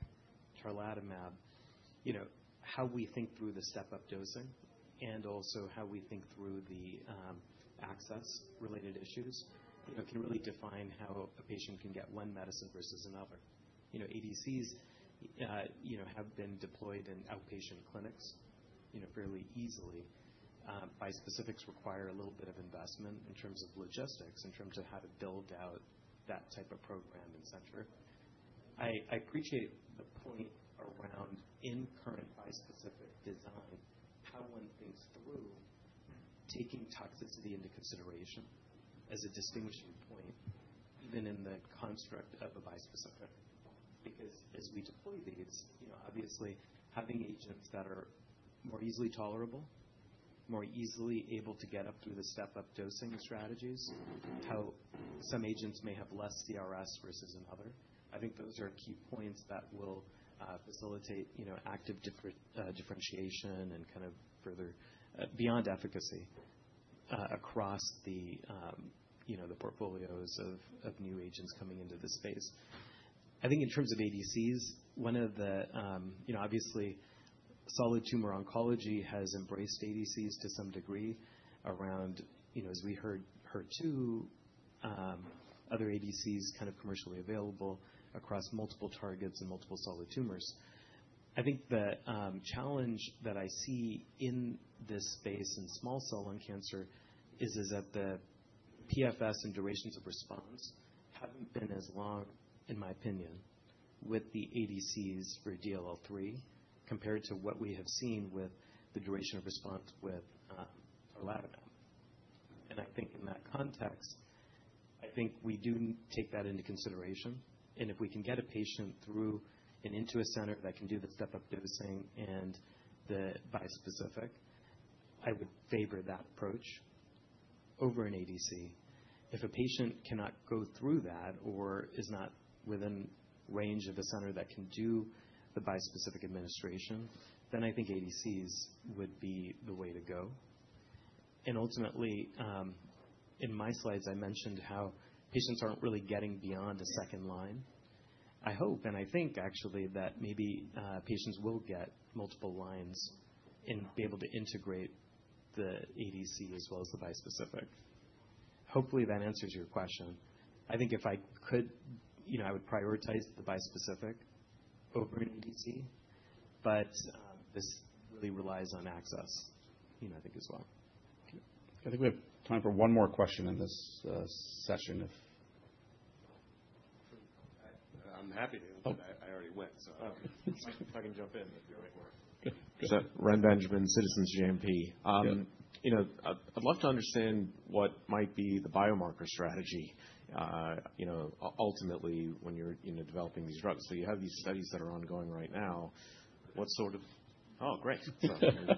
tarlatamab, how we think through the step-up dosing and also how we think through the access-related issues can really define how a patient can get one medicine versus another. ADCs have been deployed in outpatient clinics fairly easily. Bispecifics require a little bit of investment in terms of logistics, in terms of how to build out that type of program, etc. I appreciate the point around in current bispecific design, how one thinks through taking toxicity into consideration as a distinguishing point, even in the construct of a bispecific. Because as we deploy these, obviously having agents that are more easily tolerable, more easily able to get up through the step-up dosing strategies, how some agents may have less CRS versus another, I think those are key points that will facilitate active differentiation and kind of further beyond efficacy across the portfolios of new agents coming into this space. I think in terms of ADCs, one of the obviously solid tumor oncology has embraced ADCs to some degree around, as we heard, HER2, other ADCs kind of commercially available across multiple targets and multiple solid tumors. I think the challenge that I see in this space in small cell lung cancer is that the PFS and durations of response haven't been as long, in my opinion, with the ADCs for DLL3 compared to what we have seen with the duration of response with tarlatamab. I think in that context, I think we do take that into consideration. If we can get a patient through and into a center that can do the step-up dosing and the bispecific, I would favor that approach over an ADC. If a patient cannot go through that or is not within range of a center that can do the bispecific administration, then I think ADCs would be the way to go. Ultimately, in my slides, I mentioned how patients aren't really getting beyond a second line. I hope, and I think actually that maybe patients will get multiple lines and be able to integrate the ADC as well as the bispecific. Hopefully that answers your question. I think if I could, I would prioritize the bispecific over an ADC, but this really relies on access, I think, as well. I think we have time for one more question in this session, if. I'm happy to, but I already went, so if I can jump in, that'd be great. Good. Is that Reni Benjamin, Citizens JMP? I'd love to understand what might be the biomarker strategy ultimately when you're developing these drugs. So you have these studies that are ongoing right now. What sort of. Oh, great. So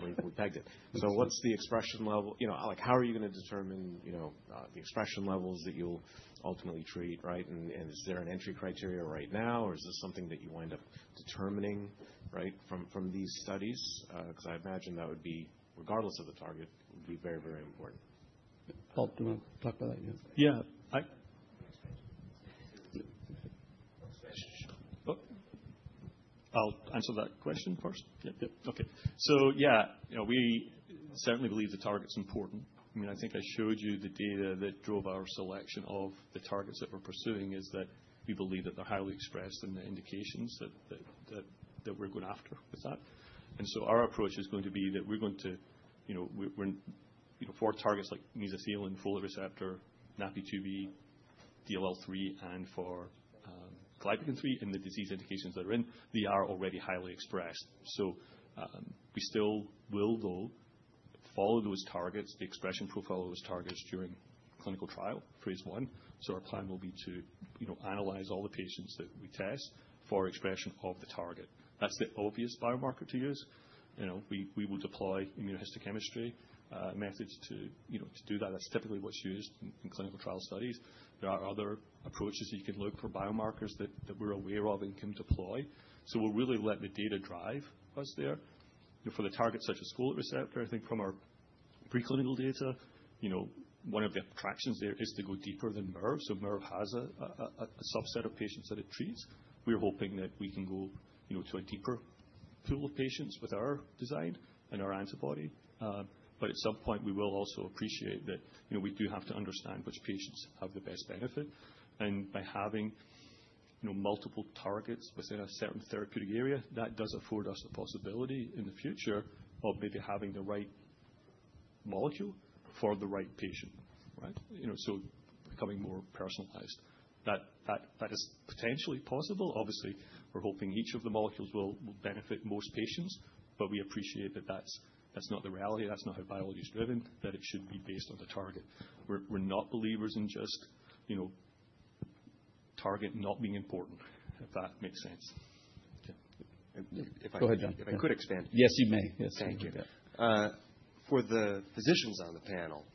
we pegged it. So what's the expression level? How are you going to determine the expression levels that you'll ultimately treat, right? And is there an entry criteria right now, or is this something that you wind up determining from these studies? Because I imagine that would be, regardless of the target, would be very, very important. Paul, do you want to talk about that? Yeah. I'll answer that question first. Yep. Yep. Okay. So yeah, we certainly believe the target's important. I mean, I think I showed you the data that drove our selection of the targets that we're pursuing is that we believe that they're highly expressed in the indications that we're going after with that. And so our approach is going to be that we're going to for targets like mesothelin, folate receptor, NaPi2b, DLL3, and for Claudin 18.2 in the disease indications that are in, they are already highly expressed. So we still will, though, follow those targets, the expression profile of those targets during clinical trial, phase 1. So our plan will be to analyze all the patients that we test for expression of the target. That's the obvious biomarker to use. We will deploy immunohistochemistry methods to do that. That's typically what's used in clinical trial studies. There are other approaches that you can look for biomarkers that we're aware of and can deploy. So we'll really let the data drive us there. For the targets such as folate receptor, I think from our preclinical data, one of the attractions there is to go deeper than Mirv. So Mirv has a subset of patients that it treats. We're hoping that we can go to a deeper pool of patients with our design and our antibody. But at some point, we will also appreciate that we do have to understand which patients have the best benefit. And by having multiple targets within a certain therapeutic area, that does afford us the possibility in the future of maybe having the right molecule for the right patient, right? So becoming more personalized. That is potentially possible. Obviously, we're hoping each of the molecules will benefit most patients, but we appreciate that that's not the reality. That's not how biology is driven, that it should be based on the target. We're not believers in just target not being important, if that makes sense. Yeah. If I could expand. Yes, you may. Yes. Thank you. For the physicians on the panel,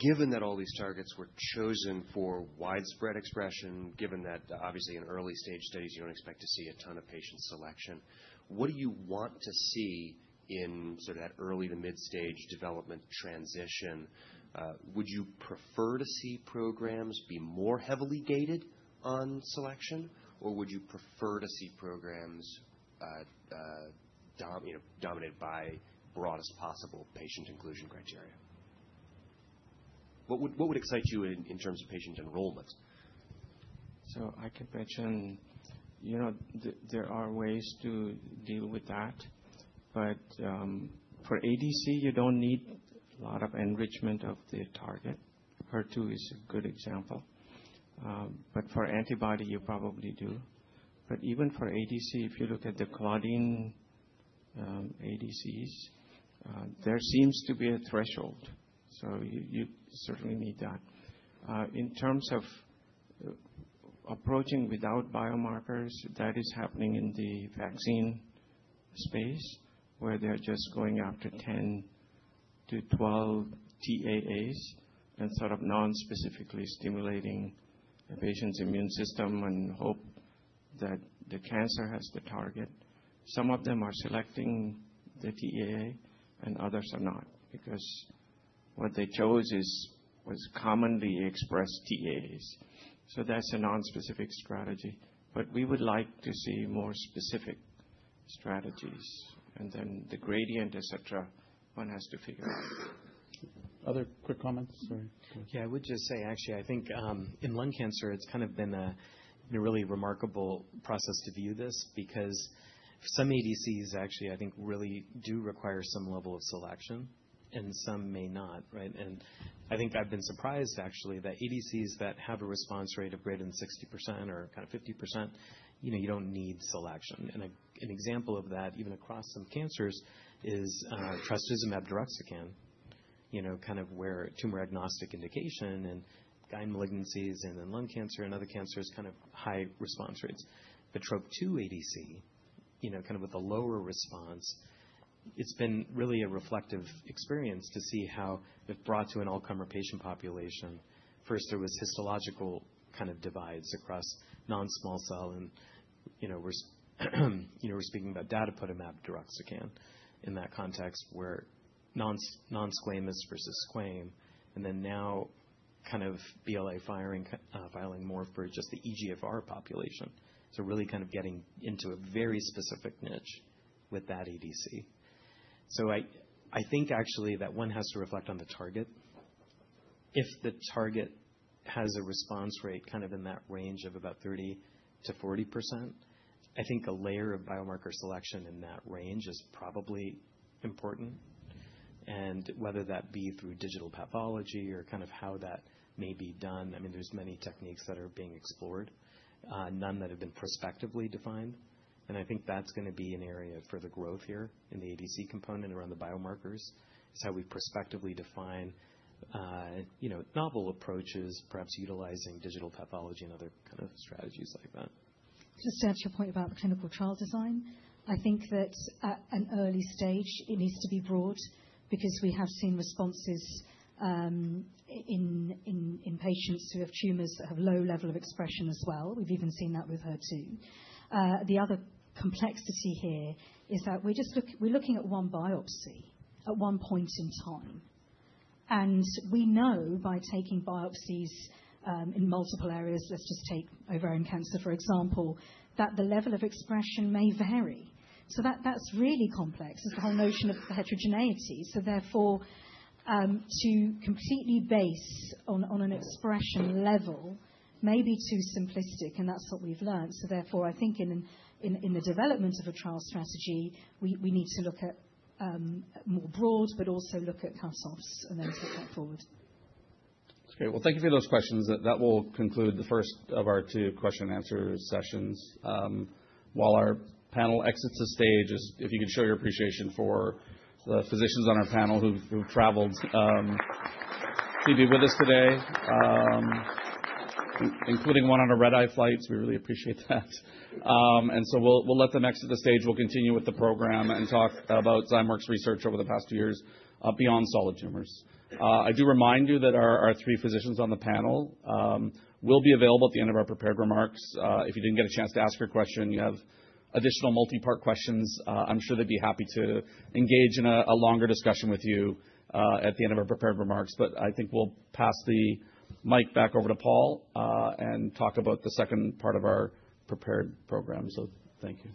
given that all these targets were chosen for widespread expression, given that obviously in early stage studies, you don't expect to see a ton of patient selection, what do you want to see in sort of that early to mid-stage development transition? Would you prefer to see programs be more heavily gated on selection, or would you prefer to see programs dominated by broadest possible patient inclusion criteria? What would excite you in terms of patient enrollment? So I could mention there are ways to deal with that. But for ADC, you don't need a lot of enrichment of the target. HER2 is a good example. But for antibody, you probably do. But even for ADC, if you look at the Claudin ADCs, there seems to be a threshold. So you certainly need that. In terms of approaching without biomarkers, that is happening in the vaccine space where they're just going after 10 to 12 TAAs and sort of non-specifically stimulating a patient's immune system and hope that the cancer has the target. Some of them are selecting the TAA and others are not because what they chose was commonly expressed TAAs. So that's a non-specific strategy. But we would like to see more specific strategies. And then the gradient, etc., one has to figure out. Other quick comments? Sorry. Yeah, I would just say, actually, I think in lung cancer, it's kind of been a really remarkable process to view this because some ADCs actually, I think, really do require some level of selection, and some may not, right? And I think I've been surprised actually that ADCs that have a response rate of greater than 60% or kind of 50%, you don't need selection. And an example of that, even across some cancers, is trastuzumab deruxtecan, kind of where tumor-agnostic indication and solid malignancies and in lung cancer and other cancers, kind of high response rates. The TROP2 ADC, kind of with a lower response, it's been really a reflective experience to see how it brought to an all-comers patient population. First, there was histological kind of divides across non-small cell. And we're speaking about datopotamab deruxtecan in that context where non-squamous versus squamous, and then now kind of BLA filing more for just the EGFR population. So really kind of getting into a very specific niche with that ADC. So I think actually that one has to reflect on the target. If the target has a response rate kind of in that range of about 30%-40%, I think a layer of biomarker selection in that range is probably important. And whether that be through digital pathology or kind of how that may be done, I mean, there's many techniques that are being explored, none that have been prospectively defined. And I think that's going to be an area for the growth here in the ADC component around the biomarkers is how we prospectively define novel approaches, perhaps utilizing digital pathology and other kind of strategies like that. Just to add to your point about the clinical trial design, I think that at an early stage, it needs to be broad because we have seen responses in patients who have tumors that have low level of expression as well. We've even seen that with HER2. The other complexity here is that we're looking at one biopsy at one point in time, and we know by taking biopsies in multiple areas, let's just take ovarian cancer, for example, that the level of expression may vary, so that's really complex. It's the whole notion of heterogeneity, so therefore, to completely base on an expression level may be too simplistic, and that's what we've learned, so therefore, I think in the development of a trial strategy, we need to look at more broad, but also look at cut-offs and then take that forward. That's great. Well, thank you for those questions. That will conclude the first of our two question-and-answer sessions. While our panel exits the stage, if you could show your appreciation for the physicians on our panel who've traveled to be with us today, including one on a red-eye flight, we really appreciate that. And so we'll let them exit the stage. We'll continue with the program and talk about Zymeworks research over the past two years beyond solid tumors. I do remind you that our three physicians on the panel will be available at the end of our prepared remarks. If you didn't get a chance to ask your question, you have additional multi-part questions, I'm sure they'd be happy to engage in a longer discussion with you at the end of our prepared remarks. But I think we'll pass the mic back over to Paul and talk about the second part of our prepared program. So thank you.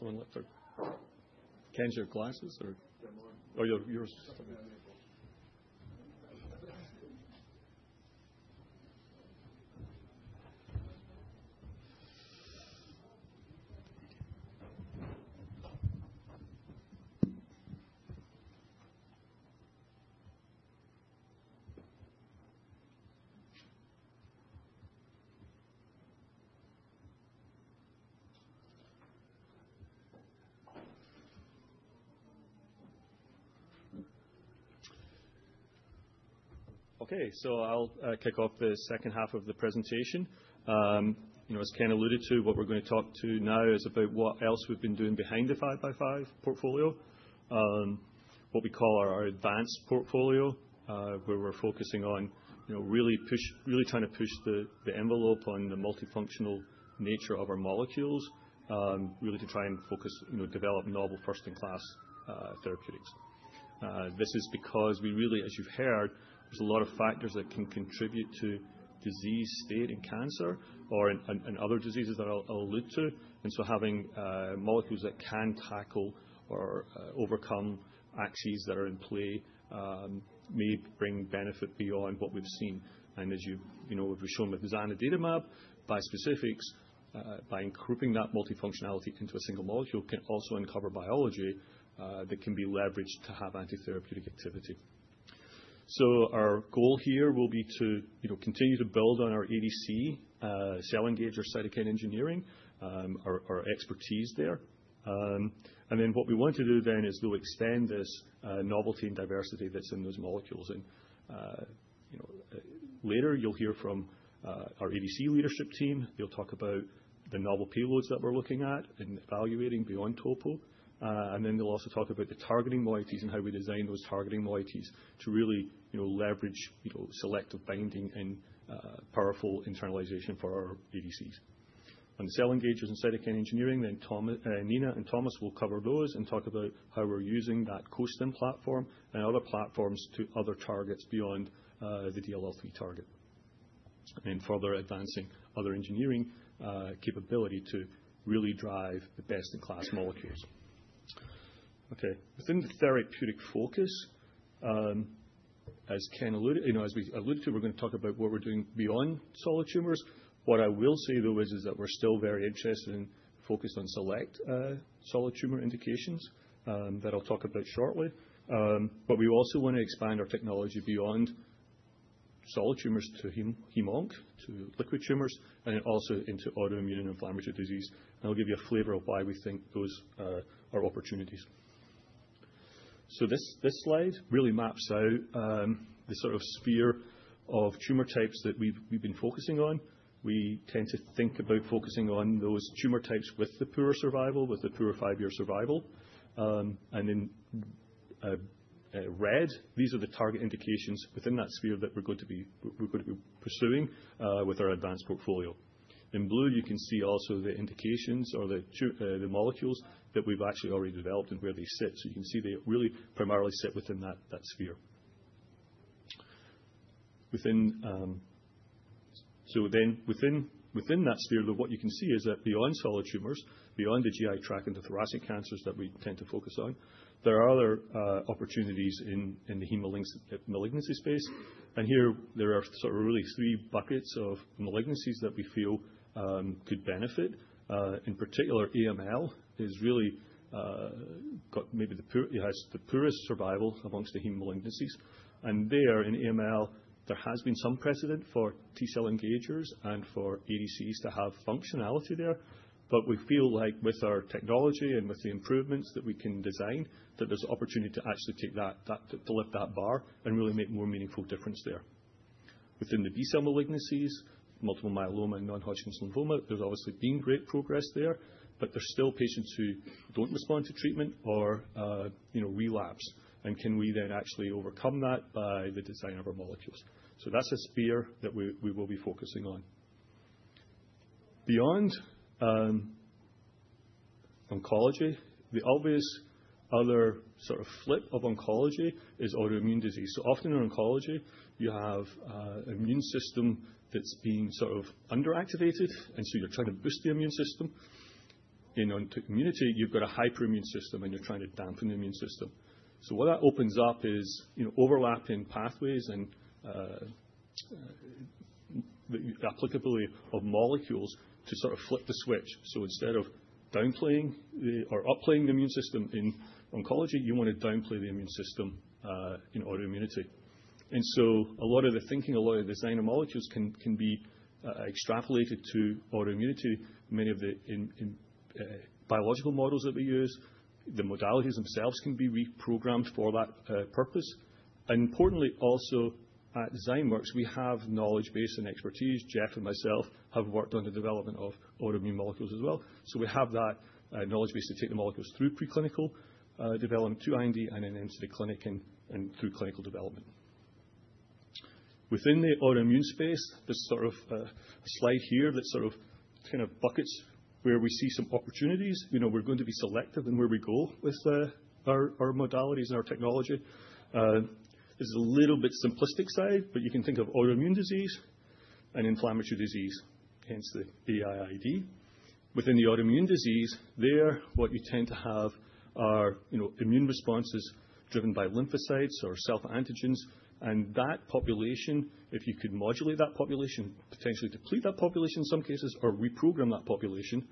Yeah, mine. Oh, you're. Something that I may have brought. Okay, so I'll kick off the second half of the presentation. As Ken alluded to, what we're going to talk to now is about what else we've been doing behind the 5x5 Portfolio, what we call our advanced portfolio, where we're focusing on really trying to push the envelope on the multifunctional nature of our molecules, really to try and develop novel first-in-class therapeutics. This is because we really, as you've heard, there's a lot of factors that can contribute to disease state in cancer or in other diseases that I'll allude to, and so having molecules that can tackle or overcome axes that are in play may bring benefit beyond what we've seen, and as you've shown with zanidatamab, bispecifics, by grouping that multifunctionality into a single molecule can also uncover biology that can be leveraged to have anti-therapeutic activity. Our goal here will be to continue to build on our ADC, cell engager, or cytokine engineering, our expertise there. And then what we want to do then is to extend this novelty and diversity that's in those molecules. And later you'll hear from our ADC leadership team. They'll talk about the novel payloads that we're looking at and evaluating beyond TOPO. And then they'll also talk about the targeting moieties and how we design those targeting moieties to really leverage selective binding and powerful internalization for our ADCs. On the cell engagers and cytokine engineering, then Nina and Thomas will cover those and talk about how we're using that Co-Stim platform and other platforms to other targets beyond the DLL3 target. And then further advancing other engineering capability to really drive the best-in-class molecules. Okay. Within the therapeutic focus, as Ken alluded, as we alluded to, we're going to talk about what we're doing beyond solid tumors. What I will say, though, is that we're still very interested and focused on select solid tumor indications that I'll talk about shortly, but we also want to expand our technology beyond solid tumors to hem-onc, to liquid tumors, and then also into autoimmune and inflammatory disease, and I'll give you a flavor of why we think those are opportunities, so this slide really maps out the sort of sphere of tumor types that we've been focusing on. We tend to think about focusing on those tumor types with the poorer survival, with the poorer five-year survival, and in red, these are the target indications within that sphere that we're going to be pursuing with our advanced portfolio. In blue, you can see also the indications or the molecules that we've actually already developed and where they sit. So you can see they really primarily sit within that sphere. So then within that sphere, though, what you can see is that beyond solid tumors, beyond the GI tract and the thoracic cancers that we tend to focus on, there are other opportunities in the hematologic malignancy space. And here there are sort of really three buckets of malignancies that we feel could benefit. In particular, AML has maybe the poorest survival amongst the hematologic malignancies. And there in AML, there has been some precedent for T cell engagers and for ADCs to have functionality there. But we feel like with our technology and with the improvements that we can design, that there's opportunity to actually take that, to lift that bar and really make more meaningful difference there. Within the B cell malignancies, multiple myeloma and non-Hodgkin's lymphoma, there's obviously been great progress there, but there's still patients who don't respond to treatment or relapse, and can we then actually overcome that by the design of our molecules, so that's a sphere that we will be focusing on. Beyond oncology, the obvious other sort of flip of oncology is autoimmune disease, so often in oncology, you have an immune system that's being sort of underactivated, and so you're trying to boost the immune system. In immunity, you've got a hyperimmune system, and you're trying to dampen the immune system, so what that opens up is overlapping pathways and applicability of molecules to sort of flip the switch, so instead of downplaying or upplaying the immune system in oncology, you want to downplay the immune system in autoimmunity. A lot of the thinking, a lot of the design of molecules can be extrapolated to autoimmunity. Many of the biological models that we use, the modalities themselves can be reprogrammed for that purpose. Importantly, also at Zymeworks, we have knowledge base and expertise. Jeff and myself have worked on the development of autoimmune molecules as well. We have that knowledge base to take the molecules through preclinical development to IND and then into the clinic and through clinical development. Within the autoimmune space, there's sort of a slide here that sort of kind of buckets where we see some opportunities. We're going to be selective in where we go with our modalities and our technology. There's a little bit simplistic side, but you can think of autoimmune disease and inflammatory disease, hence the AIID. Within the autoimmune disease, there, what you tend to have are immune responses driven by lymphocytes or self-antigens, and that population, if you could modulate that population, potentially deplete that population in some cases or reprogram that population,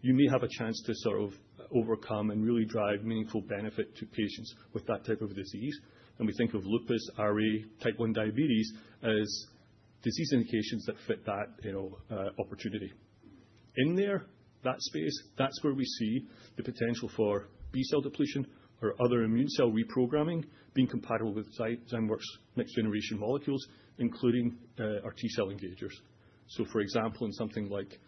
you may have a chance to sort of overcome and really drive meaningful benefit to patients with that type of disease, and we think of lupus, RA, type 1 diabetes as disease indications that fit that opportunity. In there, that space, that's where we see the potential for B cell depletion or other immune cell reprogramming being compatible with Zymeworks next-generation molecules, including our T cell engagers, so for example, in something like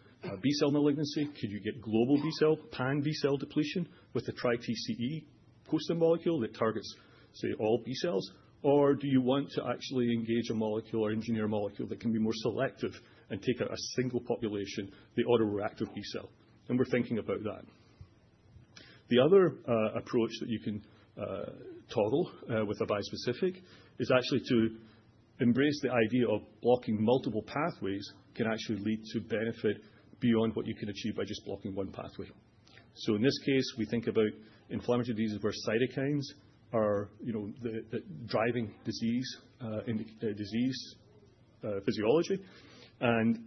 B cell malignancy, could you get global B cell, pan B cell depletion with TriTCE Co-Stim molecule that targets, say, all B cells? Or do you want to actually engage a molecule or engineer a molecule that can be more selective and take out a single population, the autoreactive B cell? And we're thinking about that. The other approach that you can toggle with a bispecific is actually to embrace the idea of blocking multiple pathways can actually lead to benefit beyond what you can achieve by just blocking one pathway. So in this case, we think about inflammatory diseases where cytokines are the driving disease physiology and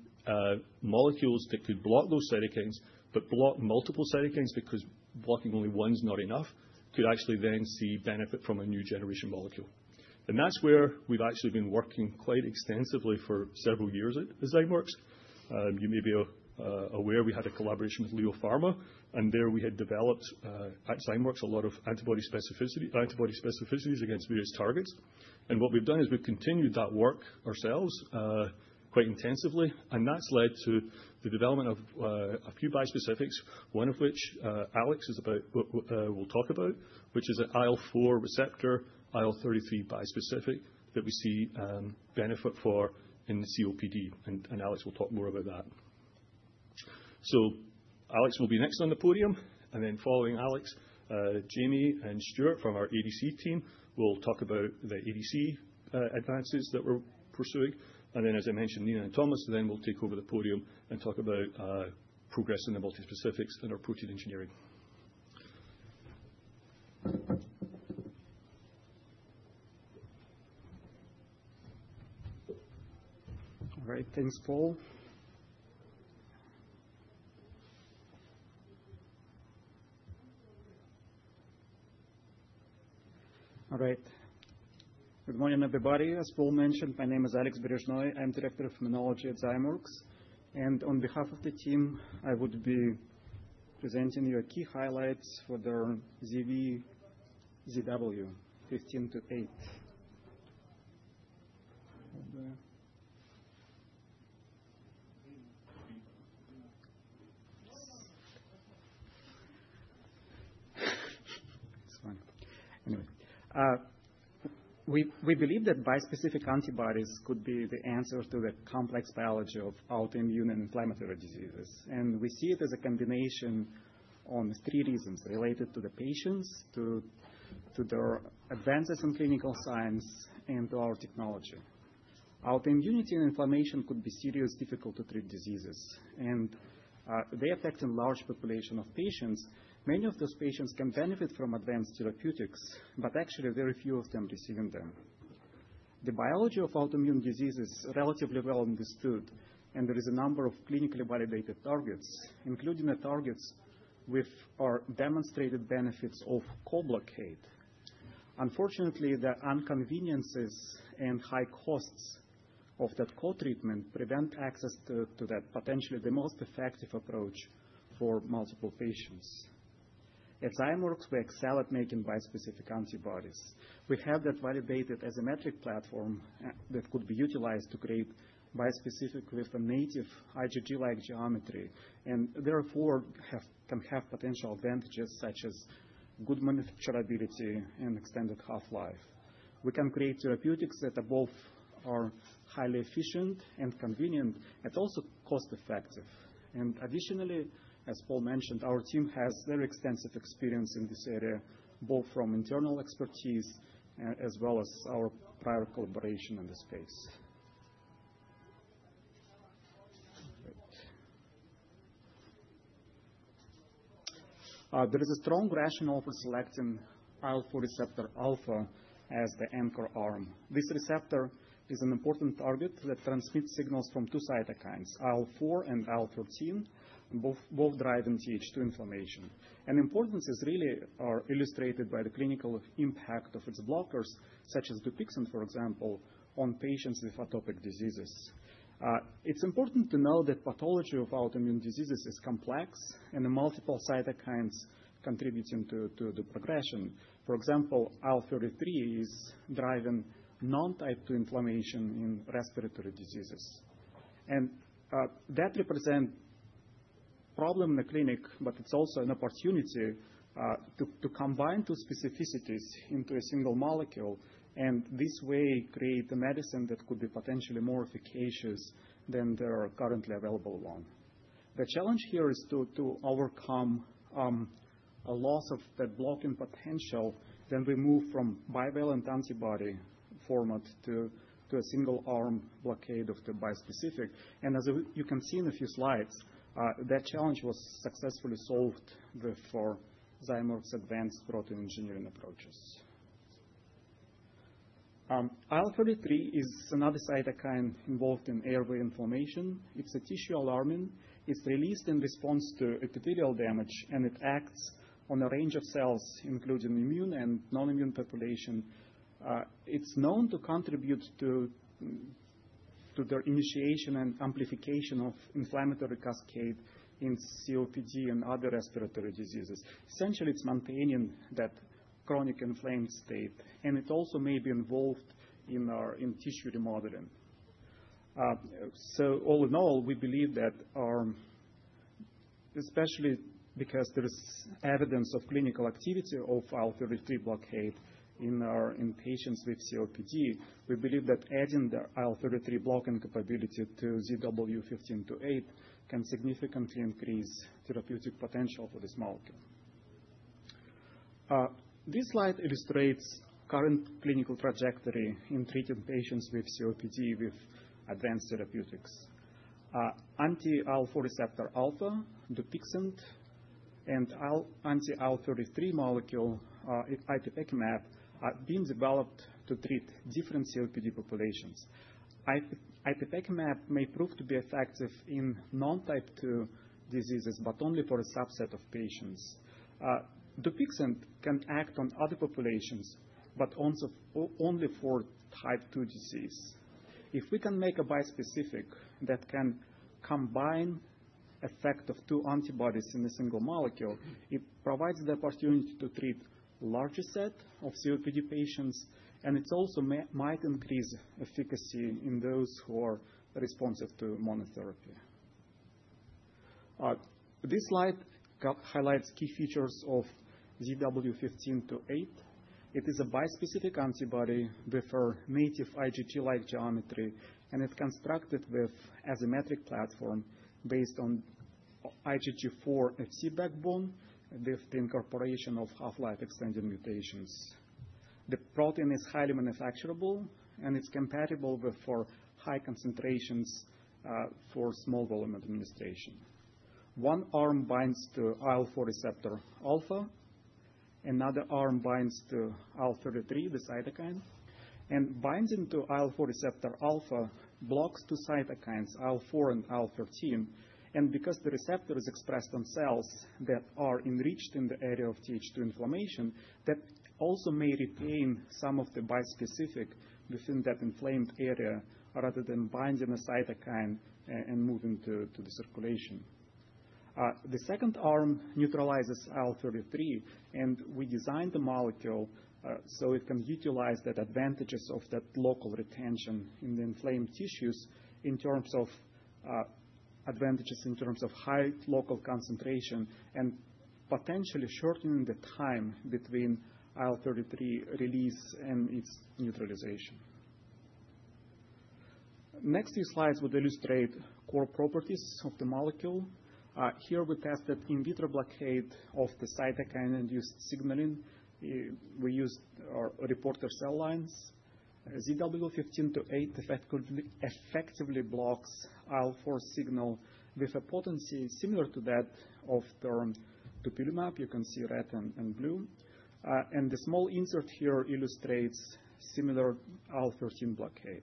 molecules that could block those cytokines, but block multiple cytokines because blocking only one's not enough, could actually then see benefit from a new generation molecule. And that's where we've actually been working quite extensively for several years at Zymeworks. You may be aware we had a collaboration with LEO Pharma, and there we had developed at Zymeworks a lot of antibody specificities against various targets. And what we've done is we've continued that work ourselves quite intensively. And that's led to the development of a few bispecifics, one of which Alexey will talk about, which is an IL-4 receptor, IL-33 bispecific that we see benefit for in COPD. And Alexey will talk more about that. So Alexey will be next on the podium. And then following Alexey, Jamie and Stuart from our ADC team will talk about the ADC advances that we're pursuing. And then, as I mentioned, Nina and Thomas then will take over the podium and talk about progress in the multi-specifics and our protein engineering. All right. Thanks, Paul. All right. Good morning, everybody. As Paul mentioned, my name is Alexey Berezhnoi. I'm director of immunology at Zymeworks. And on behalf of the team, I would be presenting you a key highlight for the ZW1528. That's fine. Anyway, we believe that bispecific antibodies could be the answer to the complex biology of autoimmune and inflammatory diseases. And we see it as a combination on three reasons related to the patients, to their advances in clinical science, and to our technology. Autoimmunity and inflammation could be seriously difficult to treat diseases. And they affect a large population of patients. Many of those patients can benefit from advanced therapeutics, but actually very few of them receiving them. The biology of autoimmune disease is relatively well understood, and there is a number of clinically validated targets, including the targets with or demonstrated benefits of IL-4 blockade. Unfortunately, the inconveniences and high costs of that IL-4 treatment prevent access to that potentially the most effective approach for multiple patients. At Zymeworks, we excel at making bispecific antibodies. We have the validated Azymetric platform that could be utilized to create bispecifics with a native IgG-like geometry and therefore can have potential advantages such as good manufacturability and extended half-life. We can create therapeutics that are both highly efficient and convenient and also cost-effective. Additionally, as Paul mentioned, our team has very extensive experience in this area, both from internal expertise as well as our prior collaboration in the space. There is a strong rationale for selecting IL-4 receptor alpha as the anchor arm. This receptor is an important target that transmits signals from two cytokines, IL-4 and IL-13, both driving TH2 inflammation, and the importance is really illustrated by the clinical impact of its blockers, such as Dupixent, for example, on patients with atopic diseases. It's important to know that pathology of autoimmune diseases is complex and the multiple cytokines contributing to the progression. For example, IL-33 is driving non-type 2 inflammation in respiratory diseases, and that represents a problem in the clinic, but it's also an opportunity to combine two specificities into a single molecule and this way create a medicine that could be potentially more efficacious than there are currently available one. The challenge here is to overcome a loss of that blocking potential, then we move from bivalent antibody format to a single-arm blockade of the bispecific. As you can see in a few slides, that challenge was successfully solved with Zymeworks' advanced protein engineering approaches. IL-33 is another cytokine involved in airway inflammation. It's a tissue alarmin. It's released in response to epithelial damage, and it acts on a range of cells, including immune and non-immune population. It's known to contribute to the initiation and amplification of inflammatory cascade in COPD and other respiratory diseases. Essentially, it's maintaining that chronic inflamed state, and it also may be involved in tissue remodeling. All in all, we believe that, especially because there is evidence of clinical activity of IL-33 blockade in patients with COPD, we believe that adding the IL-33 blocking capability to ZW1528 can significantly increase therapeutic potential for this molecule. This slide illustrates current clinical trajectory in treating patients with COPD with advanced therapeutics. Anti-IL-4 receptor alpha, Dupixent, and anti-IL-33 molecule itepekimab have been developed to treat different COPD populations itepekimab may prove to be effective in non-type 2 diseases, but only for a subset of patients. Dupixent can act on other populations, but only for type 2 disease. If we can make a bispecific that can combine the effect of two antibodies in a single molecule, it provides the opportunity to treat a larger set of COPD patients, and it also might increase efficacy in those who are responsive to monotherapy. This slide highlights key features of ZW1528. It is a bispecific antibody with a native IgG-like geometry, and it's constructed with an asymmetric platform based on IgG4 Fc backbone with the incorporation of half-life extended mutations. The protein is highly manufacturable, and it's compatible with high concentrations for small-volume administration. One arm binds to IL-4 receptor alpha. Another arm binds to IL-33, the cytokine, and binding to IL-4 receptor alpha blocks two cytokines, IL-4 and IL-13, and because the receptor is expressed on cells that are enriched in the area of TH2 inflammation, that also may retain some of the bispecific within that inflamed area rather than binding a cytokine and moving to the circulation. The second arm neutralizes IL-33, and we designed the molecule so it can utilize the advantages of that local retention in the inflamed tissues in terms of advantages in terms of high local concentration and potentially shortening the time between IL-33 release and its neutralization. Next, these slides would illustrate core properties of the molecule. Here, we tested in vitro blockade of the cytokine-induced signaling. We used reporter cell lines. ZW1528 effectively blocks IL-4 signal with a potency similar to that of the dupilumab. You can see red and blue. The small insert here illustrates similar IL-13 blockade.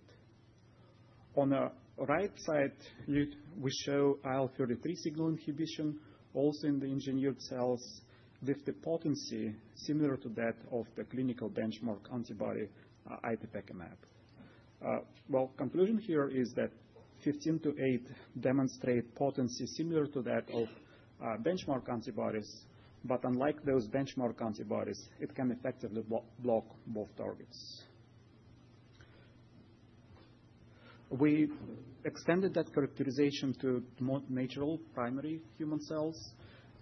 On the right side, we show IL-33 signal inhibition also in the engineered cells with the potency similar to that of the clinical benchmark antibody itepekimab. The conclusion here is that 1528 demonstrates potency similar to that of benchmark antibodies, but unlike those benchmark antibodies, it can effectively block both targets. We extended that characterization to natural primary human cells.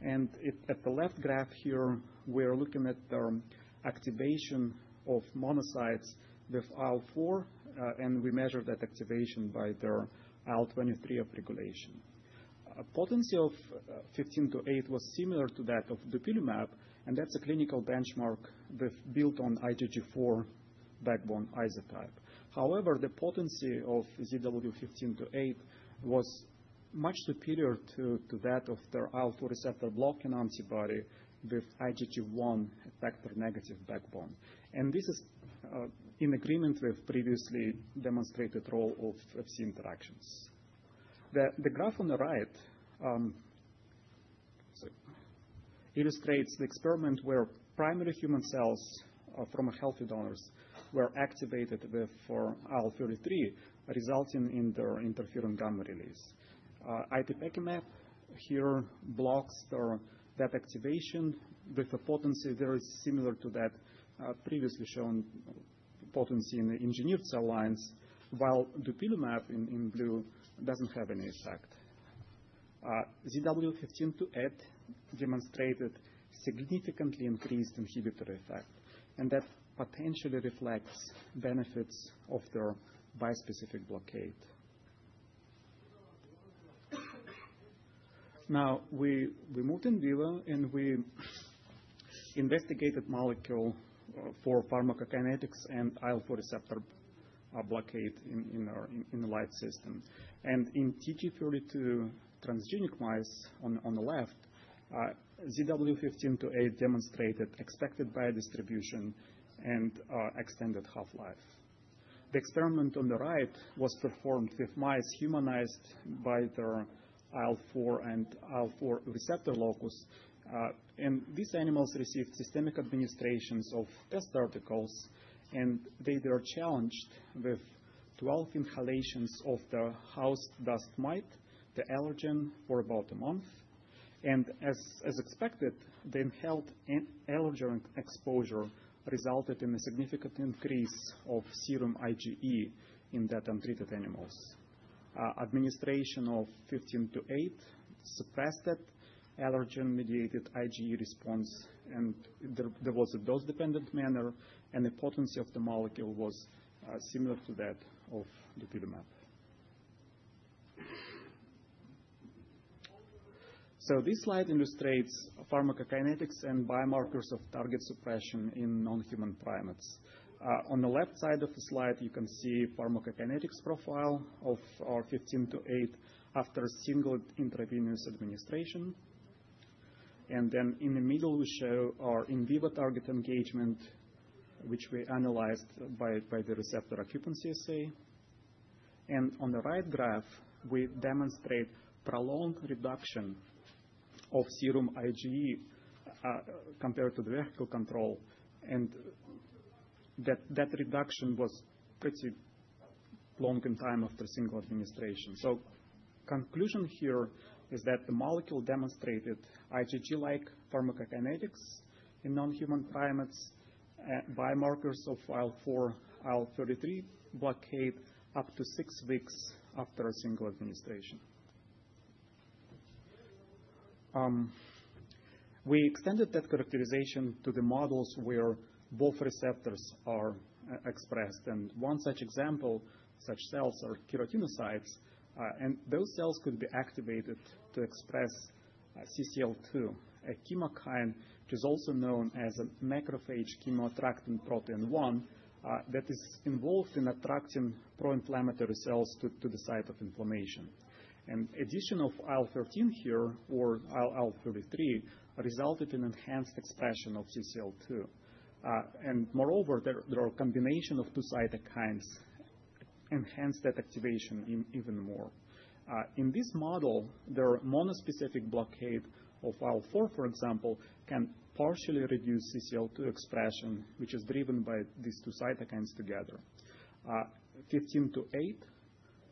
At the left graph here, we are looking at the activation of monocytes with IL-4, and we measured that activation by their IL-23 upregulation. Potency of 1528 was similar to that of dupilumab, and that's a clinical benchmark built on IgG4 backbone isotype. However, the potency of ZW1528 was much superior to that of their IL-4 receptor blocking antibody with IgG1 effector-negative backbone. This is in agreement with the previously demonstrated role of Fc interactions. The graph on the right illustrates the experiment where primary human cells from healthy donors were activated with IL-33, resulting in their interferon gamma release. itepekimab here blocks that activation with a potency very similar to that previously shown potency in the engineered cell lines, while dupilumab in blue doesn't have any effect. ZW1528 demonstrated significantly increased inhibitory effect, and that potentially reflects benefits of their bispecific blockade. Now, we moved in vivo and we investigated the molecule for pharmacokinetics and IL-4 receptor blockade in the live system. In Tg32 transgenic mice on the left, ZW1528 demonstrated expected biodistribution and extended half-life. The experiment on the right was performed with mice humanized by their IL-4 and IL-4 receptor locus. These animals received systemic administrations of test articles, and they were challenged with 12 inhalations of the house dust mite, the allergen, for about a month. As expected, the inhaled allergen exposure resulted in a significant increase of serum IgE in that untreated animals. Administration of ZW1528 suppressed allergen-mediated IgE response in a dose-dependent manner, and the potency of the molecule was similar to that of dupilumab. This slide illustrates pharmacokinetics and biomarkers of target suppression in non-human primates. On the left side of the slide, you can see the pharmacokinetics profile of our ZW1528 after a single intravenous administration, then in the middle, we show our in vivo target engagement, which we analyzed by the receptor occupancy assay, and on the right graph, we demonstrate prolonged reduction of serum IgE compared to the vehicle control. That reduction was pretty long in time after a single administration, so the conclusion here is that the molecule demonstrated IgG-like pharmacokinetics in non-human primates, biomarkers of IL-4, IL-33 blockade up to six weeks after a single administration. We extended that characterization to the models where both receptors are expressed. One such example, such cells are keratinocytes. Those cells could be activated to express CCL2, a chemokine which is also known as a macrophage chemoattracting protein-1 that is involved in attracting pro-inflammatory cells to the site of inflammation. The addition of IL-13 here or IL-33 resulted in enhanced expression of CCL2. Moreover, the combination of two cytokines enhanced that activation even more. In this model, their monospecific blockade of IL-4, for example, can partially reduce CCL2 expression, which is driven by these two cytokines together. ZW1528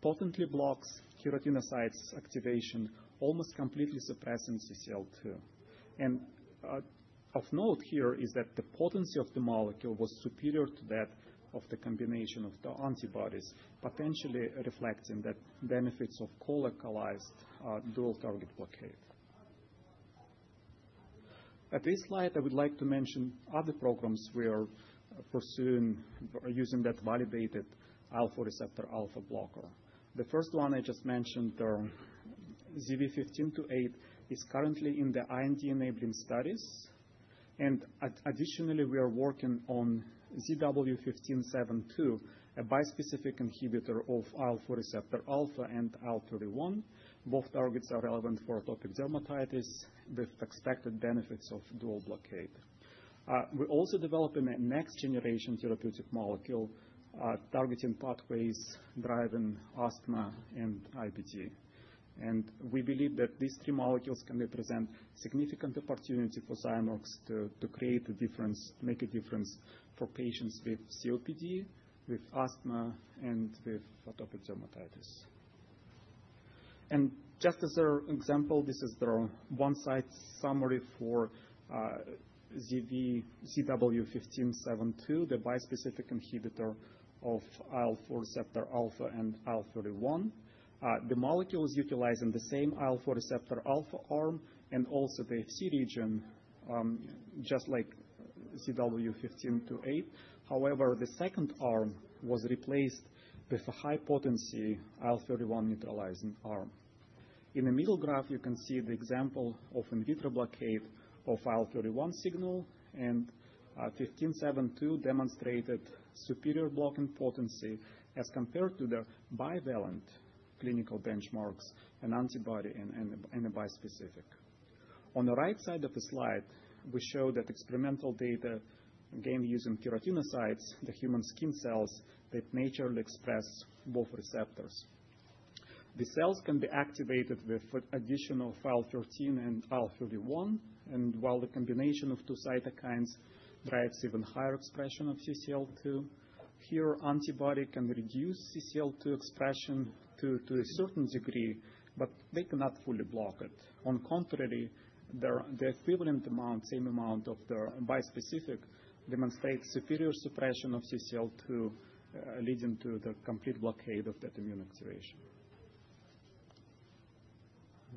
potently blocks keratinocytes' activation, almost completely suppressing CCL2, and of note here is that the potency of the molecule was superior to that of the combination of the antibodies, potentially reflecting the benefits of colocalized dual-target blockade. At this slide, I would like to mention other programs we are pursuing using that validated IL-4 receptor alpha blocker. The first one I just mentioned, ZW1528, is currently in the IND enabling studies, and additionally, we are working on ZW1572, a bispecific inhibitor of IL-4 receptor alpha and IL-31. Both targets are relevant for atopic dermatitis with expected benefits of dual blockade. We're also developing a next-generation therapeutic molecule targeting pathways driving asthma and IBD, and we believe that these three molecules can represent a significant opportunity for Zymeworks to create a difference, make a difference for patients with COPD, with asthma, and with atopic dermatitis. Just as an example, this is the one-site summary for ZW1572, the bispecific inhibitor of IL-4 receptor alpha and IL-31. The molecule is utilizing the same IL-4 receptor alpha arm and also the Fc region, just like ZW1528. However, the second arm was replaced with a high-potency IL-31 neutralizing arm. In the middle graph, you can see the example of in vitro blockade of IL-31 signal, and 1572 demonstrated superior blocking potency as compared to the bivalent clinical benchmarks, an antibody and a bispecific. On the right side of the slide, we show that experimental data gained using keratinocytes, the human skin cells that naturally express both receptors. The cells can be activated with additional IL-13 and IL-31, and while the combination of two cytokines drives even higher expression of CCL2, here, antibody can reduce CCL2 expression to a certain degree, but they cannot fully block it. On the contrary, the equivalent amount, same amount of the bispecific demonstrates superior suppression of CCL2, leading to the complete blockade of that immune activation.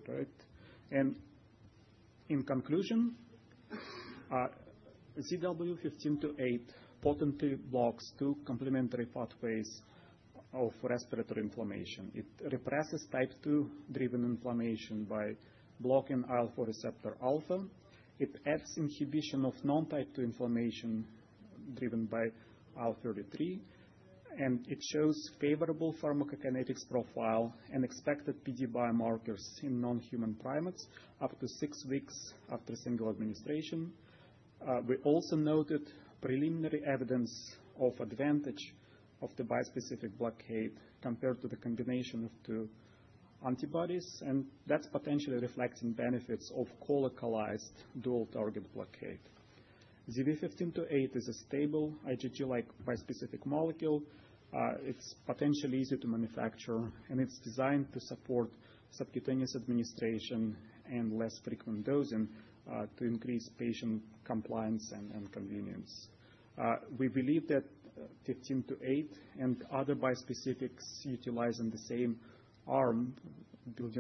All right. And in conclusion, ZW1528 potently blocks two complementary pathways of respiratory inflammation. It represses type 2-driven inflammation by blocking IL-4 receptor alpha. It adds inhibition of non-type 2 inflammation driven by IL-33, and it shows favorable pharmacokinetics profile and expected PD biomarkers in non-human primates up to six weeks after a single administration. We also noted preliminary evidence of advantage of the bispecific blockade compared to the combination of two antibodies, and that's potentially reflecting benefits of colocalized dual-target blockade. ZW1528 is a stable IgG-like bispecific molecule. It's potentially easy to manufacture, and it's designed to support subcutaneous administration and less frequent dosing to increase patient compliance and convenience. We believe that ZW1528 and other bispecifics utilizing the same Azymetric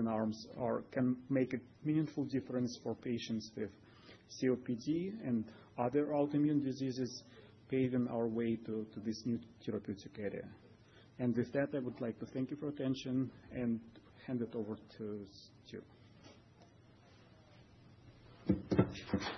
arms can make a meaningful difference for patients with COPD and other autoimmune diseases, paving our way to this new therapeutic area, and with that, I would like to thank you for your attention and hand it over to Stu. Thank you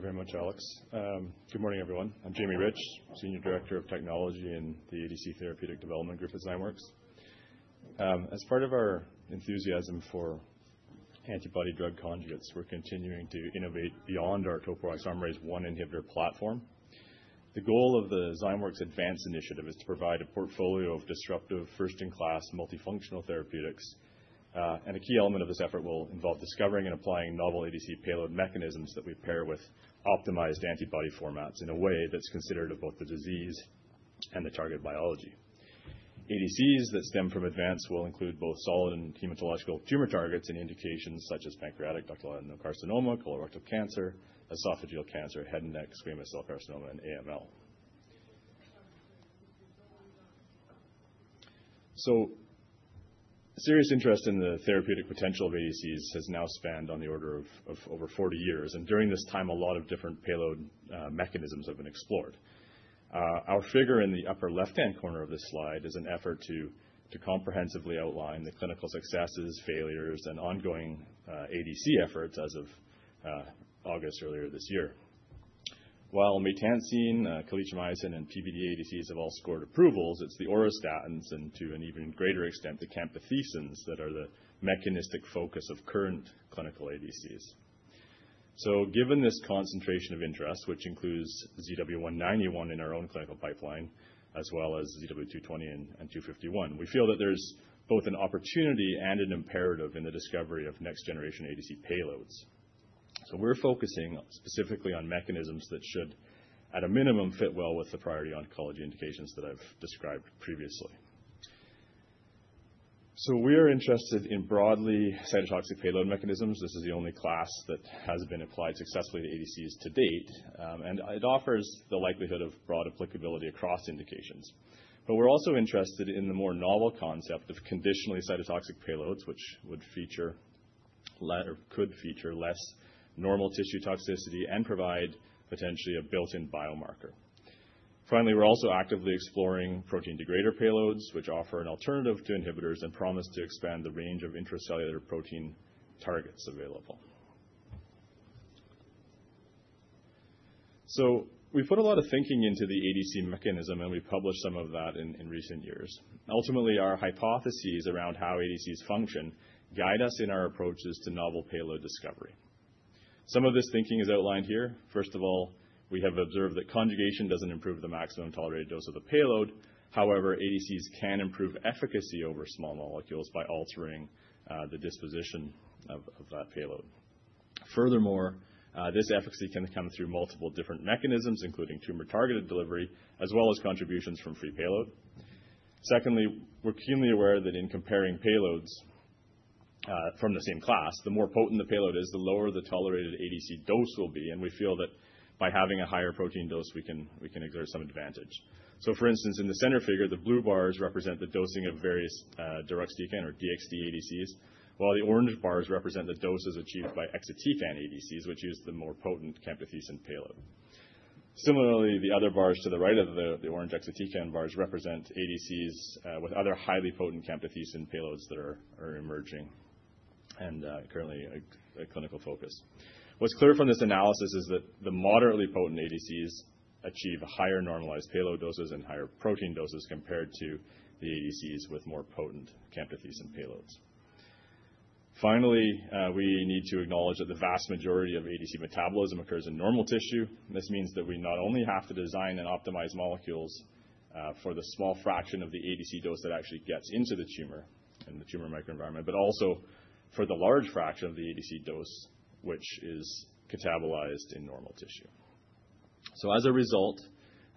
very much, Alexey. Good morning, everyone. I'm Jamie Rich, Senior Director of Technology in the ADC Therapeutic Development Group at Zymeworks. As part of our enthusiasm for antibody-drug conjugates, we're continuing to innovate beyond our topoisomerase I inhibitor platform. The goal of the Zymeworks ADVANCE Initiative is to provide a portfolio of disruptive, first-in-class, multifunctional therapeutics. A key element of this effort will involve discovering and applying novel ADC payload mechanisms that we pair with optimized antibody formats in a way that's considerate of both the disease and the target biology. ADCs that stem from ADVANCE will include both solid and hematological tumor targets and indications such as pancreatic ductal adenocarcinoma, colorectal cancer, esophageal cancer, head and neck squamous cell carcinoma, and AML. Serious interest in the therapeutic potential of ADCs has now spanned on the order of over 40 years. During this time, a lot of different payload mechanisms have been explored. Our figure in the upper left-hand corner of this slide is an effort to comprehensively outline the clinical successes, failures, and ongoing ADC efforts as of August earlier this year. While maytansine, calicheamicin, and PBD ADCs have all scored approvals, it's the auristatins and, to an even greater extent, the camptothecins that are the mechanistic focus of current clinical ADCs. So given this concentration of interest, which includes ZW191 in our own clinical pipeline, as well as ZW220 and ZW251, we feel that there's both an opportunity and an imperative in the discovery of next-generation ADC payloads. So we're focusing specifically on mechanisms that should, at a minimum, fit well with the priority oncology indications that I've described previously. So we are interested in broadly cytotoxic payload mechanisms. This is the only class that has been applied successfully to ADCs to date, and it offers the likelihood of broad applicability across indications. But we're also interested in the more novel concept of conditionally cytotoxic payloads, which would feature or could feature less normal tissue toxicity and provide potentially a built-in biomarker. Finally, we're also actively exploring protein degrader payloads, which offer an alternative to inhibitors and promise to expand the range of intracellular protein targets available. So we put a lot of thinking into the ADC mechanism, and we published some of that in recent years. Ultimately, our hypotheses around how ADCs function guide us in our approaches to novel payload discovery. Some of this thinking is outlined here. First of all, we have observed that conjugation doesn't improve the maximum tolerated dose of the payload. However, ADCs can improve efficacy over small molecules by altering the disposition of that payload. Furthermore, this efficacy can come through multiple different mechanisms, including tumor-targeted delivery, as well as contributions from free payload. Secondly, we're keenly aware that in comparing payloads from the same class, the more potent the payload is, the lower the tolerated ADC dose will be. And we feel that by having a higher protein dose, we can exert some advantage. So, for instance, in the center figure, the blue bars represent the dosing of various deruxtecan or DXd ADCs, while the orange bars represent the doses achieved by exatecan ADCs, which is the more potent camptothecin payload. Similarly, the other bars to the right of the orange exatecan bars represent ADCs with other highly potent camptothecin payloads that are emerging and currently a clinical focus. What's clear from this analysis is that the moderately potent ADCs achieve higher normalized payload doses and higher protein doses compared to the ADCs with more potent camptothecin payloads. Finally, we need to acknowledge that the vast majority of ADC metabolism occurs in normal tissue. This means that we not only have to design and optimize molecules for the small fraction of the ADC dose that actually gets into the tumor and the tumor microenvironment, but also for the large fraction of the ADC dose, which is catabolized in normal tissue. So, as a result,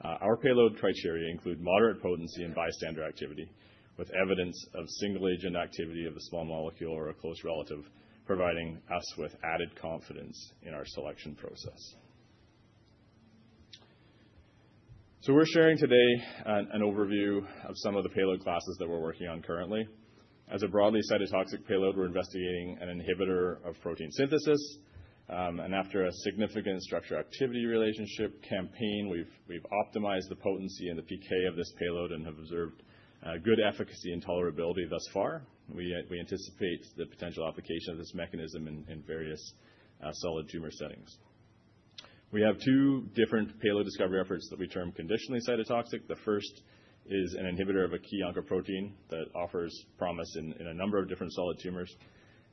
our payload criteria include moderate potency and bystander activity with evidence of single-agent activity of a small molecule or a close relative, providing us with added confidence in our selection process. So we're sharing today an overview of some of the payload classes that we're working on currently. As a broadly cytotoxic payload, we're investigating an inhibitor of protein synthesis, and after a significant structure-activity relationship campaign, we've optimized the potency and the PK of this payload and have observed good efficacy and tolerability thus far. We anticipate the potential application of this mechanism in various solid tumor settings. We have two different payload discovery efforts that we term conditionally cytotoxic. The first is an inhibitor of a key oncoprotein that offers promise in a number of different solid tumors.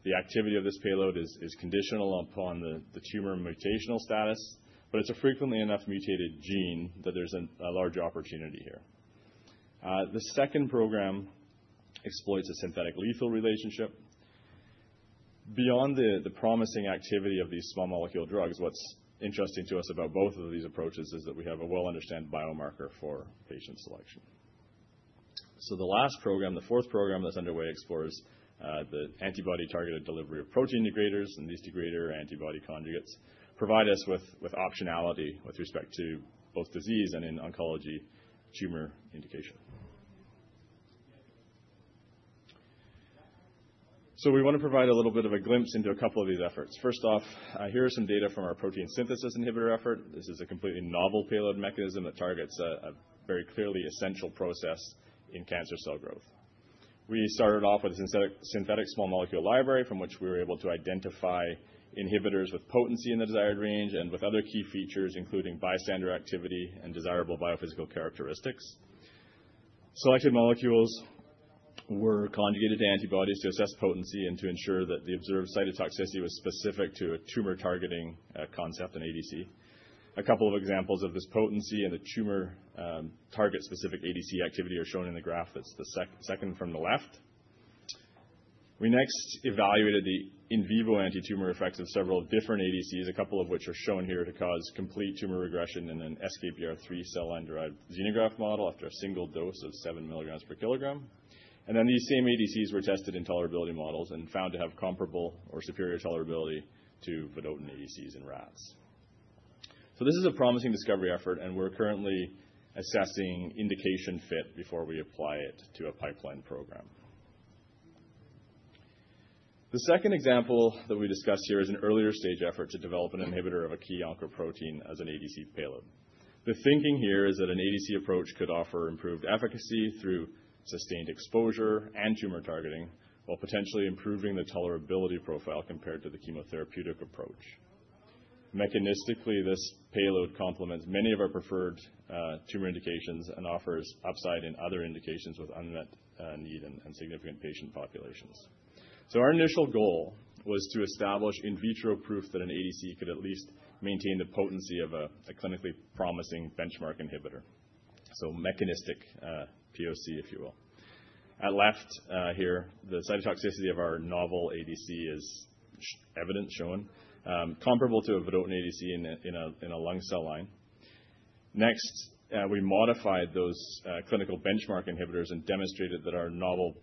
The activity of this payload is conditional upon the tumor mutational status, but it's a frequently enough mutated gene that there's a large opportunity here. The second program exploits a synthetic-lethal relationship. Beyond the promising activity of these small molecule drugs, what's interesting to us about both of these approaches is that we have a well-understood biomarker for patient selection. So the last program, the fourth program that's underway, explores the antibody-targeted delivery of protein degraders, and these degrader antibody conjugates provide us with optionality with respect to both disease and in oncology tumor indication. So we want to provide a little bit of a glimpse into a couple of these efforts. First off, here is some data from our protein synthesis inhibitor effort. This is a completely novel payload mechanism that targets a very clearly essential process in cancer cell growth. We started off with a synthetic small molecule library from which we were able to identify inhibitors with potency in the desired range and with other key features, including bystander activity and desirable biophysical characteristics. Selected molecules were conjugated to antibodies to assess potency and to ensure that the observed cytotoxicity was specific to a tumor-targeting concept in ADC. A couple of examples of this potency and the tumor-target-specific ADC activity are shown in the graph that's the second from the left. We next evaluated the in vivo anti-tumor effects of several different ADCs, a couple of which are shown here to cause complete tumor regression in an SK-BR-3 cell-derived xenograft model after a single dose of seven milligrams per kilogram, and then these same ADCs were tested in tolerability models and found to have comparable or superior tolerability to vedotin ADCs in rats, so this is a promising discovery effort, and we're currently assessing indication fit before we apply it to a pipeline program. The second example that we discussed here is an earlier stage effort to develop an inhibitor of a key oncoprotein as an ADC payload. The thinking here is that an ADC approach could offer improved efficacy through sustained exposure and tumor targeting while potentially improving the tolerability profile compared to the chemotherapeutic approach. Mechanistically, this payload complements many of our preferred tumor indications and offers upside in other indications with unmet need and significant patient populations. Our initial goal was to establish in vitro proof that an ADC could at least maintain the potency of a clinically promising benchmark inhibitor, so mechanistic POC, if you will. At left here, the cytotoxicity of our novel ADC is evident, shown, comparable to a vedotin ADC in a lung cell line. Next, we modified those clinical benchmark inhibitors and demonstrated that our novel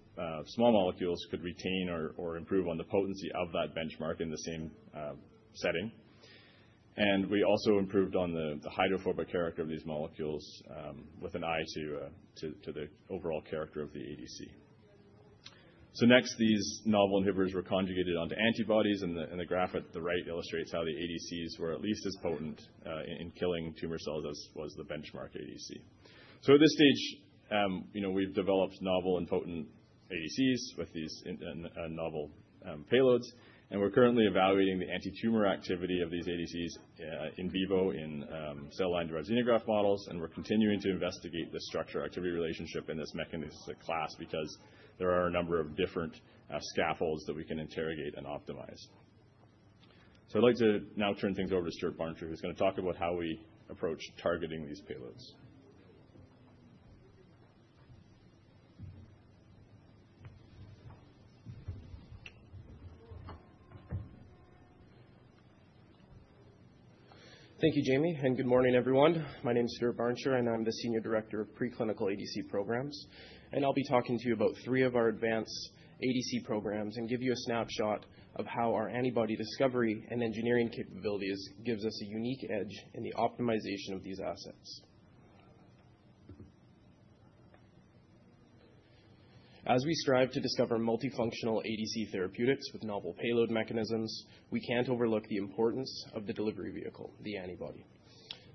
small molecules could retain or improve on the potency of that benchmark in the same setting. And we also improved on the hydrophobic character of these molecules with an eye to the overall character of the ADC. So next, these novel inhibitors were conjugated onto antibodies, and the graph at the right illustrates how the ADCs were at least as potent in killing tumor cells as was the benchmark ADC. So at this stage, we've developed novel and potent ADCs with these novel payloads. And we're currently evaluating the anti-tumor activity of these ADCs in vivo in cell-derived xenograft models, and we're continuing to investigate the structure-activity relationship in this mechanistic class because there are a number of different scaffolds that we can interrogate and optimize. So I'd like to now turn things over to Stuart Barnscher, who's going to talk about how we approach targeting these payloads. Thank you, Jamie, and good morning, everyone. My name is Stuart Barnscher, and I'm the Senior Director of Preclinical ADC Programs. I'll be talking to you about three of our advanced ADC programs and give you a snapshot of how our antibody discovery and engineering capabilities give us a unique edge in the optimization of these assets. As we strive to discover multifunctional ADC therapeutics with novel payload mechanisms, we can't overlook the importance of the delivery vehicle, the antibody.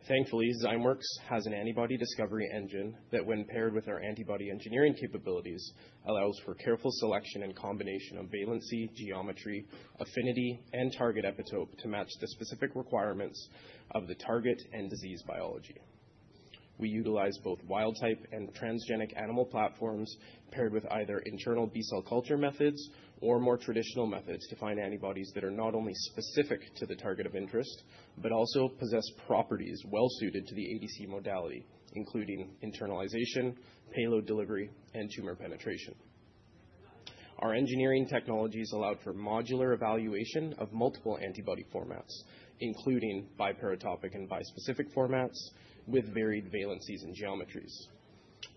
Thankfully, Zymeworks has an antibody discovery engine that, when paired with our antibody engineering capabilities, allows for careful selection and combination of valency, geometry, affinity, and target epitope to match the specific requirements of the target and disease biology. We utilize both wild-type and transgenic animal platforms paired with either internal B-cell culture methods or more traditional methods to find antibodies that are not only specific to the target of interest but also possess properties well-suited to the ADC modality, including internalization, payload delivery, and tumor penetration. Our engineering technologies allow for modular evaluation of multiple antibody formats, including biparatopic and bispecific formats with varied valencies and geometries.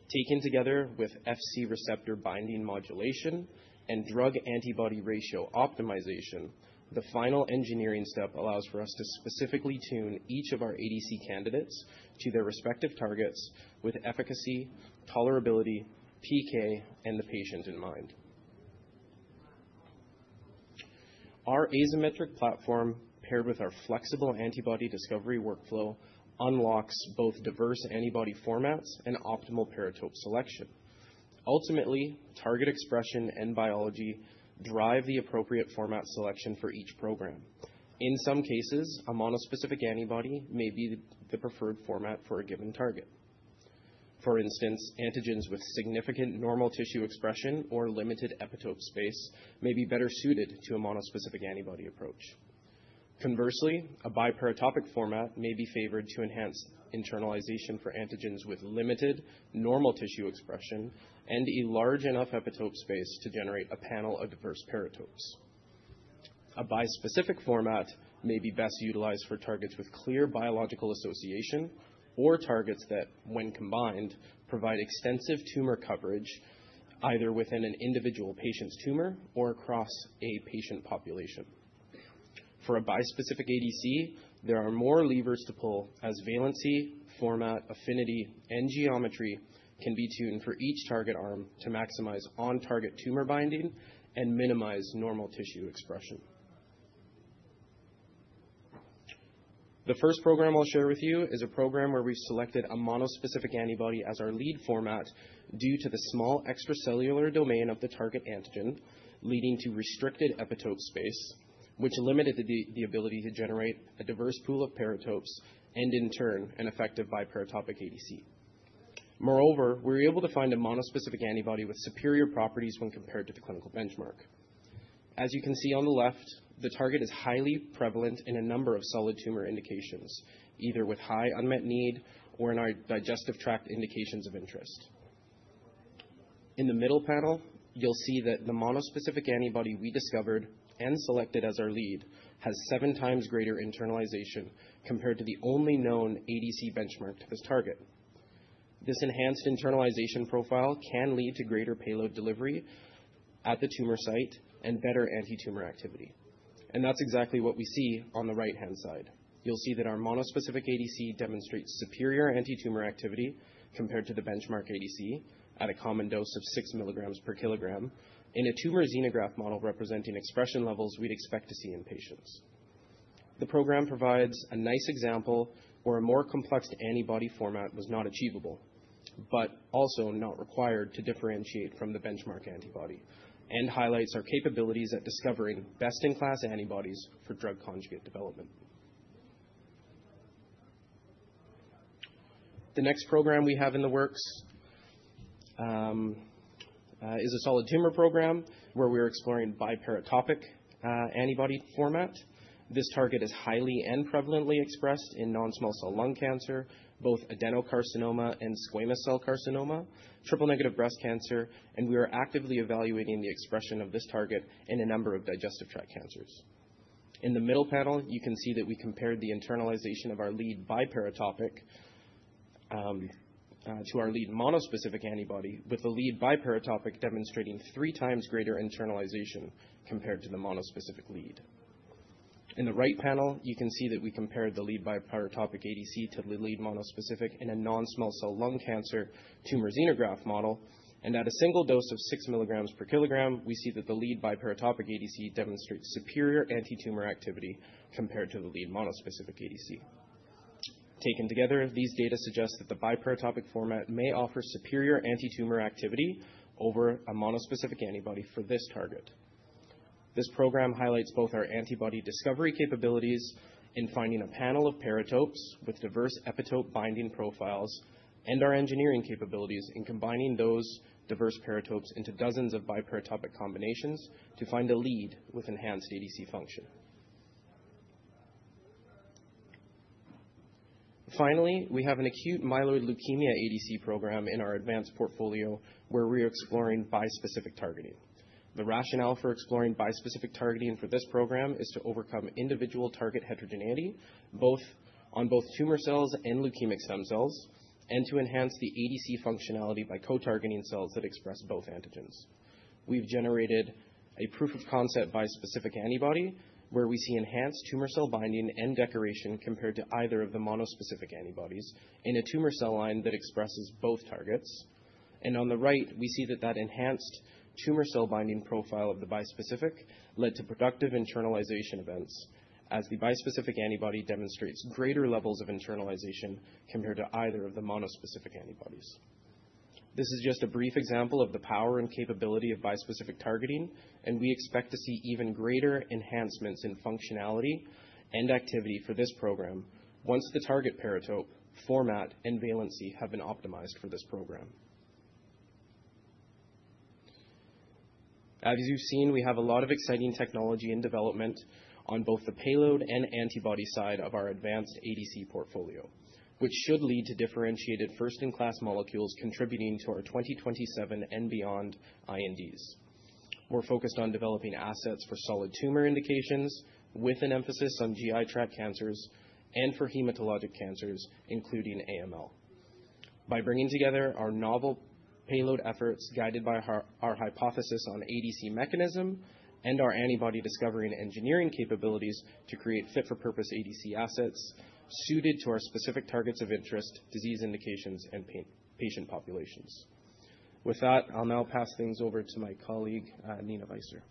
Taken together with Fc receptor binding modulation and drug-antibody ratio optimization, the final engineering step allows for us to specifically tune each of our ADC candidates to their respective targets with efficacy, tolerability, PK, and the patient in mind. Our asymmetric platform, paired with our flexible antibody discovery workflow, unlocks both diverse antibody formats and optimal paratope selection. Ultimately, target expression and biology drive the appropriate format selection for each program. In some cases, a monospecific antibody may be the preferred format for a given target. For instance, antigens with significant normal tissue expression or limited epitope space may be better suited to a monospecific antibody approach. Conversely, a biparatopic format may be favored to enhance internalization for antigens with limited normal tissue expression and a large enough epitope space to generate a panel of diverse paratopes. A bispecific format may be best utilized for targets with clear biological association or targets that, when combined, provide extensive tumor coverage either within an individual patient's tumor or across a patient population. For a bispecific ADC, there are more levers to pull as valency, format, affinity, and geometry can be tuned for each target arm to maximize on-target tumor binding and minimize normal tissue expression. The first program I'll share with you is a program where we've selected a monospecific antibody as our lead format due to the small extracellular domain of the target antigen, leading to restricted epitope space, which limited the ability to generate a diverse pool of paratopes and, in turn, an effective biparatopic ADC. Moreover, we were able to find a monospecific antibody with superior properties when compared to the clinical benchmark. As you can see on the left, the target is highly prevalent in a number of solid tumor indications, either with high unmet need or in our digestive tract indications of interest. In the middle panel, you'll see that the monospecific antibody we discovered and selected as our lead has seven times greater internalization compared to the only known ADC benchmarked to this target. This enhanced internalization profile can lead to greater payload delivery at the tumor site and better anti-tumor activity. And that's exactly what we see on the right-hand side. You'll see that our monospecific ADC demonstrates superior anti-tumor activity compared to the benchmark ADC at a common dose of 6 milligrams per kilogram in a tumor xenograft model representing expression levels we'd expect to see in patients. The program provides a nice example of a more complex antibody format was not achievable but also not required to differentiate from the benchmark antibody and highlights our capabilities at discovering best-in-class antibodies for drug-conjugate development. The next program we have in the works is a solid tumor program where we are exploring biparatopic antibody format. This target is highly and prevalently expressed in non-small cell lung cancer, both adenocarcinoma and squamous cell carcinoma, triple-negative breast cancer, and we are actively evaluating the expression of this target in a number of digestive tract cancers. In the middle panel, you can see that we compared the internalization of our lead biparatopic to our lead monospecific antibody, with the lead biparatopic demonstrating three times greater internalization compared to the monospecific lead. In the right panel, you can see that we compared the lead biparatopic ADC to the lead monospecific in a non-small cell lung cancer tumor xenograft model, and at a single dose of 6 milligrams per kilogram, we see that the lead biparatopic ADC demonstrates superior anti-tumor activity compared to the lead monospecific ADC. Taken together, these data suggest that the biparatopic format may offer superior anti-tumor activity over a monospecific antibody for this target. This program highlights both our antibody discovery capabilities in finding a panel of paratopes with diverse epitope binding profiles and our engineering capabilities in combining those diverse paratopes into dozens of biparatopic combinations to find a lead with enhanced ADC function. Finally, we have an acute myeloid leukemia ADC program in our advanced portfolio where we are exploring bispecific targeting. The rationale for exploring bispecific targeting for this program is to overcome individual target heterogeneity on both tumor cells and leukemic stem cells and to enhance the ADC functionality by co-targeting cells that express both antigens. We've generated a proof of concept bispecific antibody where we see enhanced tumor cell binding and decoration compared to either of the monospecific antibodies in a tumor cell line that expresses both targets. On the right, we see that enhanced tumor cell binding profile of the bispecific led to productive internalization events as the bispecific antibody demonstrates greater levels of internalization compared to either of the monospecific antibodies. This is just a brief example of the power and capability of bispecific targeting, and we expect to see even greater enhancements in functionality and activity for this program once the target paratope format and valency have been optimized for this program. As you've seen, we have a lot of exciting technology in development on both the payload and antibody side of our advanced ADC portfolio, which should lead to differentiated first-in-class molecules contributing to our 2027 and beyond INDs. We're focused on developing assets for solid tumor indications with an emphasis on GI tract cancers and for hematologic cancers, including AML. By bringing together our novel payload efforts guided by our hypothesis on ADC mechanism and our antibody discovery and engineering capabilities to create fit-for-purpose ADC assets suited to our specific targets of interest, disease indications, and patient populations. With that, I'll now pass things over to my colleague, Nina Weisser.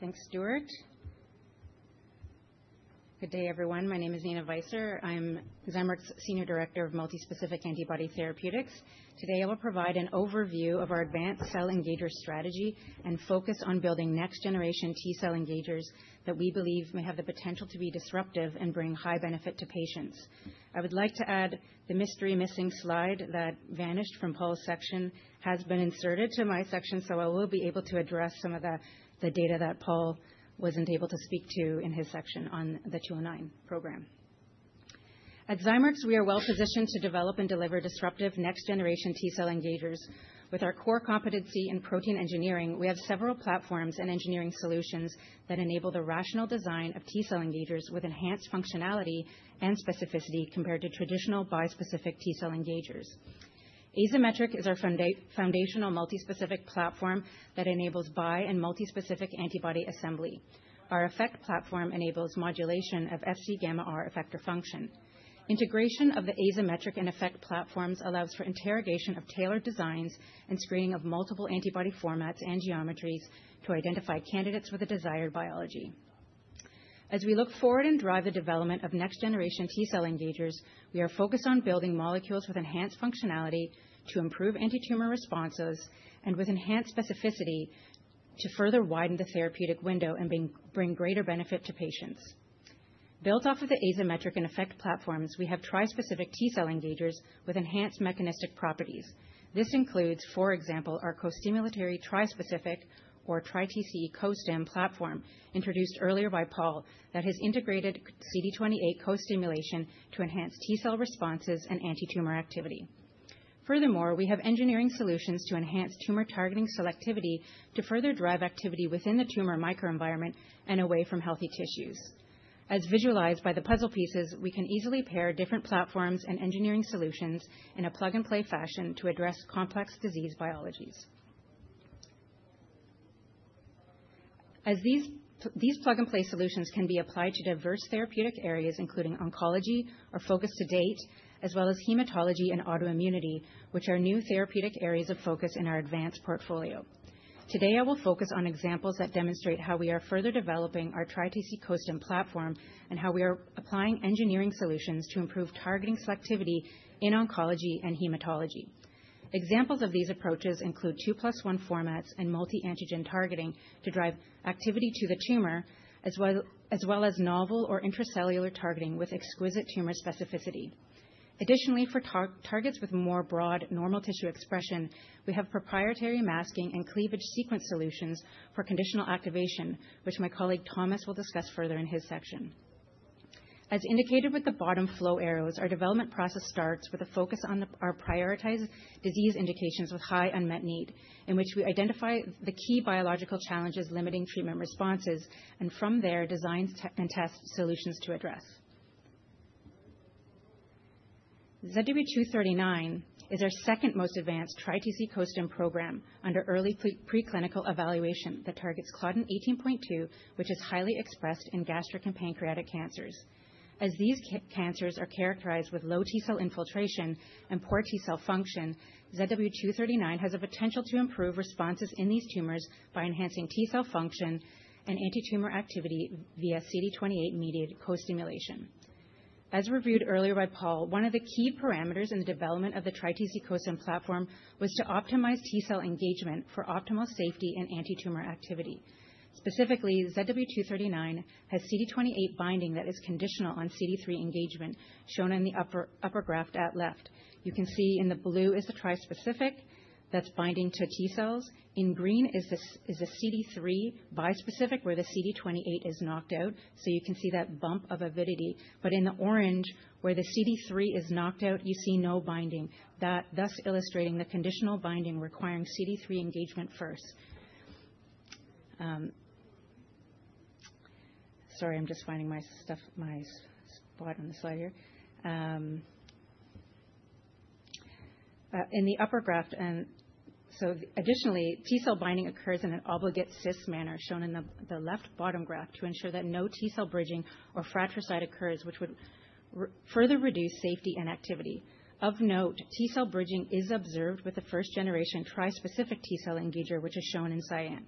Thanks, Stuart. Good day, everyone. My name is Nina Weisser. I'm Zymework's Senior Director of Multi-Specific Antibody Therapeutics. Today, I will provide an overview of our advanced cell engager strategy and focus on building next-generation T-cell engagers that we believe may have the potential to be disruptive and bring high benefit to patients. I would like to add the mystery-missing slide that vanished from Paul's section has been inserted to my section, so I will be able to address some of the data that Paul wasn't able to speak to in his section on the 209 program. At Zymeworks, we are well-positioned to develop and deliver disruptive next-generation T-cell engagers. With our core competency in protein engineering, we have several platforms and engineering solutions that enable the rational design of T-cell engagers with enhanced functionality and specificity compared to traditional bispecific T-cell engagers. Azymetric is our foundational multi-specific platform that enables bi and multi-specific antibody assembly. Our EFect platform enables modulation of Fc gamma R effector function. Integration of the Azymetric and EFect platforms allows for interrogation of tailored designs and screening of multiple antibody formats and geometries to identify candidates with a desired biology. As we look forward and drive the development of next-generation T-cell engagers, we are focused on building molecules with enhanced functionality to improve anti-tumor responses and with enhanced specificity to further widen the therapeutic window and bring greater benefit to patients. Built off of the Azymetric and EFect platforms, we have tri-specific T-cell engagers with enhanced mechanistic properties. This includes, for example, our co-stimulatory tri-specific TriTCE Co-Stim platform introduced earlier by Paul that has integrated CD28 co-stimulation to enhance T-cell responses and anti-tumor activity. Furthermore, we have engineering solutions to enhance tumor targeting selectivity to further drive activity within the tumor microenvironment and away from healthy tissues. As visualized by the puzzle pieces, we can easily pair different platforms and engineering solutions in a plug-and-play fashion to address complex disease biologies. As these plug-and-play solutions can be applied to diverse therapeutic areas, including oncology, our focus to date, as well as hematology and autoimmunity, which are new therapeutic areas of focus in our advanced portfolio. Today, I will focus on examples that demonstrate how we are further developing TriTCE Co-Stim platform and how we are applying engineering solutions to improve targeting selectivity in oncology and hematology. Examples of these approaches include 2+1 formats and multi-antigen targeting to drive activity to the tumor, as well as novel or intracellular targeting with exquisite tumor specificity. Additionally, for targets with more broad normal tissue expression, we have proprietary masking and cleavage sequence solutions for conditional activation, which my colleague Thomas will discuss further in his section. As indicated with the bottom flow arrows, our development process starts with a focus on our prioritized disease indications with high unmet need, in which we identify the key biological challenges limiting treatment responses and from there design and test solutions to address. ZW239 is our second most TriTCE Co-Stim program under early preclinical evaluation that targets Claudin 18.2, which is highly expressed in gastric and pancreatic cancers. As these cancers are characterized with low T-cell infiltration and poor T-cell function, ZW239 has the potential to improve responses in these tumors by enhancing T-cell function and anti-tumor activity via CD28-mediated co-stimulation. As reviewed earlier by Paul, one of the key parameters in the development of TriTCE Co-Stim platform was to optimize T-cell engagement for optimal safety and anti-tumor activity. Specifically, ZW239 has CD28 binding that is conditional on CD3 engagement, shown in the upper graph at left. You can see in the blue is the tri-specific that's binding to T-cells. In green is the CD3 bispecific where the CD28 is knocked out, so you can see that bump of avidity. But in the orange, where the CD3 is knocked out, you see no binding, thus illustrating the conditional binding requiring CD3 engagement first. Sorry, I'm just finding my spot on the slide here. In the upper graph, and so additionally, T-cell binding occurs in an obligate cis manner, shown in the left bottom graph, to ensure that no T-cell bridging or fratricide occurs, which would further reduce safety and activity. Of note, T-cell bridging is observed with the first-generation tri-specific T-cell engager, which is shown in cyan.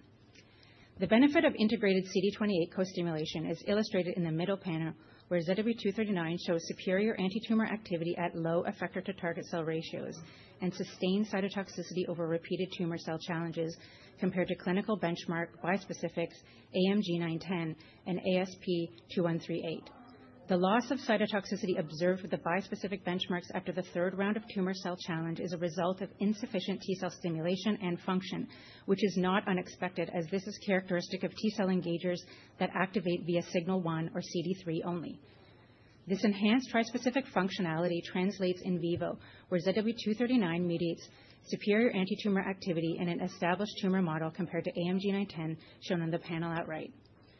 The benefit of integrated CD28 co-stimulation is illustrated in the middle panel, where ZW239 shows superior anti-tumor activity at low effector-to-target cell ratios and sustained cytotoxicity over repeated tumor cell challenges compared to clinical benchmark bispecifics AMG 910 and ASP 2138. The loss of cytotoxicity observed with the bispecific benchmarks after the third round of tumor cell challenge is a result of insufficient T-cell stimulation and function, which is not unexpected as this is characteristic of T-cell engagers that activate via signal one or CD3 only. This enhanced tri-specific functionality translates in vivo, where ZW239 mediates superior anti-tumor activity in an established tumor model compared to AMG 910, shown in the panel to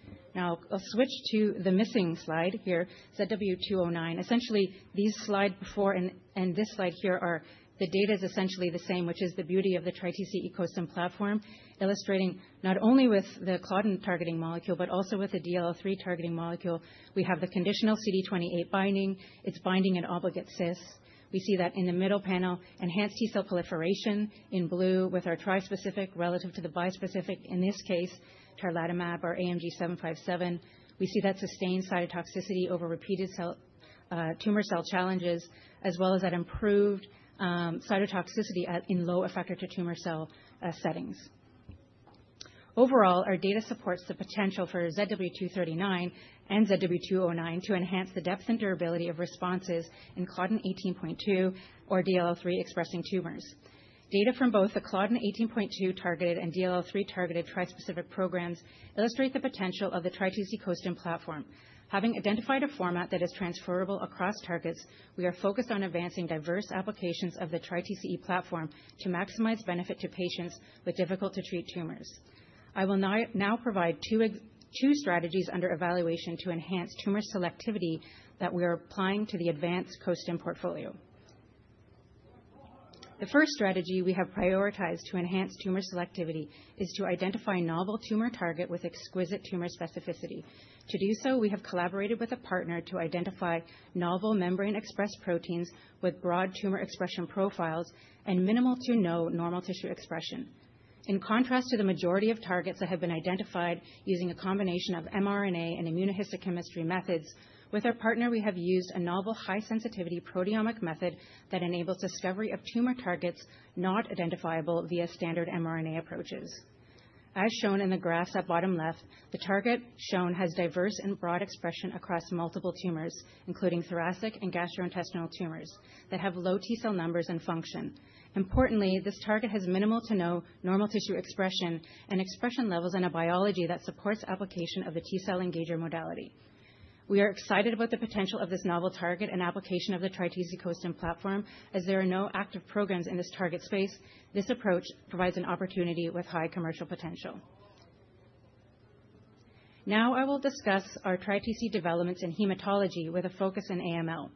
the right. Now, I'll switch to the missing slide here, ZW209. Essentially, this slide before and this slide here are the data is essentially the same, which is the beauty of TriTCE Co-Stim platform, illustrating not only with the Claudin targeting molecule but also with the DLL3 targeting molecule. We have the conditional CD28 binding. It's binding in obligate cis. We see that in the middle panel, enhanced T-cell proliferation in blue with our tri-specific relative to the bispecific, in this case, tarlatamab or AMG 757. We see that sustained cytotoxicity over repeated tumor cell challenges, as well as that improved cytotoxicity in low effector-to-tumor cell settings. Overall, our data supports the potential for ZW239 and ZW209 to enhance the depth and durability of responses in Claudin 18.2 or DLL3 expressing tumors. Data from both the Claudin 18.2 targeted and DLL3 targeted tri-specific programs illustrate the potential of TriTCE Co-Stim platform. Having identified a format that is transferable across targets, we are focused on advancing diverse applications of the TriTCE platform to maximize benefit to patients with difficult-to-treat tumors. I will now provide two strategies under evaluation to enhance tumor selectivity that we are applying to the advanced co-stim portfolio. The first strategy we have prioritized to enhance tumor selectivity is to identify novel tumor target with exquisite tumor specificity. To do so, we have collaborated with a partner to identify novel membrane-expressed proteins with broad tumor expression profiles and minimal to no normal tissue expression. In contrast to the majority of targets that have been identified using a combination of mRNA and immunohistochemistry methods, with our partner, we have used a novel high-sensitivity proteomic method that enables discovery of tumor targets not identifiable via standard mRNA approaches. As shown in the graphs at bottom left, the target shown has diverse and broad expression across multiple tumors, including thoracic and gastrointestinal tumors that have low T-cell numbers and function. Importantly, this target has minimal to no normal tissue expression and expression levels in a biology that supports application of the T-cell engager modality. We are excited about the potential of this novel target and application of TriTCE Co-Stim platform, as there are no active programs in this target space. This approach provides an opportunity with high commercial potential. Now, I will discuss our TriTCE developments in hematology with a focus in AML.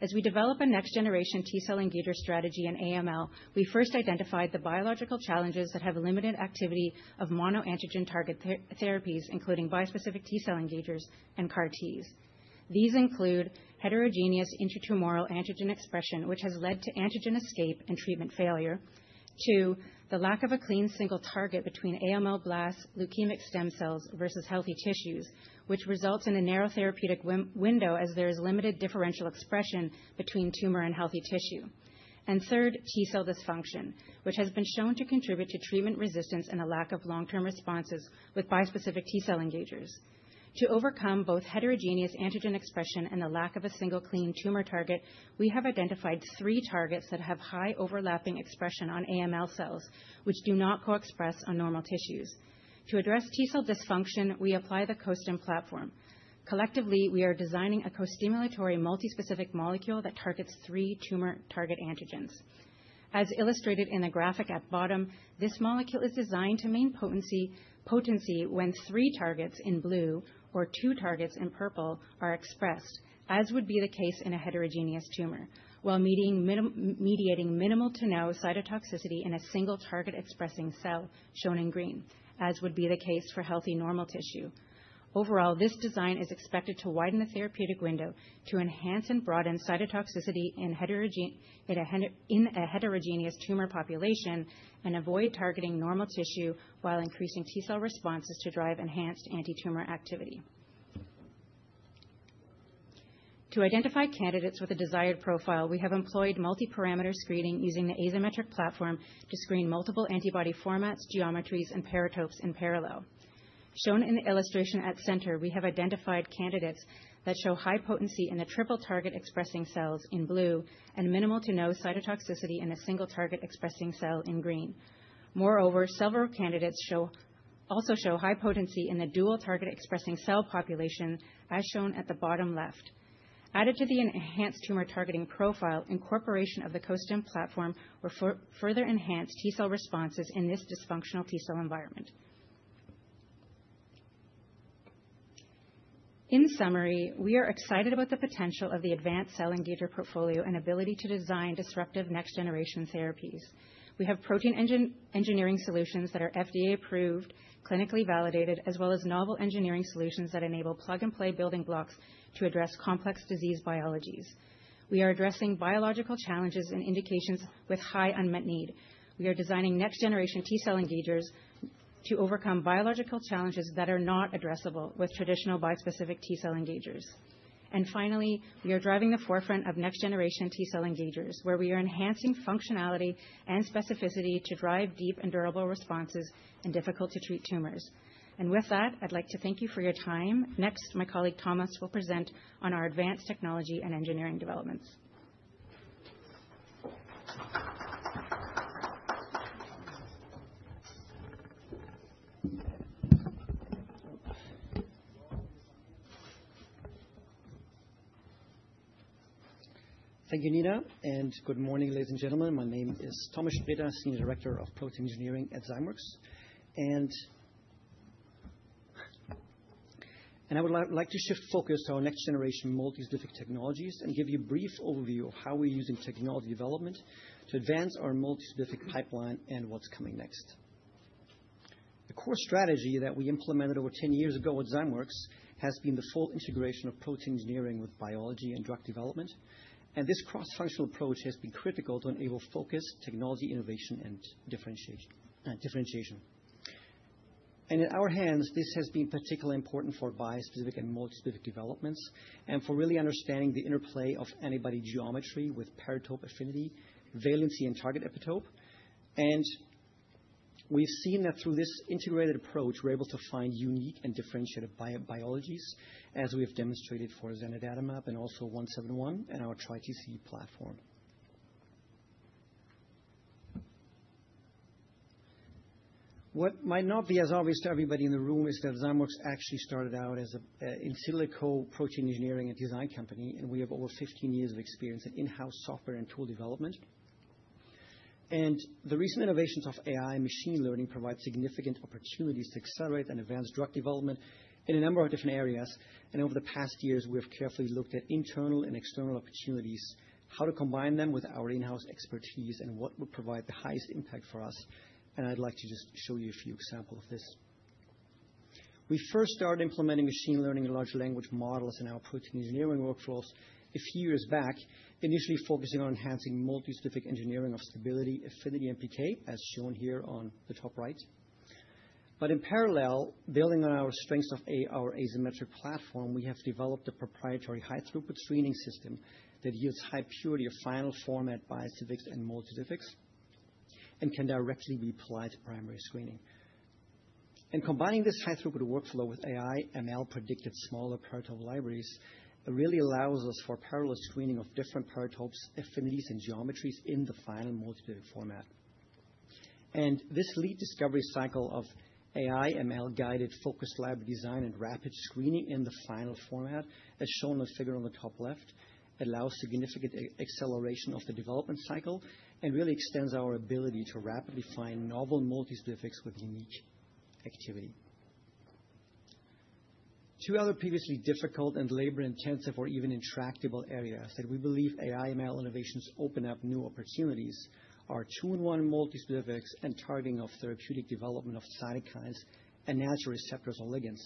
As we develop a next-generation T-cell engager strategy in AML, we first identified the biological challenges that have limited activity of monoantigen target therapies, including bispecific T-cell engagers and CAR-Ts. These include heterogeneous intra-tumoral antigen expression, which has led to antigen escape and treatment failure. Two, the lack of a clean single target between AML blasts, leukemic stem cells versus healthy tissues, which results in a narrow therapeutic window as there is limited differential expression between tumor and healthy tissue. And third, T-cell dysfunction, which has been shown to contribute to treatment resistance and a lack of long-term responses with bispecific T-cell engagers. To overcome both heterogeneous antigen expression and the lack of a single clean tumor target, we have identified three targets that have high overlapping expression on AML cells, which do not co-express on normal tissues. To address T-cell dysfunction, we apply the Co-Stim platform. Collectively, we are designing a co-stimulatory multi-specific molecule that targets three tumor target antigens. As illustrated in the graphic at bottom, this molecule is designed to maintain potency when three targets in blue or two targets in purple are expressed, as would be the case in a heterogeneous tumor, while mediating minimal to no cytotoxicity in a single target-expressing cell, shown in green, as would be the case for healthy normal tissue. Overall, this design is expected to widen the therapeutic window to enhance and broaden cytotoxicity in a heterogeneous tumor population and avoid targeting normal tissue while increasing T-cell responses to drive enhanced anti-tumor activity. To identify candidates with a desired profile, we have employed multi-parameter screening using the Azymetric platform to screen multiple antibody formats, geometries, and paratopes in parallel. Shown in the illustration at center, we have identified candidates that show high potency in the triple-target expressing cells in blue and minimal to no cytotoxicity in a single-target expressing cell in green. Moreover, several candidates also show high potency in the dual-target expressing cell population, as shown at the bottom left. Added to the enhanced tumor targeting profile, incorporation of the co-stim platform will further enhance T-cell responses in this dysfunctional T-cell environment. In summary, we are excited about the potential of the advanced cell engager portfolio and ability to design disruptive next-generation therapies. We have protein engineering solutions that are FDA-approved, clinically validated, as well as novel engineering solutions that enable plug-and-play building blocks to address complex disease biologies. We are addressing biological challenges and indications with high unmet need. We are designing next-generation T-cell engagers to overcome biological challenges that are not addressable with traditional bispecific T-cell engagers. And finally, we are driving the forefront of next-generation T-cell engagers, where we are enhancing functionality and specificity to drive deep and durable responses in difficult-to-treat tumors. And with that, I'd like to thank you for your time. Next, my colleague Thomas will present on our advanced technology and engineering developments. Thank you, Nina, and good morning, ladies and gentlemen. My name is Thomas Spreter, Senior Director of Protein Engineering at Zymeworks. I would like to shift focus to our next-generation multi-specific technologies and give you a brief overview of how we're using technology development to advance our multi-specific pipeline and what's coming next. The core strategy that we implemented over 10 years ago at Zymeworks has been the full integration of protein engineering with biology and drug development, and this cross-functional approach has been critical to enable focus, technology innovation, and differentiation. In our hands, this has been particularly important for bispecific and multi-specific developments and for really understanding the interplay of antibody geometry with paratope affinity, valency, and target epitope. And we've seen that through this integrated approach, we're able to find unique and differentiated biologies, as we have demonstrated for zanidatamab and also 171 and our TriTCE platform. What might not be as obvious to everybody in the room is that Zymeworks actually started out as an in silico protein engineering and design company, and we have over 15 years of experience in in-house software and tool development. And the recent innovations of AI and machine learning provide significant opportunities to accelerate and advance drug development in a number of different areas. And over the past years, we have carefully looked at internal and external opportunities, how to combine them with our in-house expertise and what would provide the highest impact for us. And I'd like to just show you a few examples of this. We first started implementing machine learning and large language models in our protein engineering workflows a few years back, initially focusing on enhancing multi-specific engineering of stability, affinity, and PK, as shown here on the top right, but in parallel, building on our strengths of our Azymetric platform, we have developed a proprietary high-throughput screening system that yields high purity of final format bispecifics and multi-specifics and can directly be applied to primary screening, and combining this high-throughput workflow with AI/ML-predicted smaller paratope libraries really allows us for parallel screening of different paratopes, affinities, and geometries in the final multi-specific format, and this lead discovery cycle of AI/ML-guided focused library design and rapid screening in the final format, as shown in the figure on the top left, allows significant acceleration of the development cycle and really extends our ability to rapidly find novel multi-specifics with unique activity. Two other previously difficult and labor-intensive or even intractable areas that we believe AI/ML innovations open up new opportunities are two-in-one multi-specifics and targeting of therapeutic development of cytokines and natural receptors or ligands.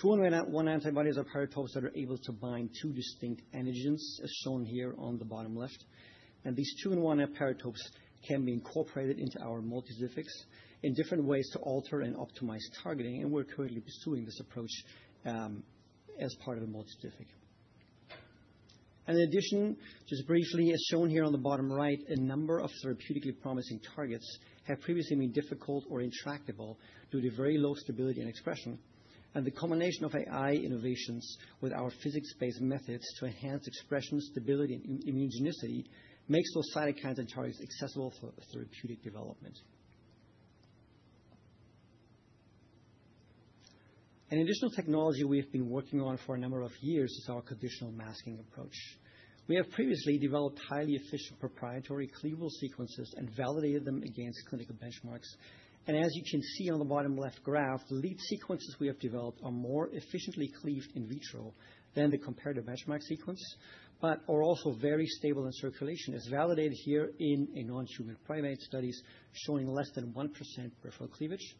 Two-in-one antibodies are paratopes that are able to bind two distinct antigens, as shown here on the bottom left. And these two-in-one paratopes can be incorporated into our multi-specifics in different ways to alter and optimize targeting, and we're currently pursuing this approach as part of the multi-specific. And in addition, just briefly, as shown here on the bottom right, a number of therapeutically promising targets have previously been difficult or intractable due to very low stability and expression. And the combination of AI innovations with our physics-based methods to enhance expression, stability, and immunogenicity makes those cytokines and targets accessible for therapeutic development. An additional technology we have been working on for a number of years is our conditional masking approach. We have previously developed highly efficient proprietary cleavable sequences and validated them against clinical benchmarks. And as you can see on the bottom left graph, the lead sequences we have developed are more efficiently cleaved in vitro than the comparative benchmark sequence, but are also very stable in circulation, as validated here in non-human primate studies showing less than 1% peripheral cleavage.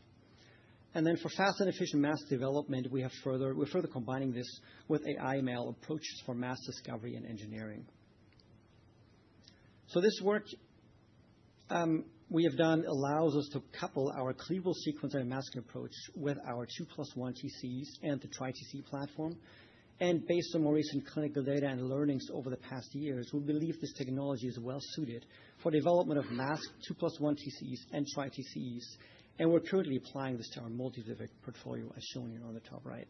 And then for fast and efficient mass development, we're further combining this with AI/ML approaches for mass discovery and engineering. So this work we have done allows us to couple our cleavable sequence and masking approach with our 2+1 TCEs and the TriTCE platform. Based on more recent clinical data and learnings over the past years, we believe this technology is well-suited for development of masked 2+1 TCEs and TriTCEs, and we're currently applying this to our multi-specific portfolio, as shown here on the top right.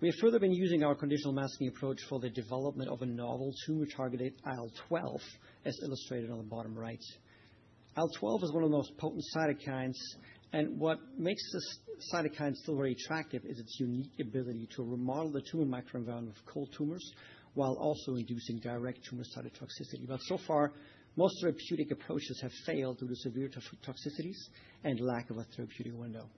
We have further been using our conditional masking approach for the development of a novel tumor-targeted IL-12, as illustrated on the bottom right. IL-12 is one of the most potent cytokines, and what makes this cytokine still very attractive is its unique ability to remodel the tumor microenvironment of cold tumors while also inducing direct tumor cytotoxicity. But so far, most therapeutic approaches have failed due to severe toxicities and lack of a therapeutic window.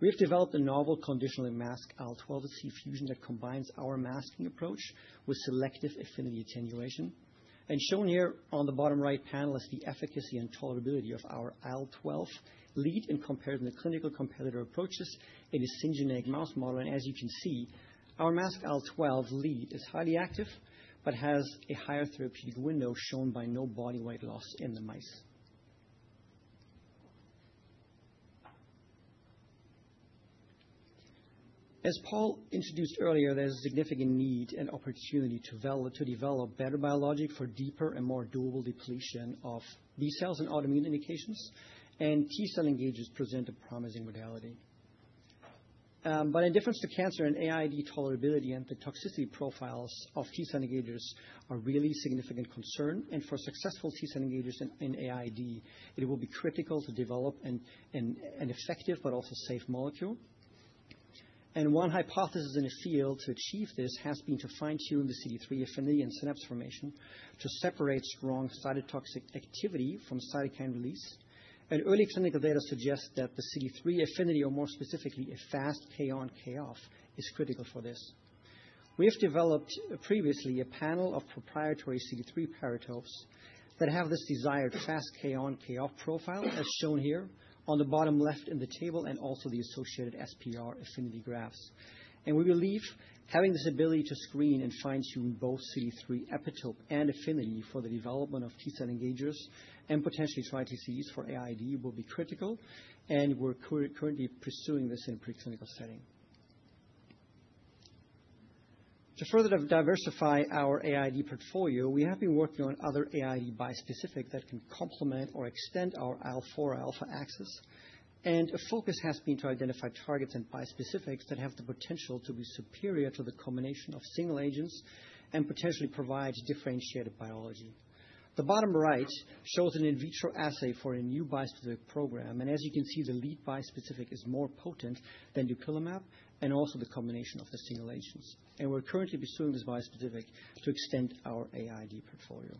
We have developed a novel conditionally masked IL-12 with Fc fusion that combines our masking approach with selective affinity attenuation. Shown here on the bottom right panel is the efficacy and tolerability of our IL-12 lead in comparison to clinical competitor approaches in a syngeneic mouse model. As you can see, our masked IL-12 lead is highly active but has a higher therapeutic window shown by no body weight loss in the mice. As Paul introduced earlier, there's a significant need and opportunity to develop better biologics for deeper and more durable depletion of B cells and autoimmune indications, and T-cell engagers present a promising modality. In contrast to cancer and A&ID tolerability, the toxicity profiles of T-cell engagers are a really significant concern. For successful T-cell engagers in A&ID, it will be critical to develop an effective but also safe molecule. One hypothesis in the field to achieve this has been to fine-tune the CD3 affinity and synapse formation to separate strong cytotoxic activity from cytokine release. Early clinical data suggest that the CD3 affinity, or more specifically a fast Kon/Koff, is critical for this. We have developed previously a panel of proprietary CD3 epitopes that have this desired fast Kon/Koff profile, as shown here on the bottom left in the table and also the associated SPR affinity graphs. We believe having this ability to screen and fine-tune both CD3 epitope and affinity for the development of T-cell engagers and potentially TriTCEs for A&ID will be critical, and we're currently pursuing this in a preclinical setting. To further diversify our A&ID portfolio, we have been working on other A&ID bispecifics that can complement or extend our IL-4 alpha axis. A focus has been to identify targets and bispecifics that have the potential to be superior to the combination of single agents and potentially provide differentiated biology. The bottom right shows an in vitro assay for a new bispecific program, and as you can see, the lead bispecific is more potent than dupilumab and also the combination of the single agents. We're currently pursuing this bispecific to extend our A&ID portfolio.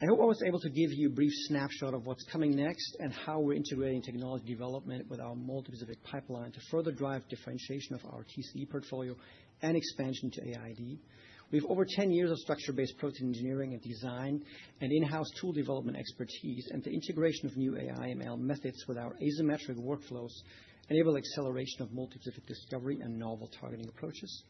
I hope I was able to give you a brief snapshot of what's coming next and how we're integrating technology development with our multi-specific pipeline to further drive differentiation of our TCE portfolio and expansion to A&ID. We have over 10 years of structure-based protein engineering and design and in-house tool development expertise, and the integration of new AI/ML methods with our Azymetric workflows enables acceleration of multi-specific discovery and novel targeting approaches.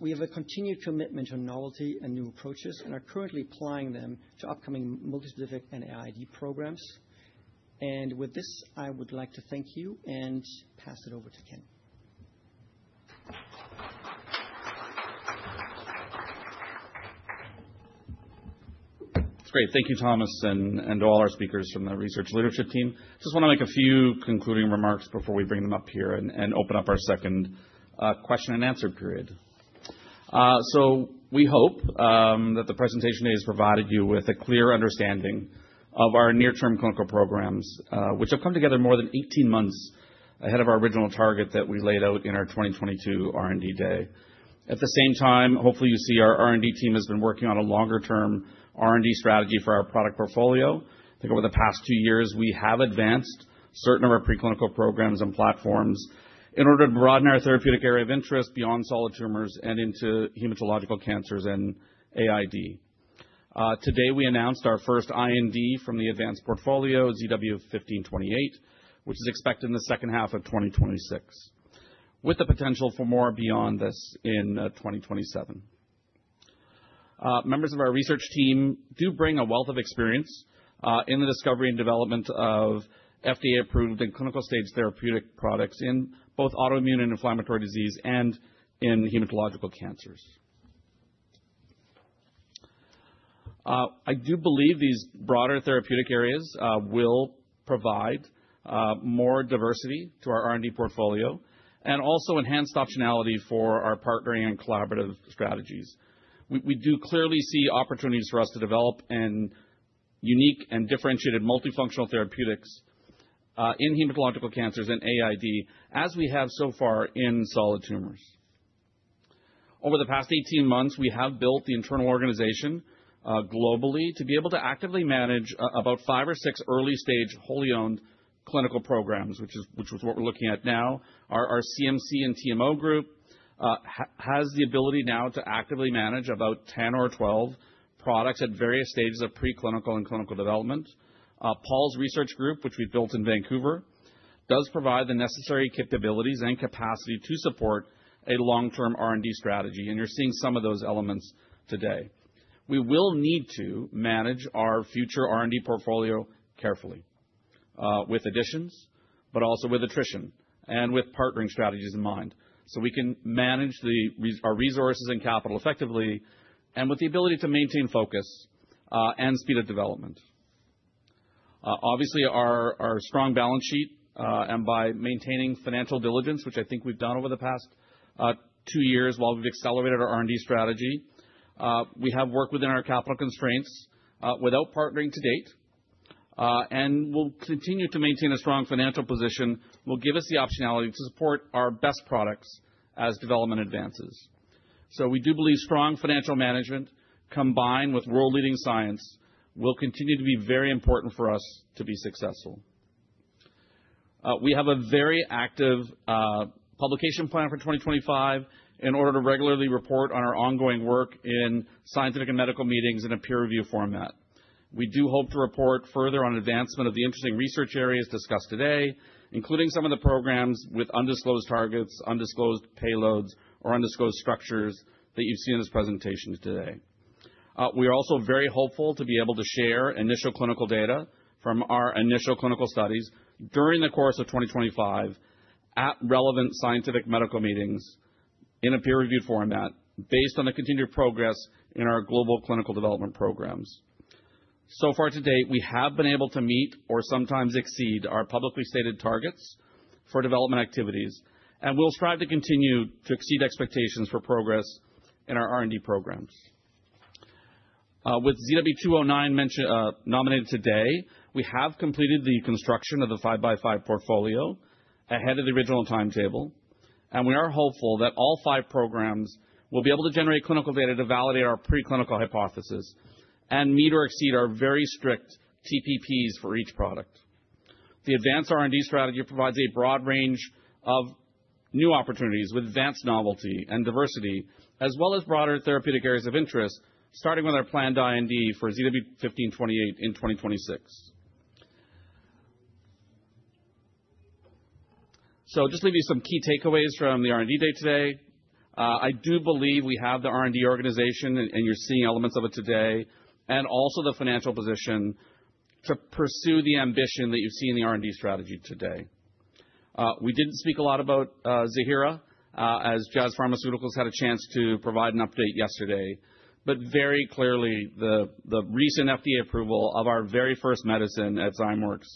We have a continued commitment to novelty and new approaches and are currently applying them to upcoming multi-specific and ADC programs. With this, I would like to thank you and pass it over to Ken. That's great. Thank you, Thomas, and to all our speakers from the research leadership team. I just want to make a few concluding remarks before we bring them up here and open up our second question and answer period. So we hope that the presentation today has provided you with a clear understanding of our near-term clinical programs, which have come together more than 18 months ahead of our original target that we lA&ID out in our 2022 R&D day. At the same time, hopefully, you see our R&D team has been working on a longer-term R&D strategy for our product portfolio. I think over the past two years, we have advanced certain of our preclinical programs and platforms in order to broaden our therapeutic area of interest beyond solid tumors and into hematological cancers and autoimmune. Today, we announced our first IND from the advanced portfolio, ZW1528, which is expected in the second half of 2026, with the potential for more beyond this in 2027. Members of our research team do bring a wealth of experience in the discovery and development of FDA-approved and clinical-stage therapeutic products in both autoimmune and inflammatory disease and in hematological cancers. I do believe these broader therapeutic areas will provide more diversity to our R&D portfolio and also enhanced optionality for our partnering and collaborative strategies. We do clearly see opportunities for us to develop unique and differentiated multi-functional therapeutics in hematological cancers and A&ID, as we have so far in solid tumors. Over the past 18 months, we have built the internal organization globally to be able to actively manage about five or six early-stage wholly-owned clinical programs, which is what we're looking at now. Our CMC and TMO group has the ability now to actively manage about 10 or 12 products at various stages of preclinical and clinical development. Paul's research group, which we've built in Vancouver, does provide the necessary capabilities and capacity to support a long-term R&D strategy, and you're seeing some of those elements today. We will need to manage our future R&D portfolio carefully, with additions, but also with attrition and with partnering strategies in mind, so we can manage our resources and capital effectively and with the ability to maintain focus and speed of development. Obviously, our strong balance sheet and by maintaining financial diligence, which I think we've done over the past two years while we've accelerated our R&D strategy, we have worked within our capital constraints without partnering to date, and we'll continue to maintain a strong financial position. Will give us the optionality to support our best products as development advances. So we do believe strong financial management combined with world-leading science will continue to be very important for us to be successful. We have a very active publication plan for 2025 in order to regularly report on our ongoing work in scientific and medical meetings in a peer-review format. We do hope to report further on advancement of the interesting research areas discussed today, including some of the programs with undisclosed targets, undisclosed payloads, or undisclosed structures that you've seen in this presentation today. We are also very hopeful to be able to share initial clinical data from our initial clinical studies during the course of 2025 at relevant scientific medical meetings in a peer-reviewed format based on the continued progress in our global clinical development programs. So far to date, we have been able to meet or sometimes exceed our publicly stated targets for development activities, and we'll strive to continue to exceed expectations for progress in our R&D programs. With ZW209 nominated today, we have completed the construction of the 5x5 portfolio ahead of the original timetable, and we are hopeful that all five programs will be able to generate clinical data to validate our preclinical hypothesis and meet or exceed our very strict TPPs for each product. The advanced R&D strategy provides a broad range of new opportunities with advanced novelty and diversity, as well as broader therapeutic areas of interest, starting with our planned IND for ZW1528 in 2026. So just to give you some key takeaways from the R&D day today, I do believe we have the R&D organization, and you're seeing elements of it today, and also the financial position to pursue the ambition that you've seen in the R&D strategy today. We didn't speak a lot about Ziihera, as Jazz Pharmaceuticals had a chance to provide an update yesterday, but very clearly, the recent FDA approval of our very first medicine at Zymeworks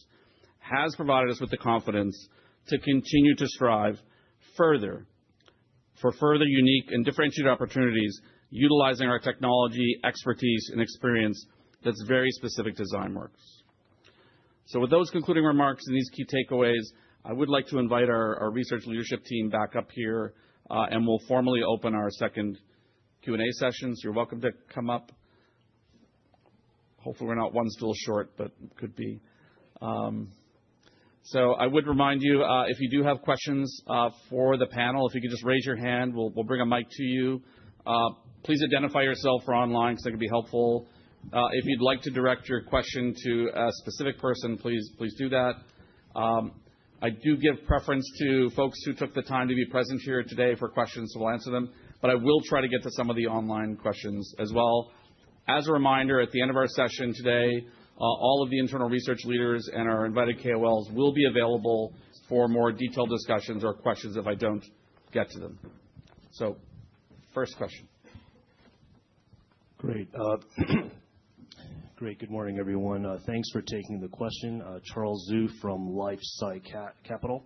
has provided us with the confidence to continue to strive further for further unique and differentiated opportunities, utilizing our technology, expertise, and experience that's very specific to Zymeworks. So with those concluding remarks and these key takeaways, I would like to invite our research leadership team back up here, and we'll formally open our second Q&A session. So you're welcome to come up. Hopefully, we're not one stool short, but could be. I would remind you, if you do have questions for the panel, if you could just raise your hand, we'll bring a mic to you. Please identify yourself for online because that could be helpful. If you'd like to direct your question to a specific person, please do that. I do give preference to folks who took the time to be present here today for questions, so we'll answer them, but I will try to get to some of the online questions as well. As a reminder, at the end of our session today, all of the internal research leaders and our invited KOLs will be available for more detailed discussions or questions if I don't get to them. First question. Good morning, everyone. Thanks for taking the question. Charles Zhu from LifeSci Capital.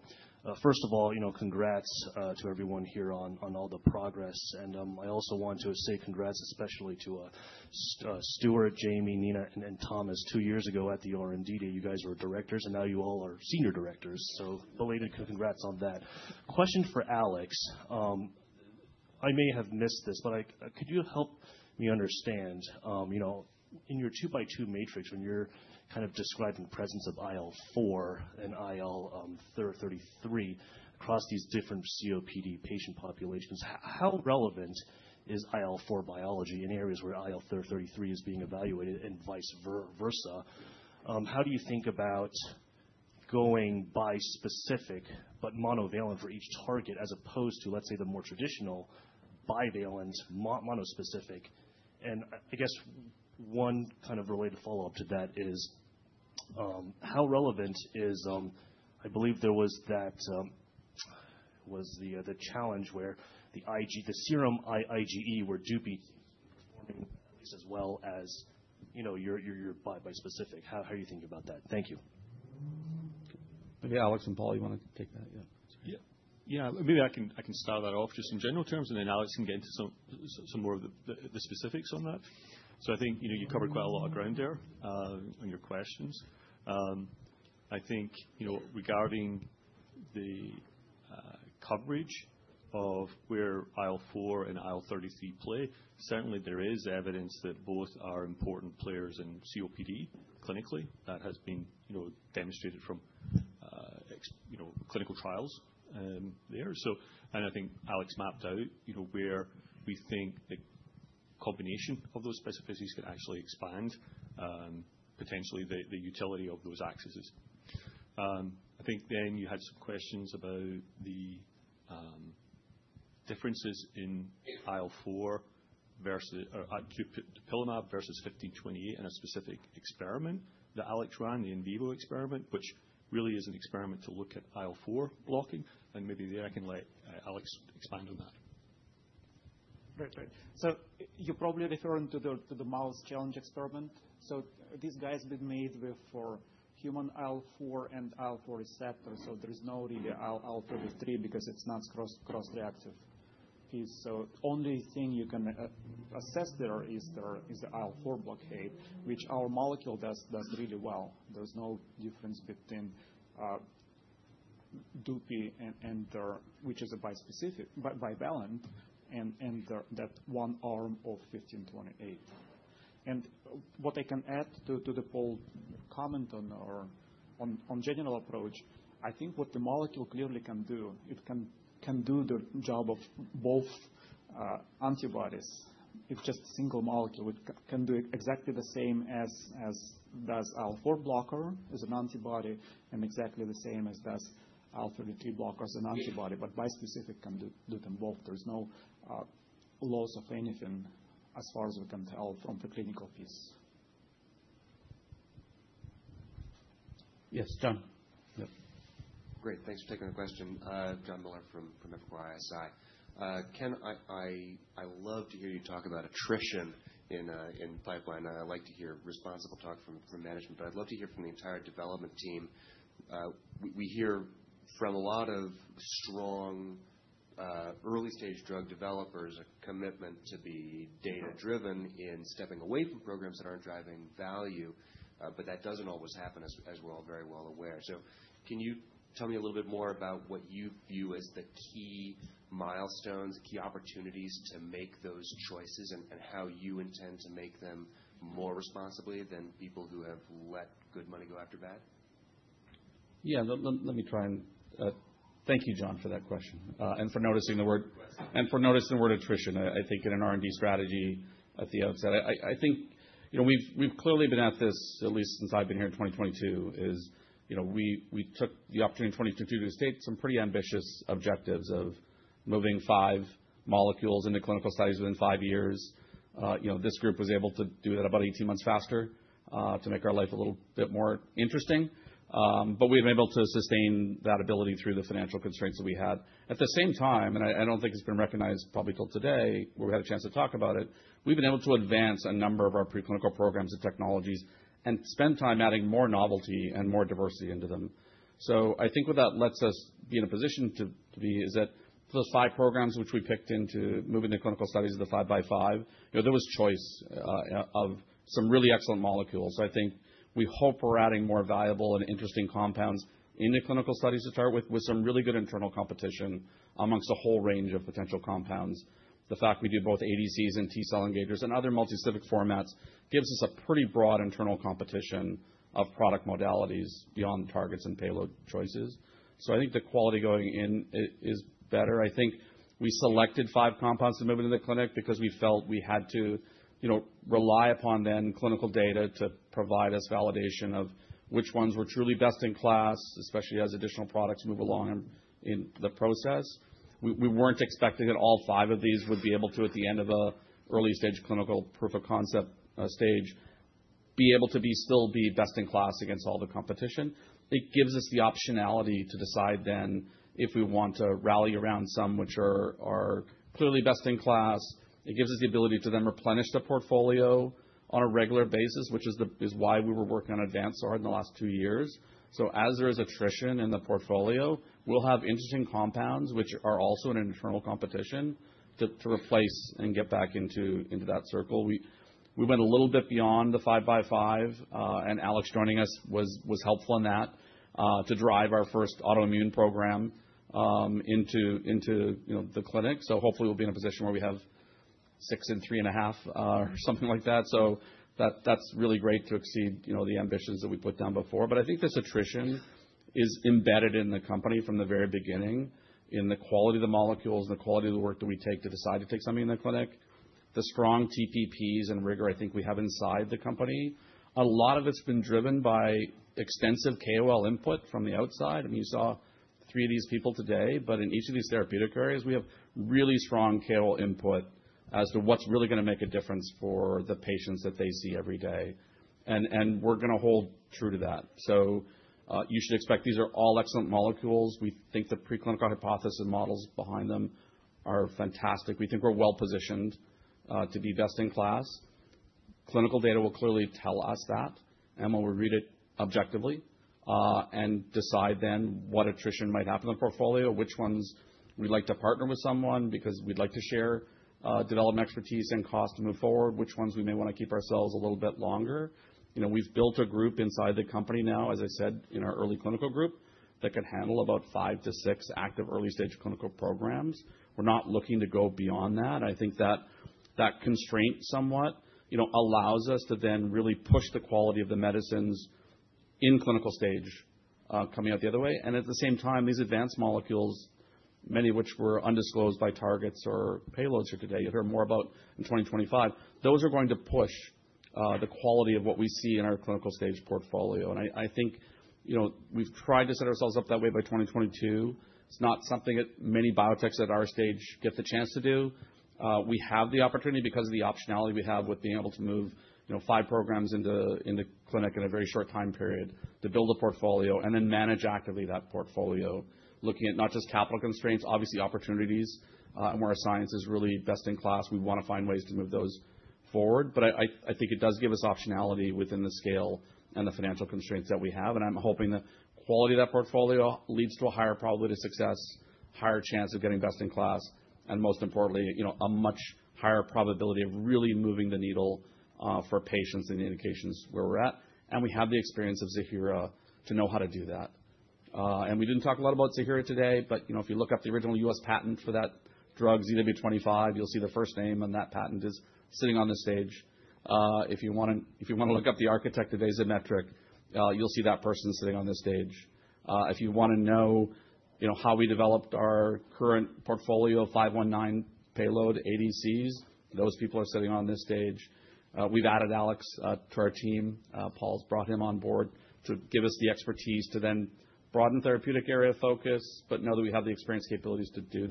First of all, congrats to everyone here on all the progress, and I also want to say congrats especially to Stuart, Jamie, Nina, and Thomas two years ago at the R&D day. You guys were directors, and now you all are senior directors. So belated congrats on that. Question for Alexey. I may have missed this, but could you help me understand in your 2x2 matrix, when you're kind of describing presence of IL-4 and IL-33 across these different COPD patient populations, how relevant is IL-4 biology in areas where IL-33 is being evaluated and vice versa? How do you think about going bispecific but monovalent for each target as opposed to, let's say, the more traditional bivalent monospecific? I guess one kind of related follow-up to that is how relevant is. I believe there was that challenge where the serum IgE were depleted, performing at least as well as your bispecific. How do you think about that? Thank you. Maybe Alexey and Paul, you want to take that? Yeah. Yeah. Maybe I can start that off just in general terms, and then Alexey can get into some more of the specifics on that. So I think you covered quite a lot of ground there on your questions. I think regarding the coverage of where IL-4 and IL-33 play, certainly there is evidence that both are important players in COPD clinically. That has been demonstrated from clinical trials there. And I think Alexey mapped out where we think the combination of those specificities can actually expand potentially the utility of those axes. I think then you had some questions about the differences in IL-4 versus dupilumab versus 1528 in a specific experiment that Alexey ran, the in vivo experiment, which really is an experiment to look at IL-4 blocking. And maybe there I can let Alexey expand on that. Right, right. So you're probably referring to the mouse challenge experiment. So these guys have been made for human IL-4 and IL-4 receptors. So there is no really IL-33 because it's not cross-reactive piece. So the only thing you can assess there is the IL-4 blockade, which our molecule does really well. There's no difference between dupi and which is a bivalent and that one arm of 1528. And what I can add to the Paul comment on our general approach, I think what the molecule clearly can do, it can do the job of both antibodies. It's just a single molecule. It can do exactly the same as does IL-4 blocker as an antibody and exactly the same as does IL-33 blocker as an antibody, but bispecific can do them both. There's no loss of anything as far as we can tell from the clinical piece. Yes, John. Great. Thanks for taking the question, John Miller from Evercore ISI. Ken, I love to hear you talk about attrition in pipeline. I like to hear responsible talk from management, but I'd love to hear from the entire development team. We hear from a lot of strong early-stage drug developers a commitment to be data-driven in stepping away from programs that aren't driving value, but that doesn't always happen, as we're all very well aware. So can you tell me a little bit more about what you view as the key milestones, the key opportunities to make those choices, and how you intend to make them more responsibly than people who have let good money go after bad? Yeah. Let me try and thank you, John, for that question and for noticing the word attrition, I think, in an R&D strategy at the outset. I think we've clearly been at this, at least since I've been here in 2022, is we took the opportunity in 2022 to state some pretty ambitious objectives of moving five molecules into clinical studies within five years. This group was able to do that about 18 months faster to make our life a little bit more interesting. But we've been able to sustain that ability through the financial constraints that we had. At the same time, and I don't think it's been recognized probably till today where we had a chance to talk about it, we've been able to advance a number of our preclinical programs and technologies and spend time adding more novelty and more diversity into them. I think what that lets us be in a position to be is that for those five programs which we picked into moving to clinical studies of the 5x5, there was choice of some really excellent molecules. I think we hope we're adding more valuable and interesting compounds into clinical studies to start with, with some really good internal competition amongst a whole range of potential compounds. The fact we do both ADCs and T-cell engagers and other multi-specific formats gives us a pretty broad internal competition of product modalities beyond targets and payload choices. I think the quality going in is better. I think we selected five compounds to move into the clinic because we felt we had to rely upon the clinical data to provide us validation of which ones were truly best in class, especially as additional products move along in the process. We weren't expecting that all five of these would be able to, at the end of an early-stage clinical proof of concept stage, be able to still be best in class against all the competition. It gives us the optionality to decide then if we want to rally around some which are clearly best in class. It gives us the ability to then replenish the portfolio on a regular basis, which is why we were working on advanced R&D in the last two years, so as there is attrition in the portfolio, we'll have interesting compounds which are also in internal competition to replace and get back into that circle. We went a little bit beyond the 5x5, and Alexey joining us was helpful in that to drive our first autoimmune program into the clinic. So hopefully, we'll be in a position where we have six and three and a half or something like that. So that's really great to exceed the ambitions that we put down before. But I think this attrition is embedded in the company from the very beginning, in the quality of the molecules, in the quality of the work that we take to decide to take something in the clinic, the strong TPPs and rigor I think we have inside the company. A lot of it's been driven by extensive KOL input from the outside. I mean, you saw three of these people today, but in each of these therapeutic areas, we have really strong KOL input as to what's really going to make a difference for the patients that they see every day. And we're going to hold true to that. You should expect these are all excellent molecules. We think the preclinical hypothesis models behind them are fantastic. We think we're well-positioned to be best in class. Clinical data will clearly tell us that, and we'll read it objectively and decide then what attrition might happen in the portfolio, which ones we'd like to partner with someone because we'd like to share development expertise and cost to move forward, which ones we may want to keep ourselves a little bit longer. We've built a group inside the company now, as I sA&ID, in our early clinical group that can handle about five to six active early-stage clinical programs. We're not looking to go beyond that. I think that constraint somewhat allows us to then really push the quality of the medicines in clinical stage coming out the other way. And at the same time, these advanced molecules, many of which were undisclosed by targets or payloads here today. You'll hear more about in 2025. Those are going to push the quality of what we see in our clinical stage portfolio, and I think we've tried to set ourselves up that way by 2022. It's not something that many biotechs at our stage get the chance to do. We have the opportunity because of the optionality we have with being able to move five programs into the clinic in a very short time period to build a portfolio and then manage actively that portfolio, looking at not just capital constraints, obviously opportunities, and where our science is really best in class. We want to find ways to move those forward, but I think it does give us optionality within the scale and the financial constraints that we have. I'm hoping the quality of that portfolio leads to a higher probability of success, higher chance of getting best in class, and most importantly, a much higher probability of really moving the needle for patients and the indications where we're at. We have the experience of Ziihera to know how to do that. We didn't talk a lot about Ziihera today, but if you look up the original U.S. patent for that drug, ZW25, you'll see the first name on that patent is sitting on this stage. If you want to look up the architect of Azymetric, you'll see that person sitting on this stage. If you want to know how we developed our current portfolio of 519 payload ADCs, those people are sitting on this stage. We've added Alexey to our team. Paul's brought him on board to give us the expertise to then broaden therapeutic area focus, but know that we have the experience capabilities to do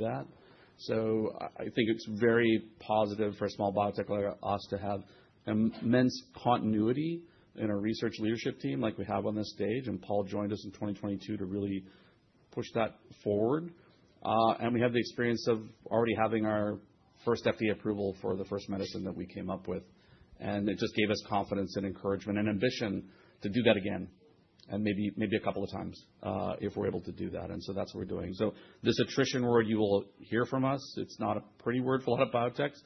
that. So I think it's very positive for a small biotech like us to have immense continuity in our research leadership team like we have on this stage. And Paul joined us in 2022 to really push that forward. And we have the experience of already having our first FDA approval for the first medicine that we came up with. And it just gave us confidence and encouragement and ambition to do that again and maybe a couple of times if we're able to do that. And so that's what we're doing. So this ambition word, you will hear from us. It's not a pretty word for a lot of biotechs,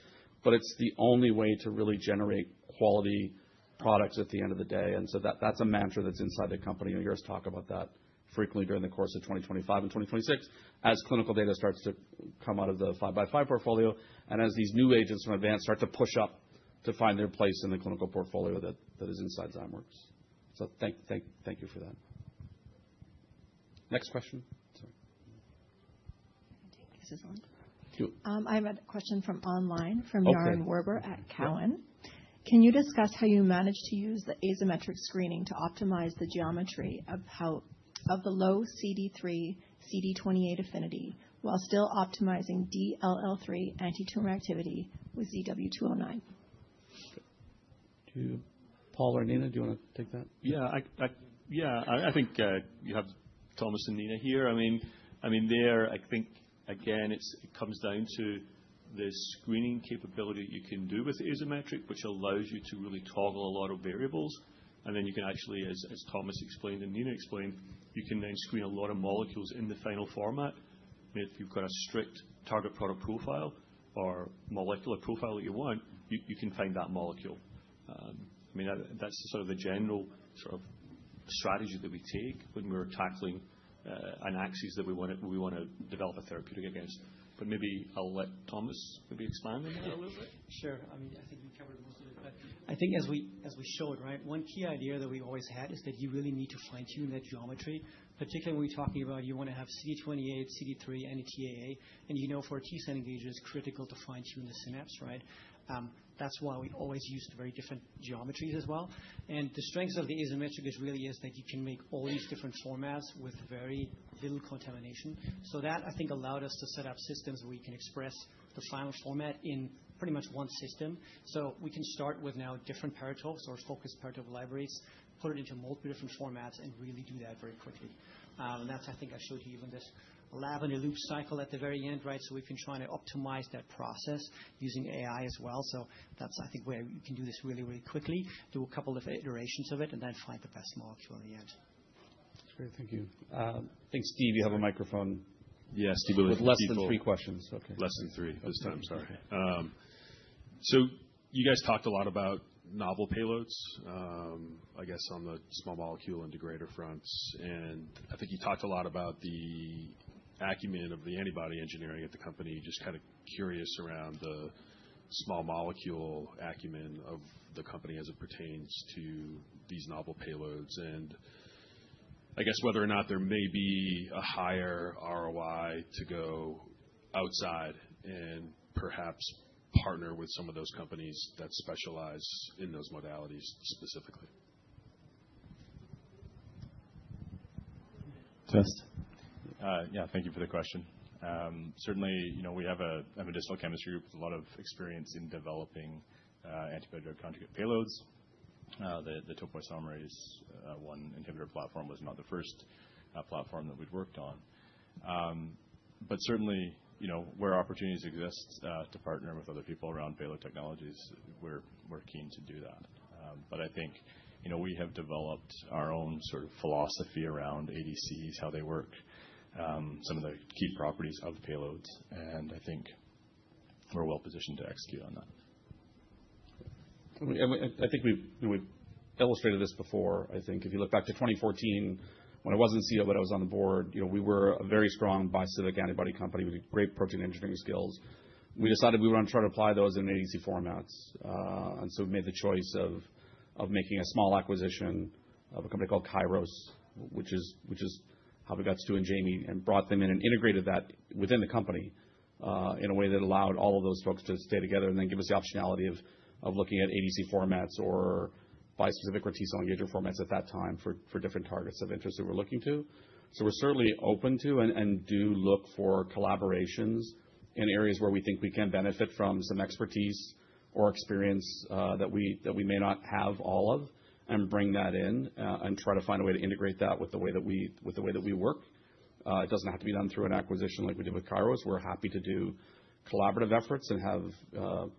but it's the only way to really generate quality products at the end of the day. And so that's a mantra that's inside the company. You'll hear us talk about that frequently during the course of 2025 and 2026 as clinical data starts to come out of the 5x5 Portfolio and as these new agents from Azymetric start to push up to find their place in the clinical portfolio that is inside Zymeworks. So thank you for that. Next question. I have a question from online from Yaron Werber at Cowen. Can you discuss how you managed to use the Azymetric screening to optimize the geometry of the low CD3, CD28 affinity while still optimizing DLL3 antitumor activity with ZW209? Do Paul or Nina, do you want to take that? Yeah. Yeah. I think you have Thomas and Nina here. I mean, there, I think, again, it comes down to the screening capability that you can do with Azymetric, which allows you to really toggle a lot of variables. And then you can actually, as Thomas explained and Nina explained, you can then screen a lot of molecules in the final format. If you've got a strict target product profile or molecular profile that you want, you can find that molecule. I mean, that's sort of the general sort of strategy that we take when we're tackling an axis that we want to develop a therapeutic against. But maybe I'll let Thomas maybe expand on that a little bit. Sure. I mean, I think we covered most of it, but I think as we showed, right, one key idea that we always had is that you really need to fine-tune that geometry, particularly when we're talking about you want to have CD28, CD3, and a TAA. And you know for T-cell engagers, it's critical to fine-tune the synapse, right? That's why we always used very different geometries as well. And the strengths of the Azymetric really is that you can make all these different formats with very little contamination. So that, I think, allowed us to set up systems where you can express the final format in pretty much one system. So we can start with now different paratopes or focused paratope libraries, put it into multiple different formats, and really do that very quickly. That's, I think, I showed you even this lab-in-the-loop cycle at the very end, right? We've been trying to optimize that process using AI as well. That's, I think, where you can do this really, really quickly, do a couple of iterations of it, and then find the best molecule in the end. That's great. Thank you. Thanks, Stephen. You have a microphone. Yes, Stephen. With less than three questions. Less than three this time, sorry, so you guys talked a lot about novel payloads, I guess, on the small molecule and degrader fronts, and I think you talked a lot about the acumen of the antibody engineering at the company, just kind of curious around the small molecule acumen of the company as it pertains to these novel payloads, and I guess whether or not there may be a higher ROI to go outside and perhaps partner with some of those companies that specialize in those modalities specifically. Jeff? Yeah. Thank you for the question. Certainly, we have an additional chemistry group with a lot of experience in developing antibody drug conjugate payloads. The topoisomerase one inhibitor platform was not the first platform that we'd worked on. But certainly, where opportunities exist to partner with other people around payload technologies, we're keen to do that. But I think we have developed our own sort of philosophy around ADCs, how they work, some of the key properties of payloads. And I think we're well-positioned to execute on that. I think we've illustrated this before. I think if you look back to 2014, when I wasn't CEO, but I was on the board, we were a very strong bispecific antibody company with great protein engineering skills. We decided we were going to try to apply those in ADC formats, and so we made the choice of making a small acquisition of a company called Kairos, which is how we got Stu and Jamie, and brought them in and integrated that within the company in a way that allowed all of those folks to stay together and then give us the optionality of looking at ADC formats or bispecific or T-cell engager formats at that time for different targets of interest that we're looking to. So we're certainly open to and do look for collaborations in areas where we think we can benefit from some expertise or experience that we may not have all of and bring that in and try to find a way to integrate that with the way that we work. It doesn't have to be done through an acquisition like we did with Kairos. We're happy to do collaborative efforts and have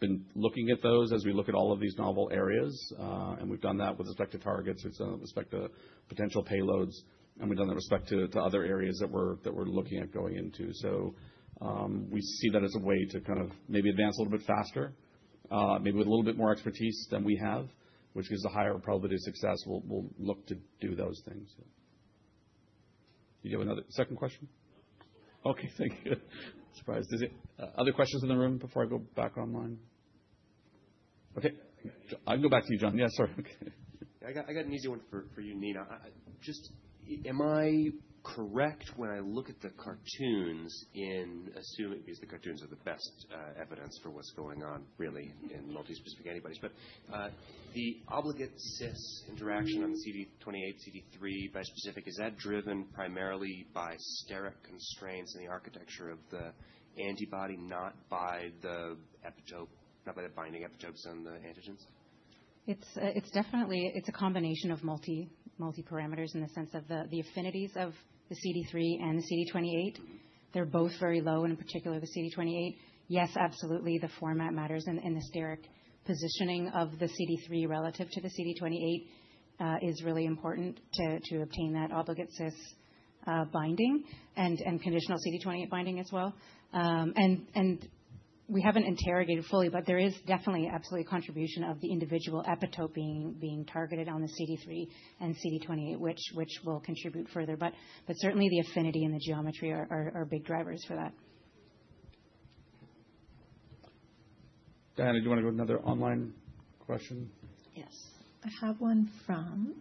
been looking at those as we look at all of these novel areas. And we've done that with respect to targets, with respect to potential payloads, and we've done that with respect to other areas that we're looking at going into. So we see that as a way to kind of maybe advance a little bit faster, maybe with a little bit more expertise than we have, which gives a higher probability of success. We'll look to do those things. Did you have another second question? Okay. Thank you. Surprised. Other questions in the room before I go back online? Okay. I can go back to you, John. Yeah, sorry. I got an easy one for you, Nina. Just, am I correct when I look at the cartoons in assuming because the cartoons are the best evidence for what's going on really in multi-specific antibodies? But the obligate cis interaction on the CD28, CD3, bispecific, is that driven primarily by steric constraints in the architecture of the antibody, not by the binding epitopes on the antigens? It's a combination of multi-parameters in the sense of the affinities of the CD3 and the CD28. They're both very low, and in particular, the CD28. Yes, absolutely, the format matters. And the steric positioning of the CD3 relative to the CD28 is really important to obtain that obligate cis binding and conditional CD28 binding as well. And we haven't interrogated fully, but there is definitely absolutely a contribution of the individual epitope being targeted on the CD3 and CD28, which will contribute further. But certainly, the affinity and the geometry are big drivers for that. Diana, do you want to go to another online question? Yes. I have one from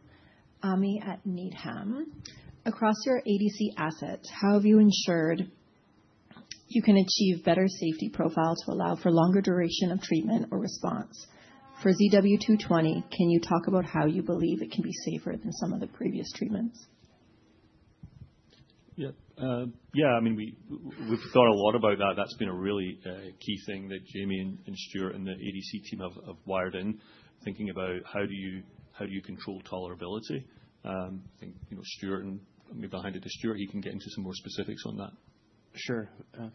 Ami at Needham. Across your ADC assets, how have you ensured you can achieve better safety profile to allow for longer duration of treatment or response? For ZW220, can you talk about how you believe it can be safer than some of the previous treatments? Yeah. I mean, we've thought a lot about that. That's been a really key thing that Jamie and Stuart and the ADC team have wired in, thinking about how do you control tolerability. I think Stuart and maybe behind it is Stuart. He can get into some more specifics on that. Sure.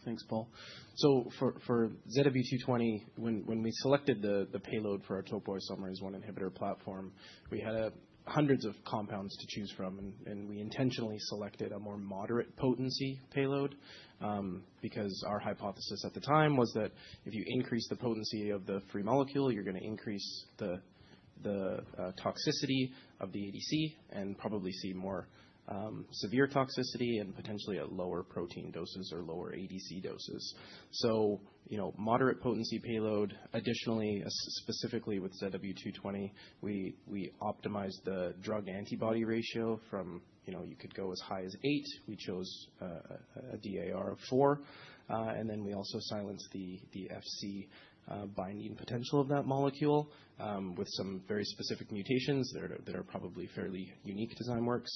Thanks, Paul. So for ZW220, when we selected the payload for our topoisomerase 1 inhibitor platform, we had hundreds of compounds to choose from. And we intentionally selected a more moderate potency payload because our hypothesis at the time was that if you increase the potency of the free molecule, you're going to increase the toxicity of the ADC and probably see more severe toxicity and potentially at lower protein doses or lower ADC doses. So moderate potency payload. Additionally, specifically with ZW220, we optimized the drug-antibody ratio from you could go as high as eight. We chose a DAR of four. And then we also silenced the Fc binding potential of that molecule with some very specific mutations that are probably fairly unique to Zymeworks.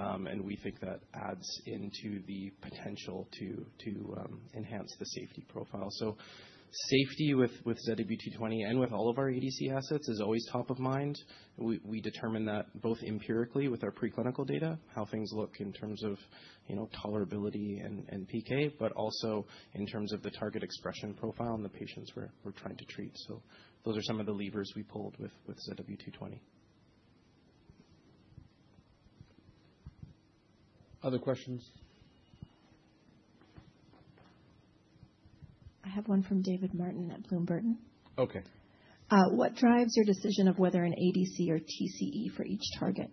And we think that adds into the potential to enhance the safety profile. So safety with ZW220 and with all of our ADC assets is always top of mind. We determine that both empirically with our preclinical data, how things look in terms of tolerability and PK, but also in terms of the target expression profile and the patients we're trying to treat. So those are some of the levers we pulled with ZW220. Other questions? I have one from David Martin at Bloom Burton Okay. What drives your decision of whether an ADC or TCE for each target?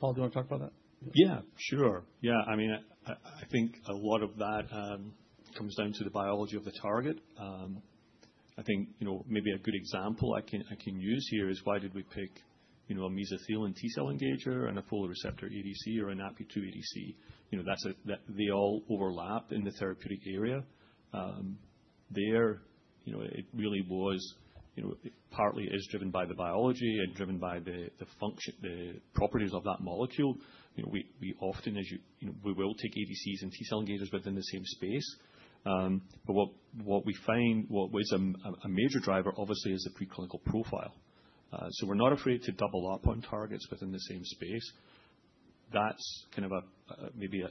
Paul, do you want to talk about that? Yeah, sure. Yeah. I mean, I think a lot of that comes down to the biology of the target. I think maybe a good example I can use here is why did we pick a mesothelin T-cell engager and a folate receptor ADC or a NaPi2b ADC? They all overlap in the therapeutic area. There, it really was partly driven by the biology and driven by the properties of that molecule. We often, as you know, we will take ADCs and T-cell engagers within the same space. But what we find, what is a major driver, obviously, is the preclinical profile. So we're not afrA&ID to double up on targets within the same space. That's kind of maybe a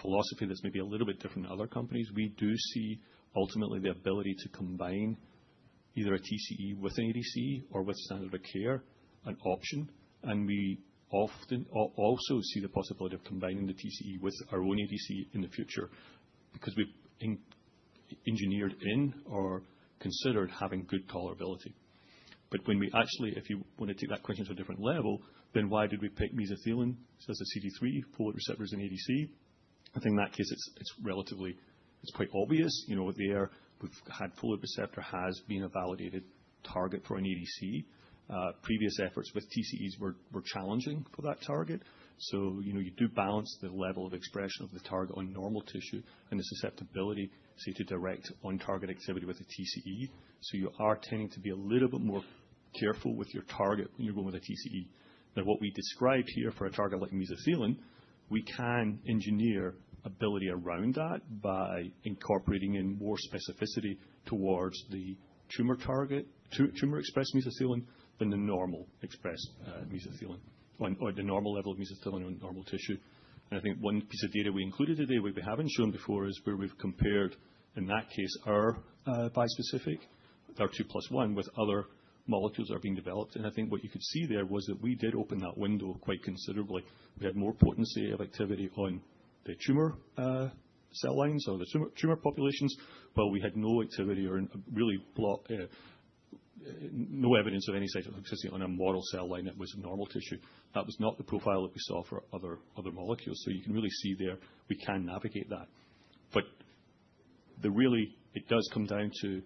philosophy that's maybe a little bit different in other companies. We do see, ultimately, the ability to combine either a TCE with an ADC or with standard of care an option. We often also see the possibility of combining the TCE with our own ADC in the future because we've engineered in or considered having good tolerability. But when we actually, if you want to take that question to a different level, then why did we pick mesothelin as a CD3, folate receptor as an ADC? I think in that case, it's quite obvious. There, the folate receptor has been a validated target for an ADC. Previous efforts with TCEs were challenging for that target. So you do balance the level of expression of the target on normal tissue and the susceptibility, say, to direct on-target activity with a TCE. So you are tending to be a little bit more careful with your target when you're going with a TCE. Now, what we described here for a target like mesothelin, we can engineer ability around that by incorporating in more specificity towards the tumor target, tumor expressed mesothelin, than the normal expressed mesothelin or the normal level of mesothelin on normal tissue. And I think one piece of data we included today which we haven't shown before is where we've compared, in that case, our bispecific, our two plus one with other molecules that are being developed. And I think what you could see there was that we did open that window quite considerably. We had more potency of activity on the tumor cell lines or the tumor populations, but we had no activity or really no evidence of any size of toxicity on a model cell line that was normal tissue. That was not the profile that we saw for other molecules. So you can really see there we can navigate that. But really, it does come down to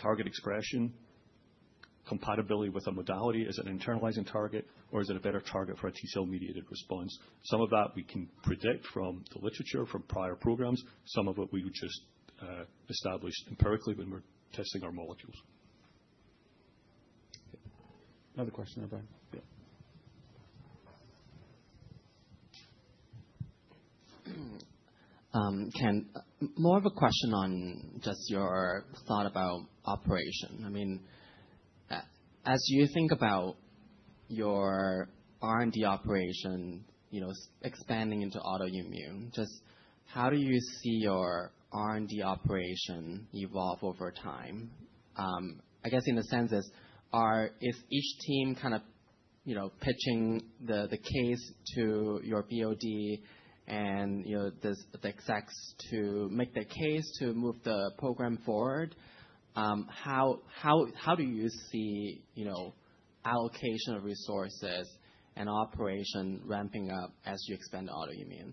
target expression, compatibility with a modality. Is it an internalizing target, or is it a better target for a T-cell mediated response? Some of that we can predict from the literature from prior programs. Some of it we would just establish empirically when we're testing our molecules. Another question there, Brian. Yeah. Ken, more of a question on just your thought about operation. I mean, as you think about your R&D operation expanding into autoimmune, just how do you see your R&D operation evolve over time? I guess in a sense is, each team kind of pitching the case to your BOD and the execs to make their case to move the program forward? How do you see allocation of resources and operation ramping up as you expand autoimmune?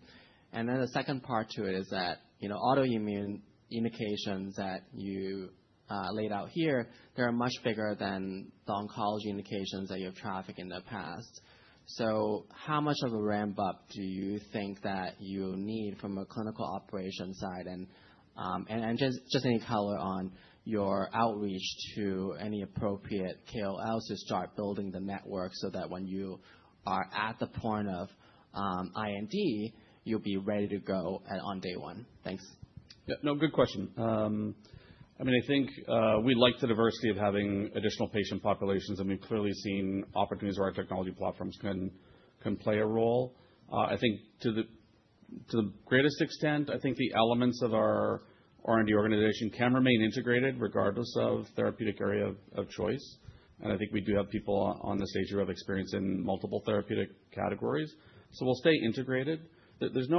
And then the second part to it is that autoimmune indications that you lA&ID out here, they're much bigger than the oncology indications that you've tackled in the past. So how much of a ramp-up do you think that you need from a clinical operation side? Just any color on your outreach to any appropriate KOLs to start building the network so that when you are at the point of IND, you'll be ready to go on day one. Thanks. Yeah. No, good question. I mean, I think we like the diversity of having additional patient populations. And we've clearly seen opportunities where our technology platforms can play a role. I think to the greatest extent, I think the elements of our R&D organization can remain integrated regardless of therapeutic area of choice. And I think we do have people with this range of experience in multiple therapeutic categories. So we'll stay integrated. There's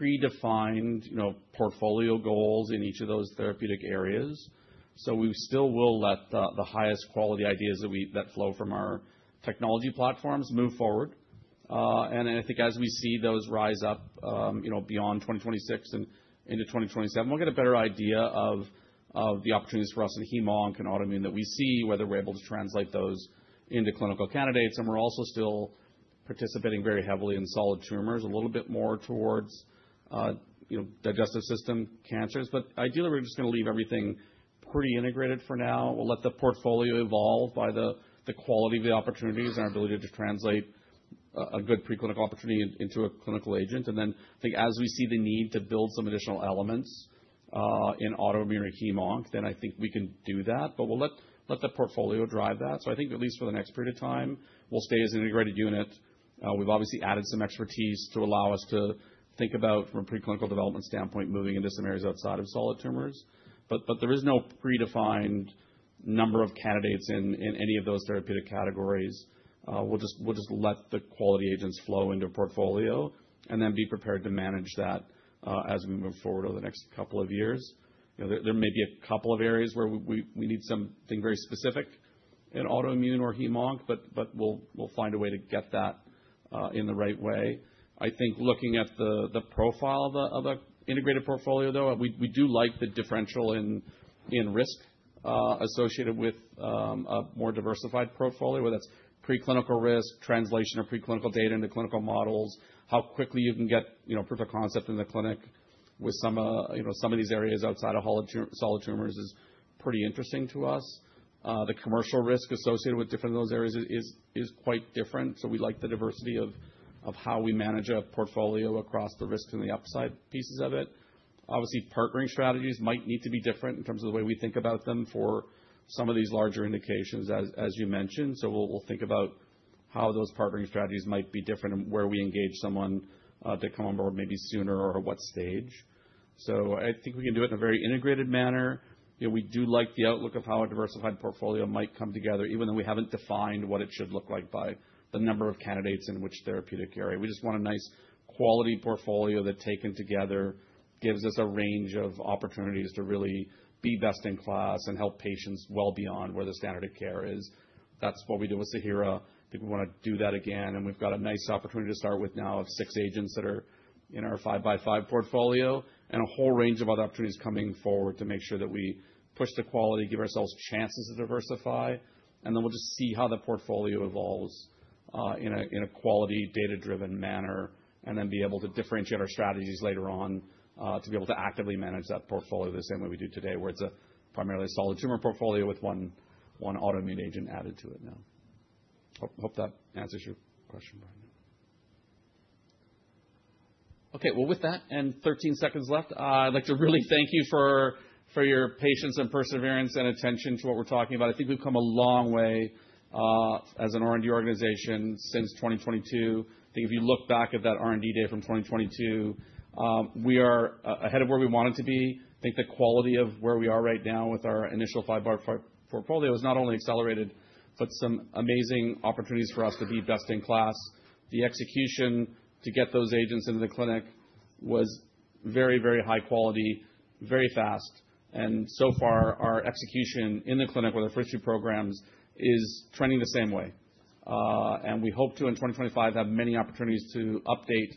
no predefined portfolio goals in each of those therapeutic areas. So we still will let the highest quality ideas that flow from our technology platforms move forward. And I think as we see those rise up beyond 2026 and into 2027, we'll get a better idea of the opportunities for us in hematology and autoimmune that we see, whether we're able to translate those into clinical candidates. And we're also still participating very heavily in solid tumors, a little bit more towards digestive system cancers. But ideally, we're just going to leave everything pretty integrated for now. We'll let the portfolio evolve by the quality of the opportunities and our ability to translate a good preclinical opportunity into a clinical agent. And then I think as we see the need to build some additional elements in autoimmune or hem-onc, then I think we can do that. But we'll let the portfolio drive that. So I think at least for the next period of time, we'll stay as an integrated unit. We've obviously added some expertise to allow us to think about, from a preclinical development standpoint, moving into some areas outside of solid tumors. But there is no predefined number of candidates in any of those therapeutic categories. We'll just let the quality agents flow into a portfolio and then be prepared to manage that as we move forward over the next couple of years. There may be a couple of areas where we need something very specific in autoimmune or hem-onc, but we'll find a way to get that in the right way. I think looking at the profile of an integrated portfolio, though, we do like the differential in risk associated with a more diversified portfolio, whether that's preclinical risk, translation of preclinical data into clinical models, how quickly you can get proof of concept in the clinic with some of these areas outside of solid tumors is pretty interesting to us. The commercial risk associated with different of those areas is quite different. So we like the diversity of how we manage a portfolio across the risks and the upside pieces of it. Obviously, partnering strategies might need to be different in terms of the way we think about them for some of these larger indications, as you mentioned. So we'll think about how those partnering strategies might be different and where we engage someone to come on board maybe sooner or at what stage. So I think we can do it in a very integrated manner. We do like the outlook of how a diversified portfolio might come together, even though we haven't defined what it should look like by the number of candidates in which therapeutic area. We just want a nice quality portfolio that, taken together, gives us a range of opportunities to really be best in class and help patients well beyond where the standard of care is. That's what we did with Ziihera. I think we want to do that again. And we've got a nice opportunity to start with now of six agents that are in our five-by-five portfolio and a whole range of other opportunities coming forward to make sure that we push the quality, give ourselves chances to diversify. And then we'll just see how the portfolio evolves in a quality data-driven manner and then be able to differentiate our strategies later on to be able to actively manage that portfolio the same way we do today, where it's a primarily solid tumor portfolio with one autoimmune agent added to it now. Hope that answers your question, Brian. Okay. Well, with that and 13 seconds left, I'd like to really thank you for your patience and perseverance and attention to what we're talking about. I think we've come a long way as an R&D organization since 2022. I think if you look back at that R&D day from 2022, we are ahead of where we wanted to be. I think the quality of where we are right now with our initial five-by-five portfolio has not only accelerated, but some amazing opportunities for us to be best in class. The execution to get those agents into the clinic was very, very high quality, very fast. And so far, our execution in the clinic with our first two programs is trending the same way. And we hope to, in 2025, have many opportunities to update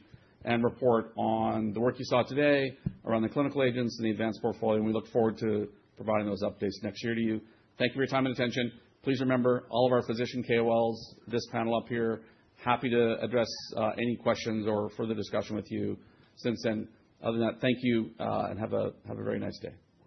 and report on the work you saw today around the clinical agents and the advanced portfolio. And we look forward to providing those updates next year to you. Thank you for your time and attention. Please remember all of our physician KOLs, this panel up here, happy to address any questions or further discussion with you since then. Other than that, thank you and have a very nice day.